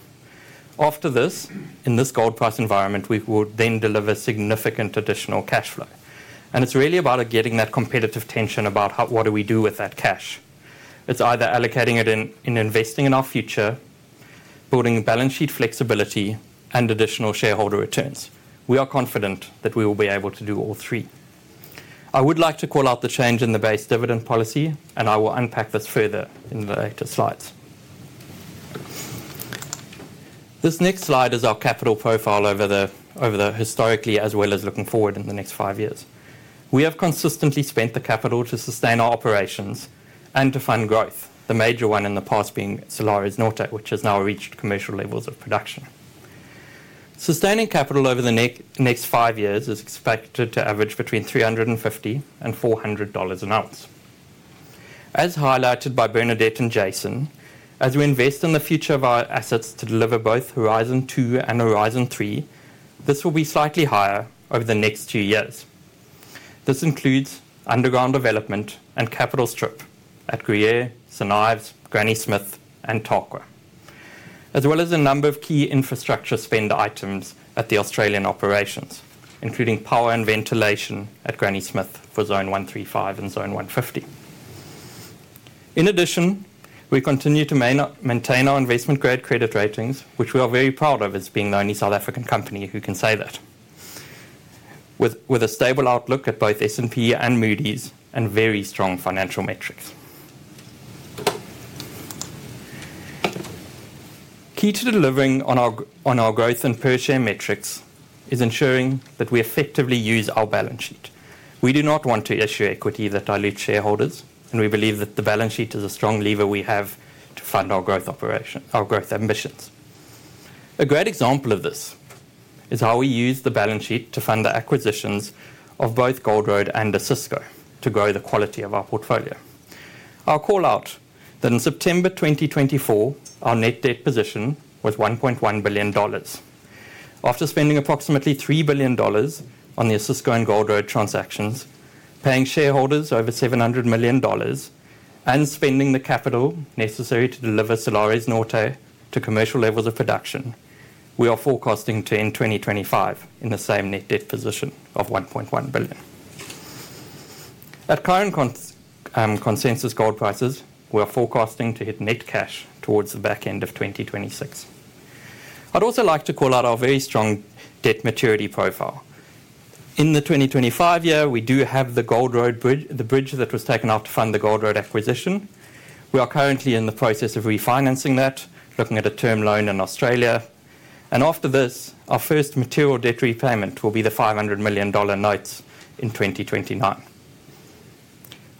After this, in this gold price environment, we will then deliver significant additional cash flow. It is really about getting that competitive tension about what do we do with that cash. It is either allocating it in investing in our future, building balance sheet flexibility, and additional shareholder returns. We are confident that we will be able to do all three. I would like to call out the change in the base dividend policy, and I will unpack this further in the later slides. This next slide is our capital profile over the historically as well as looking forward in the next five years. We have consistently spent the capital to sustain our operations and to fund growth, the major one in the past being Salares Norte, which has now reached commercial levels of production. Sustaining capital over the next five years is expected to average between $350 and $400 an oz. As highlighted by Bernadette and Jason, as we invest in the future of our assets to deliver both HORIZON 2 and HORIZON 3, this will be slightly higher over the next two years. This includes underground development and capital strip at Gruyere, St. Ives, Granny Smith, and Tarkwa, as well as a number of key infrastructure spend items at the Australian operations, including power and ventilation at Granny Smith for Zone 135 and Zone 150. In addition, we continue to maintain our investment grade credit ratings, which we are very proud of as being the only South African company who can say that, with a stable outlook at both S&P and Moody's and very strong financial metrics. Key to delivering on our growth and per share metrics is ensuring that we effectively use our balance sheet. We do not want to issue equity that dilutes shareholders, and we believe that the balance sheet is a strong lever we have to fund our growth ambitions. A great example of this is how we use the balance sheet to fund the acquisitions of both Gold Road and Osisko to grow the quality of Our Portfolio. I'll call out that in September 2024, our net debt position was $1.1 billion. After spending approximately $3 billion on the Osisko and Gold Road transactions, paying shareholders over $700 million, and spending the capital necessary to deliver Salares Norte to commercial levels of production, we are forecasting to end 2025 in the same net debt position of $1.1 billion. At current consensus gold prices, we are forecasting to hit net cash towards the back end of 2026. I'd also like to call out our very strong debt maturity profile. In the 2025 year, we do have the Gold Road bridge, the bridge that was taken off to fund the Gold Road acquisition. We are currently in the process of refinancing that, looking at a term loan in Australia. After this, our first material debt repayment will be the $500 million notes in 2029.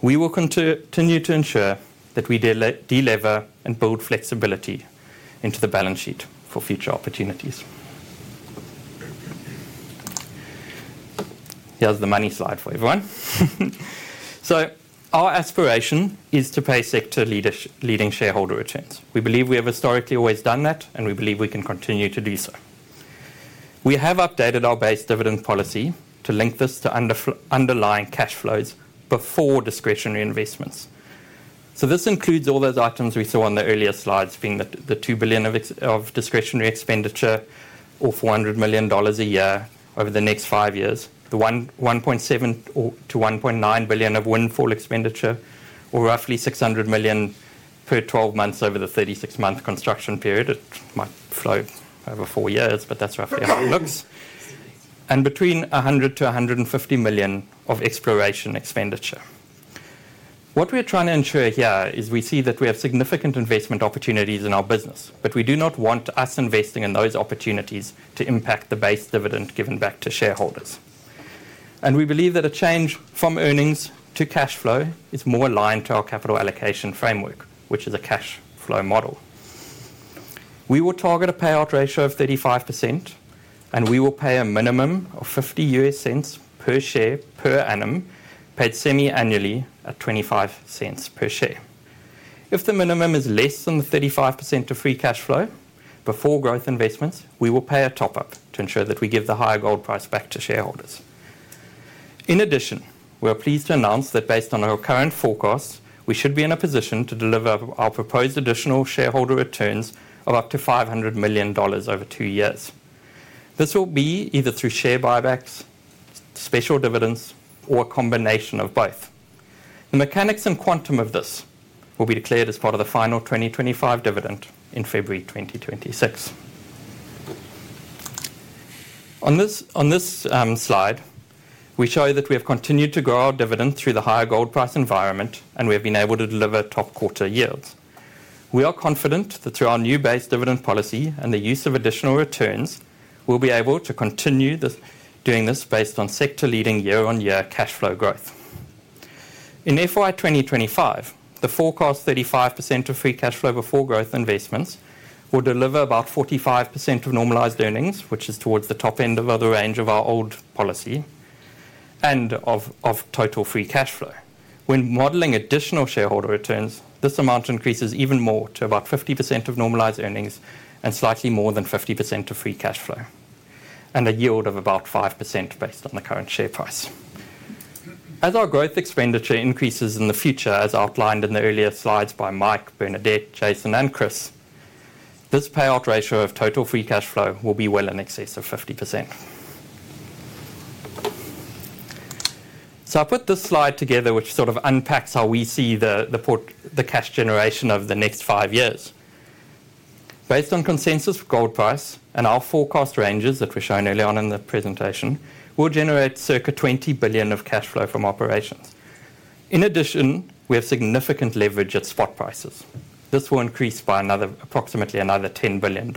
We will continue to ensure that we delever and build flexibility into the balance sheet for future opportunities. Here's the money slide for everyone. Our aspiration is to pay sector-leading shareholder returns. We believe we have historically always done that, and we believe we can continue to do so. We have updated our base dividend policy to link this to underlying cash flows before discretionary investments. This includes all those items we saw on the earlier slides, being the $2 billion of discretionary expenditure or $400 million a year over the next five years, the $1.7 billion-$1.9 billion of Windfall expenditure, or roughly $600 million per 12 months over the 36-month construction period. It might flow over four years, but that is roughly how it looks, and between $100 million-$150 million of exploration expenditure. What we're trying to ensure here is we see that we have significant investment opportunities in our business, but we do not want us investing in those opportunities to impact the base dividend given back to shareholders. We believe that a change from earnings to cash flow is more aligned to our capital allocation framework, which is a cash flow model. We will target a payout ratio of 35%, and we will pay a minimum of $0.50 per share per annum, paid semi-annually at $0.25 per share. If the minimum is less than the 35% of free cash flow before growth investments, we will pay a top-up to ensure that we give the higher gold price back to shareholders. In addition, we're pleased to announce that based on our current forecast, we should be in a position to deliver our proposed additional shareholder returns of up to $500 million over two years. This will be either through share buybacks, special dividends, or a combination of both. The mechanics and quantum of this will be declared as part of the final 2025 dividend in February 2026. On this slide, we show that we have continued to grow our dividend through the higher gold price environment, and we have been able to deliver top quarter yields. We are confident that through our new base dividend policy and the use of additional returns, we'll be able to continue doing this based on sector-leading year-on-year cash flow growth. In FY 2025, the forecast 35% of free cash flow before growth investments will deliver about 45% of normalized earnings, which is towards the top end of the range of our old policy and of total free cash flow. When modeling additional shareholder returns, this amount increases even more to about 50% of normalized earnings and slightly more than 50% of free cash flow, and a yield of about 5% based on the current share price. As our growth expenditure increases in the future, as outlined in the earlier slides by Mike, Bernadette, Jason, and Chris, this payout ratio of total free cash flow will be well in excess of 50%. I put this slide together, which sort of unpacks how we see the cash generation of the next five years. Based on consensus gold price and our forecast ranges that were shown earlier on in the presentation, we'll generate circa $20 billion of cash flow from operations. In addition, we have significant leverage at spot prices. This will increase by approximately another $10 billion.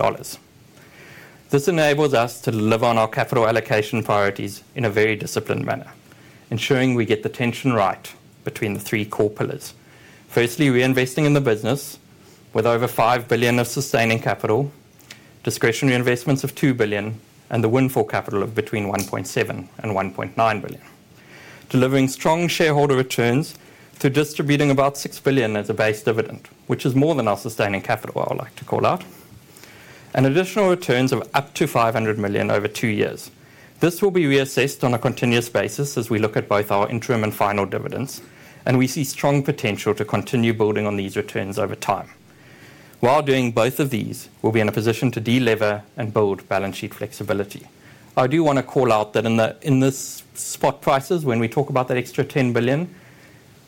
This enables us to deliver on our capital allocation priorities in a very disciplined manner, ensuring we get the tension right between the three core pillars. Firstly, reinvesting in the business with over $5 billion of sustaining capital, discretionary investments of $2 billion, and the windfall capital of between $1.7 billion and $1.9 billion, delivering strong shareholder returns through distributing about $6 billion as a base dividend, which is more than our sustaining capital, I would like to call out, and additional returns of up to $500 million over two years. This will be reassessed on a continuous basis as we look at both our interim and final dividends, and we see strong potential to continue building on these returns over time. While doing both of these, we will be in a position to delever and build balance sheet flexibility. I do want to call out that in this spot prices, when we talk about that extra $10 billion,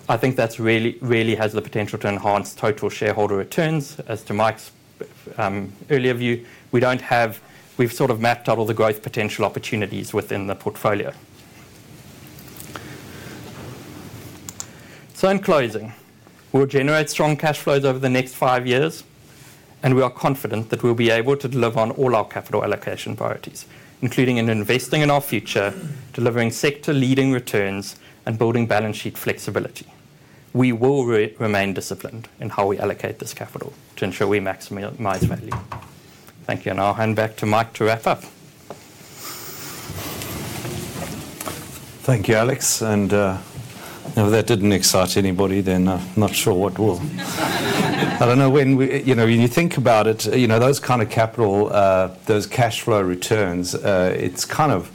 I think that really has the potential to enhance total shareholder returns. As to Mike's earlier view, we have sort of mapped out all the growth potential opportunities within the portfolio. In closing, we will generate strong cash flows over the next five years, and we are confident that we will be able to deliver on all our capital allocation priorities, including investing in our future, delivering sector-leading returns, and building balance sheet flexibility. We will remain disciplined in how we allocate this capital to ensure we maximize value. Thank you. I will hand back to Mike to wrap up. Thank you, Alex. If that did not excite anybody, then I am not sure what will. I do not know, when you think about it, those kind of capital, those cash flow returns, it is kind of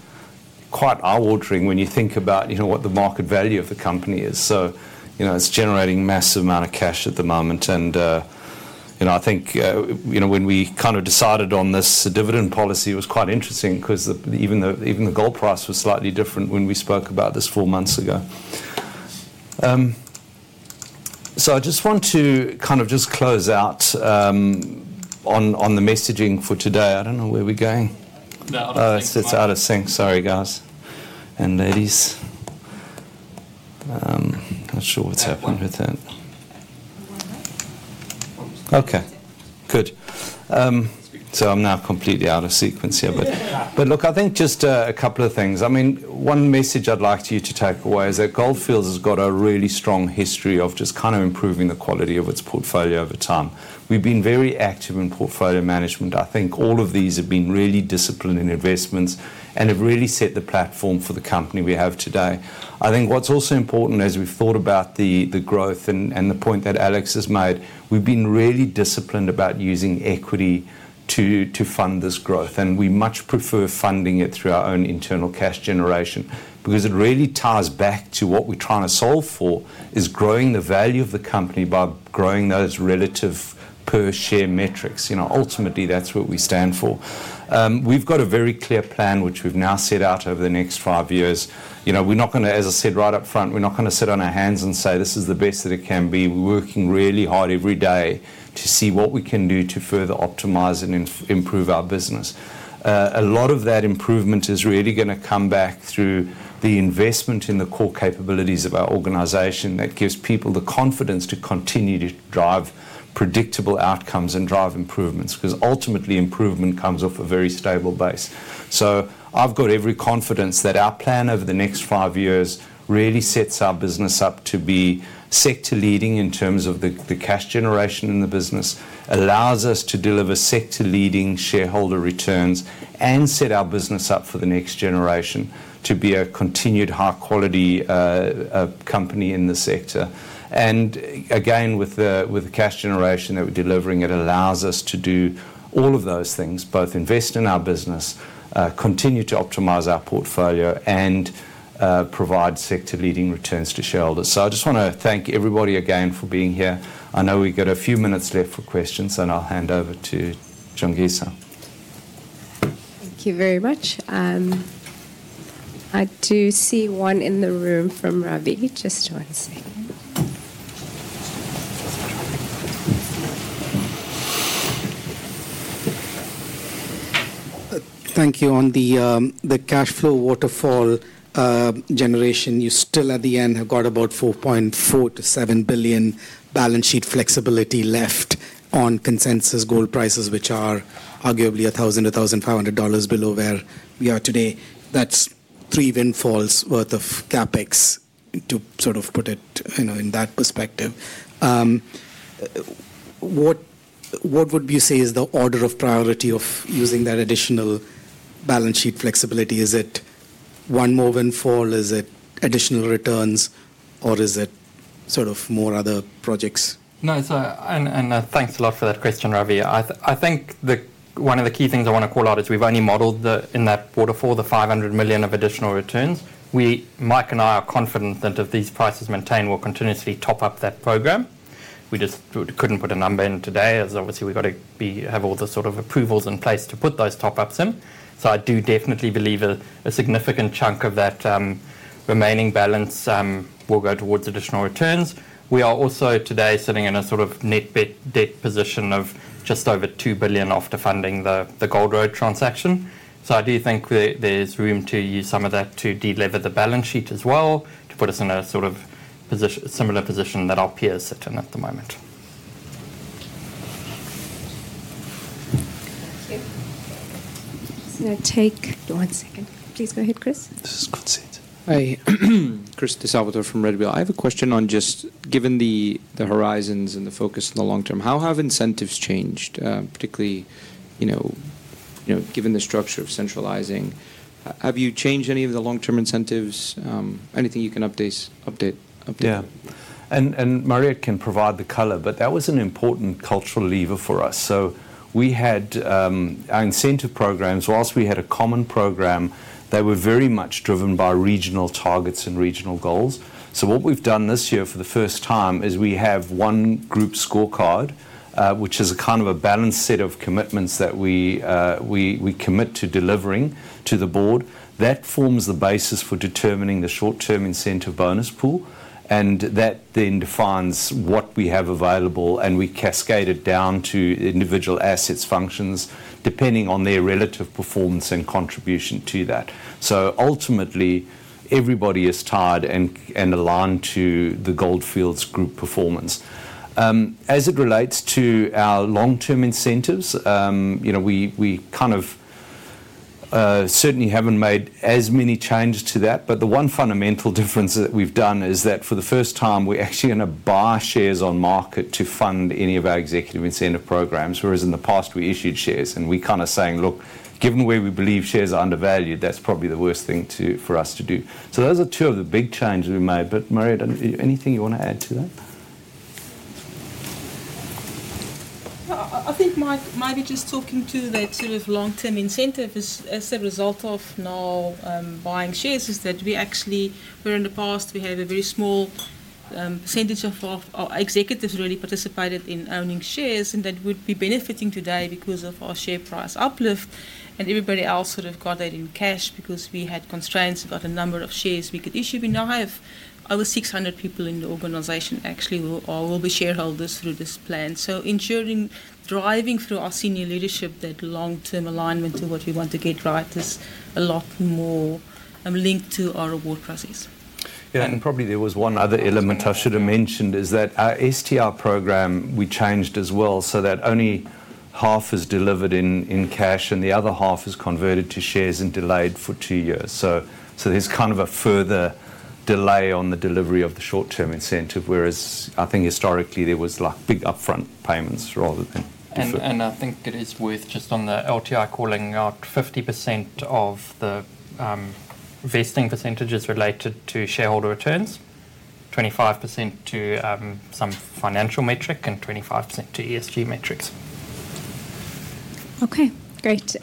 quite eye-watering when you think about what the market value of the company is. It is generating a massive amount of cash at the moment. I think when we kind of decided on this dividend policy, it was quite interesting because even the gold price was slightly different when we spoke about this four months ago. I just want to kind of just close out on the messaging for today. I do not know where we are going. It is out of sync. Sorry, guys and ladies. Not sure what's happened with that. Okay. Good. I am now completely out of sequence here. I think just a couple of things. I mean, one message I'd like you to take away is that Gold Fields has got a really strong history of just kind of improving the quality of its portfolio over time. We have been very active in portfolio management. I think all of these have been really disciplined in investments and have really set the platform for the company we have today. I think what's also important as we have thought about the growth and the point that Alex has made, we have been really disciplined about using equity to fund this growth. We much prefer funding it through our own internal cash generation because it really ties back to what we're trying to solve for, is growing the value of the company by growing those relative per share metrics. Ultimately, that's what we stand for. We've got a very clear plan, which we've now set out over the next five years. We're not going to, as I said right up front, we're not going to sit on our hands and say, "This is the best that it can be." We're working really hard every day to see what we can do to further optimize and improve our business. A lot of that improvement is really going to come back through the investment in the core capabilities of our organization that gives people the confidence to continue to drive predictable outcomes and drive improvements because ultimately, improvement comes off a very stable base. I've got every confidence that our plan over the next five years really sets our business up to be sector-leading in terms of the cash generation in the business, allows us to deliver sector-leading shareholder returns, and set our business up for the next generation to be a continued high-quality company in the sector. Again, with the cash generation that we're delivering, it allows us to do all of those things, both invest in our business, continue to optimize Our Portfolio, and provide sector-leading returns to shareholders. I just want to thank everybody again for being here. I know we've got a few minutes left for questions, and I'll hand over to Jongisa. Thank you very much. I do see one in the room from Ravi. Just one second. Thank you. On the cash flow waterfall generation, you still at the end have got about $4.4 billion-$7 billion balance sheet flexibility left on consensus gold prices, which are arguably $1,000-$1,500 below where we are today. That's three Windfalls' worth of CapEx, to sort of put it in that perspective. What would you say is the order of priority of using that additional balance sheet flexibility? Is it one more Windfall? Is it additional returns? Or is it sort of more other projects? No, and thanks a lot for that question, Ravi. I think one of the key things I want to call out is we've only modeled in that quarter four the $500 million of additional returns. Mike and I are confident that if these prices maintain, we'll continuously top up that program. We just couldn't put a number in today as obviously we've got to have all the sort of approvals in place to put those top-ups in. I do definitely believe a significant chunk of that remaining balance will go towards additional returns. We are also today sitting in a sort of net debt position of just over $2 billion after funding the Gold Road transaction. I do think there's room to use some of that to delever the balance sheet as well, to put us in a sort of similar position that our peers sit in at the moment. Thank you. I'm going to take one second. Please go ahead, Chris. This is Chris DiSalvatore from Redwheel. I have a question on just given the horizons and the focus in the long term, how have incentives changed, particularly given the structure of centralizing? Have you changed any of the long-term incentives? Anything you can update? Yeah. Mariëtte can provide the color, but that was an important cultural lever for us. Our incentive programs, whilst we had a common program, they were very much driven by regional targets and regional goals. What we've done this year for the first time is we have one group scorecard, which is a kind of a balanced set of commitments that we commit to delivering to the Board. That forms the basis for determining the short-term incentive bonus pool, and that then defines what we have available, and we cascade it down to individual assets' functions, depending on their relative performance and contribution to that. Ultimately, everybody is tied and aligned to the Gold Fields group performance. As it relates to our long-term incentives, we kind of certainly haven't made as many changes to that, but the one fundamental difference that we've done is that for the first time, we're actually going to buy shares on market to fund any of our executive incentive programs, whereas in the past, we issued shares. We're kind of saying, "Look, given where we believe shares are undervalued, that's probably the worst thing for us to do." Those are two of the big changes we made. Mariëtte, anything you want to add to that? I think Mike, just talking to the sort of long-term incentives as a result of now buying shares, is that we actually, where in the past, we had a very small percentage of our executives really participated in owning shares, and that would be benefiting today because of our share price uplift. Everybody else sort of got that in cash because we had constraints about the number of shares we could issue. We now have over 600 people in the organization actually who will be shareholders through this plan. Ensuring driving through our senior leadership that long-term alignment to what we want to get right is a lot more linked to our award process. Yeah. Probably there was one other element I should have mentioned is that our STR program, we changed as well so that only half is delivered in cash and the other half is converted to shares and delayed for two years. There is kind of a further delay on the delivery of the short-term incentive, whereas I think historically there was big upfront payments rather than through. I think it is worth just on the LTI calling out 50% of the vesting percentages related to shareholder returns, 25% to some financial metric, and 25% to ESG metrics. Okay. Great.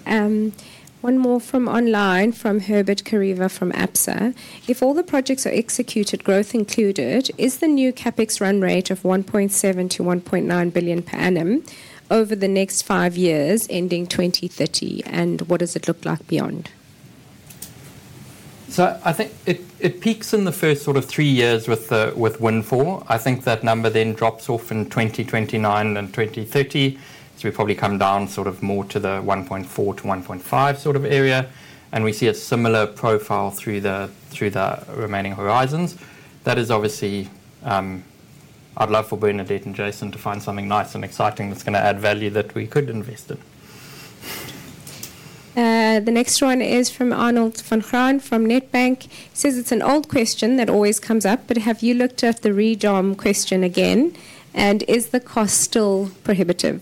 One more from online from Herbert Kiriva from APSA. If all the projects are executed, growth included, is the new CapEx run rate of $1.7 billion-$1.9 billion per annum over the next five years ending 2030? What does it look like beyond? I think it peaks in the first sort of three years with Windfall. I think that number then drops off in 2029 and 2030. We probably come down sort of more to the $1.4 billion-$1.5 billion sort of area, and we see a similar profile through the remaining horizons. That is obviously I'd love for Bernadette and Jason to find something nice and exciting that's going to add value that we could invest in. The next one is from Arnold Van Graan from Nedbank. He says it's an old question that always comes up, but have you looked at the redom question again? Is the cost still prohibitive?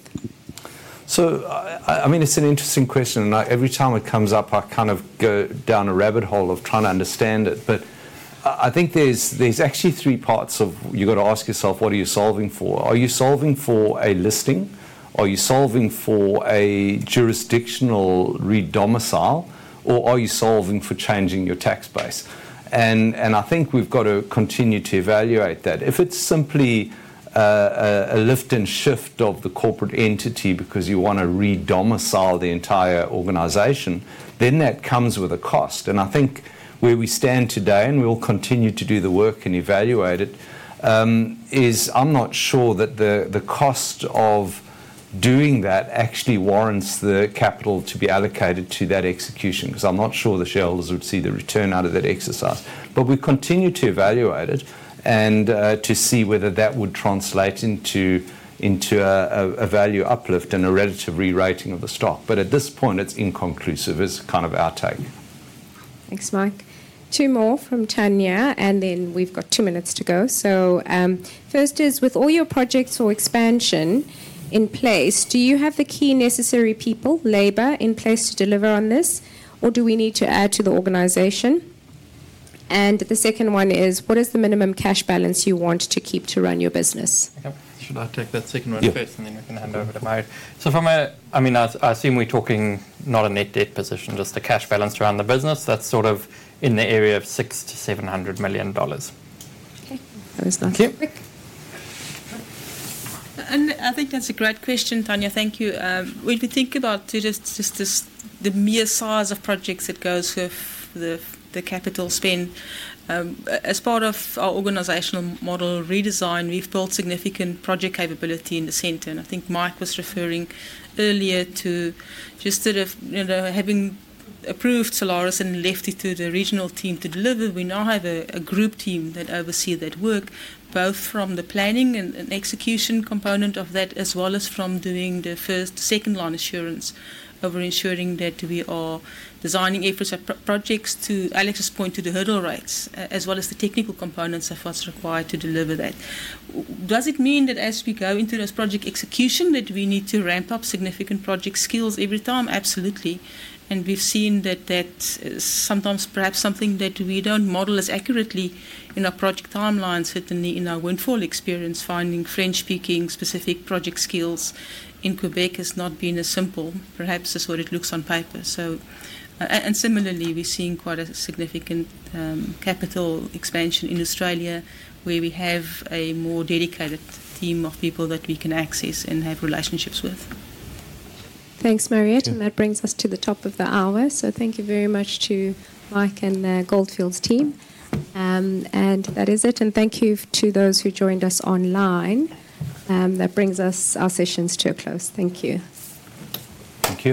I mean, it's an interesting question. Every time it comes up, I kind of go down a rabbit hole of trying to understand it. I think there are actually three parts of you have got to ask yourself, what are you solving for? Are you solving for a listing? Are you solving for a jurisdictional redomicile? Are you solving for changing your tax base? I think we have got to continue to evaluate that. If it is simply a lift and shift of the corporate entity because you want to redomicile the entire organization, that comes with a cost. I think where we stand today, and we will continue to do the work and evaluate it, is I am not sure that the cost of doing that actually warrants the capital to be allocated to that execution because I am not sure the shareholders would see the return out of that exercise. But we continue to evaluate it and to see whether that would translate into a value uplift and a relative rewriting of the stock. At this point, it's inconclusive is kind of our take. Thanks, Mike. Two more from Tanya, and then we've got two minutes to go. First is, with all your projects or expansion in place, do you have the key necessary people, labor, in place to deliver on this? Or do we need to add to the organization? The second one is, what is the minimum cash balance you want to keep to run your business? Should I take that second one first, and then we can hand over to Mariëtte? From a, I mean, I assume we're talking not a net debt position, just the cash balance around the business that's sort of in the area of $600 million-$700 million. Okay. That was nice. Thank you. I think that's a great question, Tanya. Thank you. When we think about just the mere size of projects that goes with the capital spend, as part of our organizational model redesign, we've built significant project capability in the center. I think Mike was referring earlier to just sort of having approved Salares and left it to the regional team to deliver. We now have a group team that oversees that work, both from the planning and execution component of that, as well as from doing the first, second-line assurance over ensuring that we are designing efforts at projects to Alex's point to the hurdle rates, as well as the technical components of what's required to deliver that. Does it mean that as we go into this project execution, that we need to ramp up significant project skills every time? Absolutely. We have seen that that is sometimes perhaps something that we do not model as accurately in our project timelines. Certainly in our Windfall experience, finding French-speaking specific project skills in Quebec has not been as simple as perhaps it looks on paper. Similarly, we are seeing quite a significant capital expansion in Australia where we have a more dedicated team of people that we can access and have relationships with. Thanks, Mariëtte. That brings us to the top of the hour. Thank you very much to Mike and Gold Fields' team. That is it. Thank you to those who joined us online. That brings our sessions to a close. Thank you. Thank you.